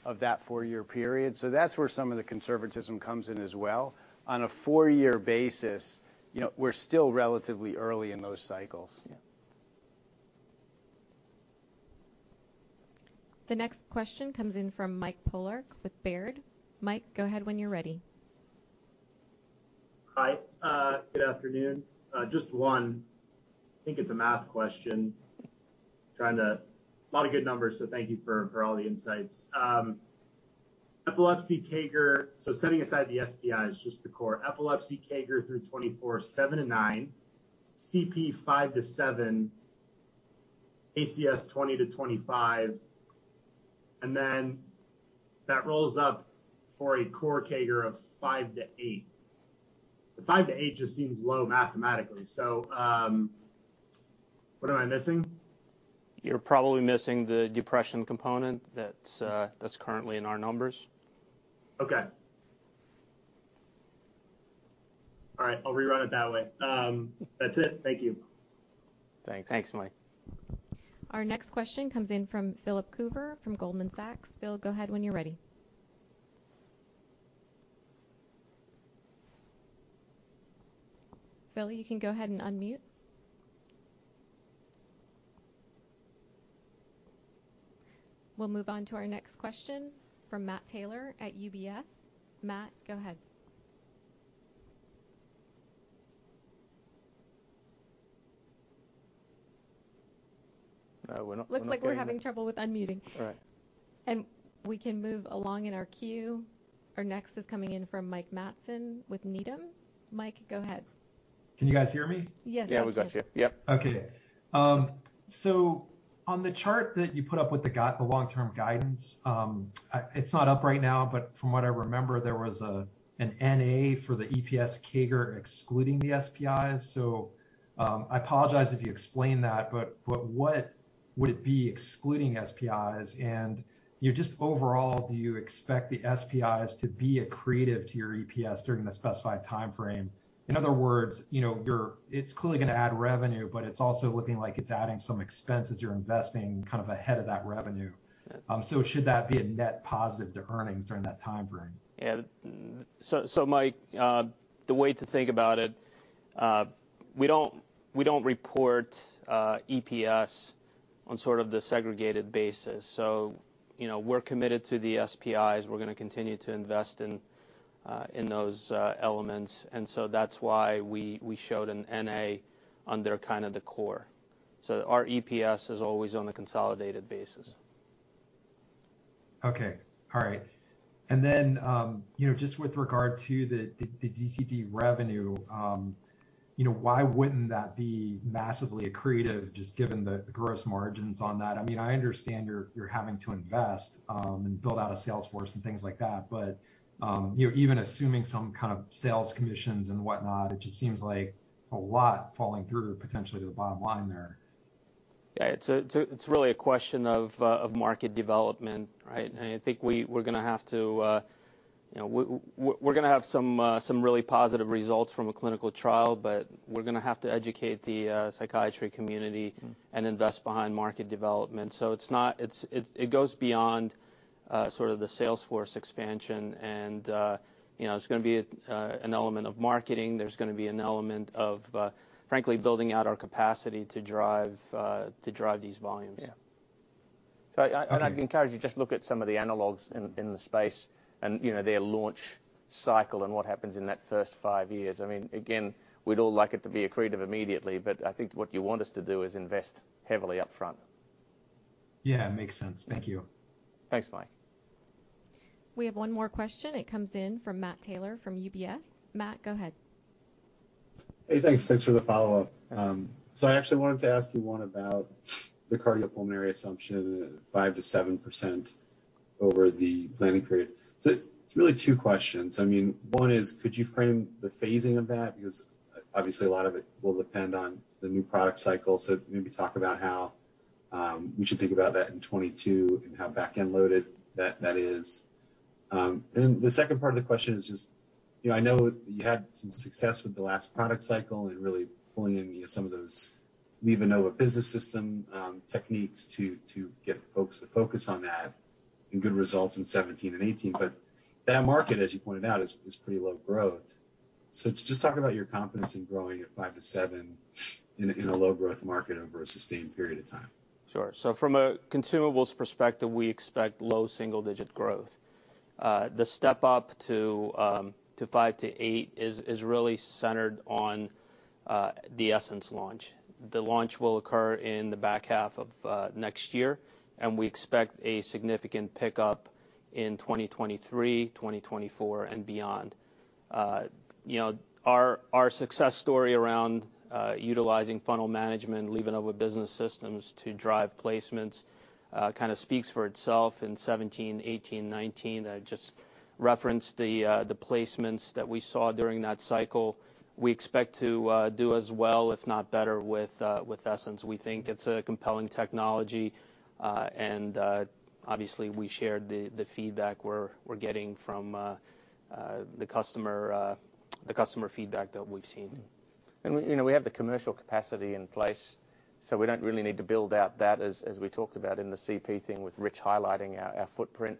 of that four-year period. That's where some of the conservatism comes in as well. On a four-year basis, you know, we're still relatively early in those cycles. Yeah. The next question comes in from Mike Polark with Baird. Mike, go ahead when you're ready. Hi. Good afternoon. Just one. I think it's a math question. Lot of good numbers, so thank you for all the insights. Epilepsy CAGR. Setting aside the SPIs, just the core. Epilepsy CAGR through 2024, 7%-9%. CP, 5%-7%. ACS, 20%-25%. That rolls up for a core CAGR of 5%-8%. The 5%-8% just seems low mathematically. What am I missing? You're probably missing the depression component that's currently in our numbers. Okay. All right. I'll rerun it that way. That's it. Thank you. Thanks. Thanks, Mike. Our next question comes in from Philip Coover from Goldman Sachs. Phil, go ahead when you're ready. Philip, you can go ahead and unmute. We'll move on to our next question from Matt Taylor at UBS. Matt, go ahead. No, we're not getting. Looks like we're having trouble with unmuting. All right. We can move along in our queue. Our next is coming in from Mike Matson with Needham. Mike, go ahead. Can you guys hear me? Yes, Mike. Yeah, we got you. Yep. On the chart that you put up with the long-term guidance, it's not up right now, but from what I remember, there was an N/A for the EPS CAGR excluding the SPIs. I apologize if you explained that, but what would it be excluding SPIs? You know, just overall, do you expect the SPIs to be accretive to your EPS during the specified timeframe? In other words, you know, it's clearly gonna add revenue, but it's also looking like it's adding some expenses you're investing kind of ahead of that revenue. Should that be a net positive to earnings during that timeframe? Mike, the way to think about it, we don't report EPS on sort of the segregated basis. You know, we're committed to the SPIs. We're gonna continue to invest in those elements. That's why we showed an N/A under kind of the core. Our EPS is always on a consolidated basis. Okay. All right. You know, just with regard to the DCD revenue, you know, why wouldn't that be massively accretive just given the gross margins on that? I mean, I understand you're having to invest and build out a sales force and things like that, but, you know, even assuming some kind of sales commissions and whatnot, it just seems like a lot falling through potentially to the bottom line there. Yeah. It's really a question of market development, right? I think we're gonna have some really positive results from a clinical trial, but we're gonna have to educate the psychiatry community and invest behind market development. It goes beyond sort of the sales force expansion and, you know, there's gonna be an element of marketing. There's gonna be an element of frankly building out our capacity to drive these volumes. Yeah. I'd encourage you just look at some of the analogs in the space and, you know, their launch cycle and what happens in that first five years. I mean, again, we'd all like it to be accretive immediately, but I think what you want us to do is invest heavily up front. Yeah. Makes sense. Thank you. Thanks, Mike. We have one more question. It comes in from Matt Taylor from UBS. Matt, go ahead. Hey, thanks. Thanks for the follow-up. I actually wanted to ask you one about the cardiopulmonary assumption, 5%-7% over the planning period. It's really two questions. I mean, one is, could you frame the phasing of that? Because obviously a lot of it will depend on the new product cycle. Maybe talk about how we should think about that in 2022 and how back-end loaded that is. The second part of the question is just, you know, I know you had some success with the last product cycle and really pulling in some of those LivaNova Business System techniques to get folks to focus on that, and good results in 2017 and 2018. That market, as you pointed out, is pretty low growth. Just talk about your confidence in growing at 5%-7% in a low growth market over a sustained period of time. Sure. From a consumables perspective, we expect low single-digit% growth. The step-up to 5%-8% is really centered on the Essenz launch. The launch will occur in the back half of next year, and we expect a significant pickup in 2023, 2024 and beyond. You know, our success story around utilizing funnel management, leveraging our business systems to drive placements kind of speaks for itself. In 2017, 2018, 2019, I just referenced the placements that we saw during that cycle. We expect to do as well, if not better, with Essenz. We think it's a compelling technology. Obviously we shared the feedback we're getting from the customer, the customer feedback that we've seen. We, you know, have the commercial capacity in place, so we don't really need to build out that as we talked about in the CP thing with Rich highlighting our footprint.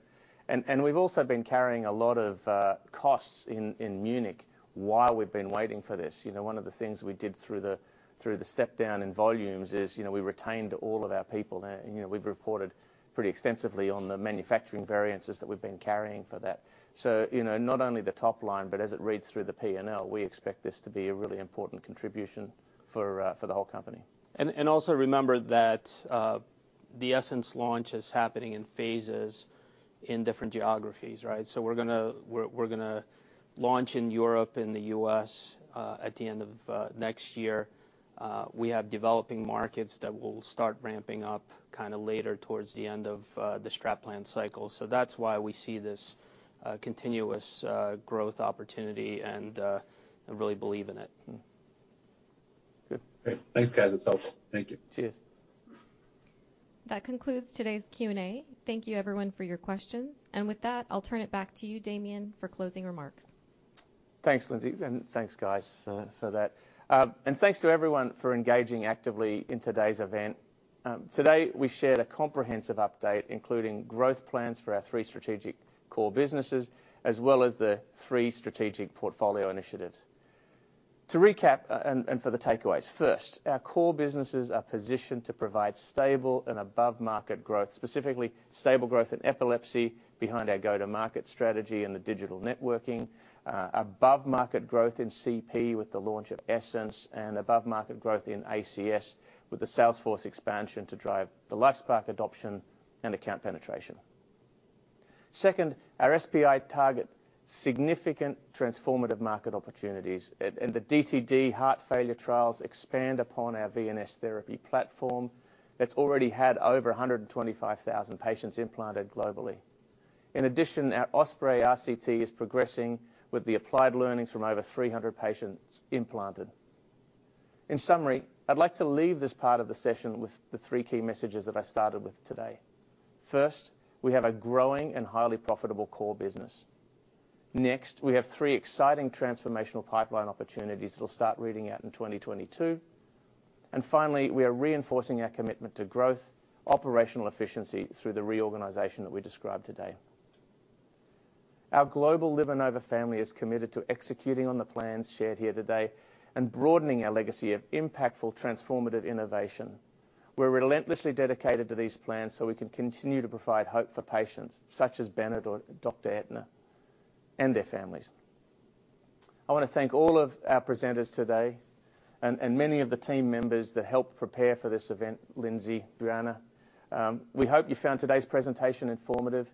We've also been carrying a lot of costs in Munich while we've been waiting for this. You know, one of the things we did through the step-down in volumes is, you know, we retained all of our people. You know, we've reported pretty extensively on the manufacturing variances that we've been carrying for that. You know, not only the top line, but as it reads through the P&L, we expect this to be a really important contribution for the whole company. Also remember that the Essenz launch is happening in phases in different geographies, right? We're gonna launch in Europe and the U.S. at the end of next year. We have developing markets that will start ramping up kinda later towards the end of the strategic plan cycle. That's why we see this continuous growth opportunity and really believe in it. Mm-hmm. Good. Great. Thanks, guys. It's helpful. Thank you. Cheers. That concludes today's Q&A. Thank you everyone for your questions. With that, I'll turn it back to you, Damien, for closing remarks. Thanks, Lindsey. Thanks guys for that. Thanks to everyone for engaging actively in today's event. Today we shared a comprehensive update, including growth plans for our three strategic core businesses, as well as the three strategic portfolio initiatives. To recap and for the takeaways, first, our core businesses are positioned to provide stable and above-market growth, specifically stable growth in epilepsy behind our go-to-market strategy and the digital networking, above-market growth in CP with the launch of Essenz, and above-market growth in ACS with the sales force expansion to drive the LifeSPARC adoption and account penetration. Second, our SPIs target significant transformative market opportunities and the DTD heart failure trials expand upon our VNS therapy platform that's already had over 125,000 patients implanted globally. In addition, our OSPREY RCT is progressing with the applied learnings from over 300 patients implanted. In summary, I'd like to leave this part of the session with the three key messages that I started with today. First, we have a growing and highly profitable core business. Next, we have three exciting transformational pipeline opportunities that'll start reading out in 2022. Finally, we are reinforcing our commitment to growth, operational efficiency through the reorganization that we described today. Our global LivaNova family is committed to executing on the plans shared here today and broadening our legacy of impactful transformative innovation. We're relentlessly dedicated to these plans so we can continue to provide hope for patients such as Bennett or Dr. Ettner and their families. I wanna thank all of our presenters today and many of the team members that helped prepare for this event. Lindsey, Brianna. We hope you found today's presentation informative.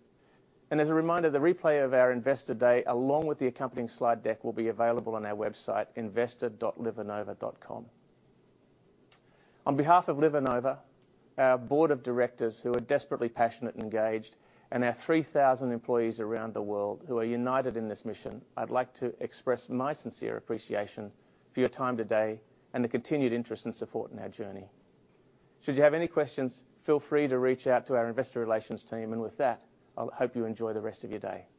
As a reminder, the replay of our Investor Day, along with the accompanying slide deck, will be available on our website, investor.livanova.com. On behalf of LivaNova, our board of directors, who are desperately passionate and engaged, and our 3,000 employees around the world who are united in this mission, I'd like to express my sincere appreciation for your time today and the continued interest and support in our journey. Should you have any questions, feel free to reach out to our investor relations team. With that, I hope you enjoy the rest of your day.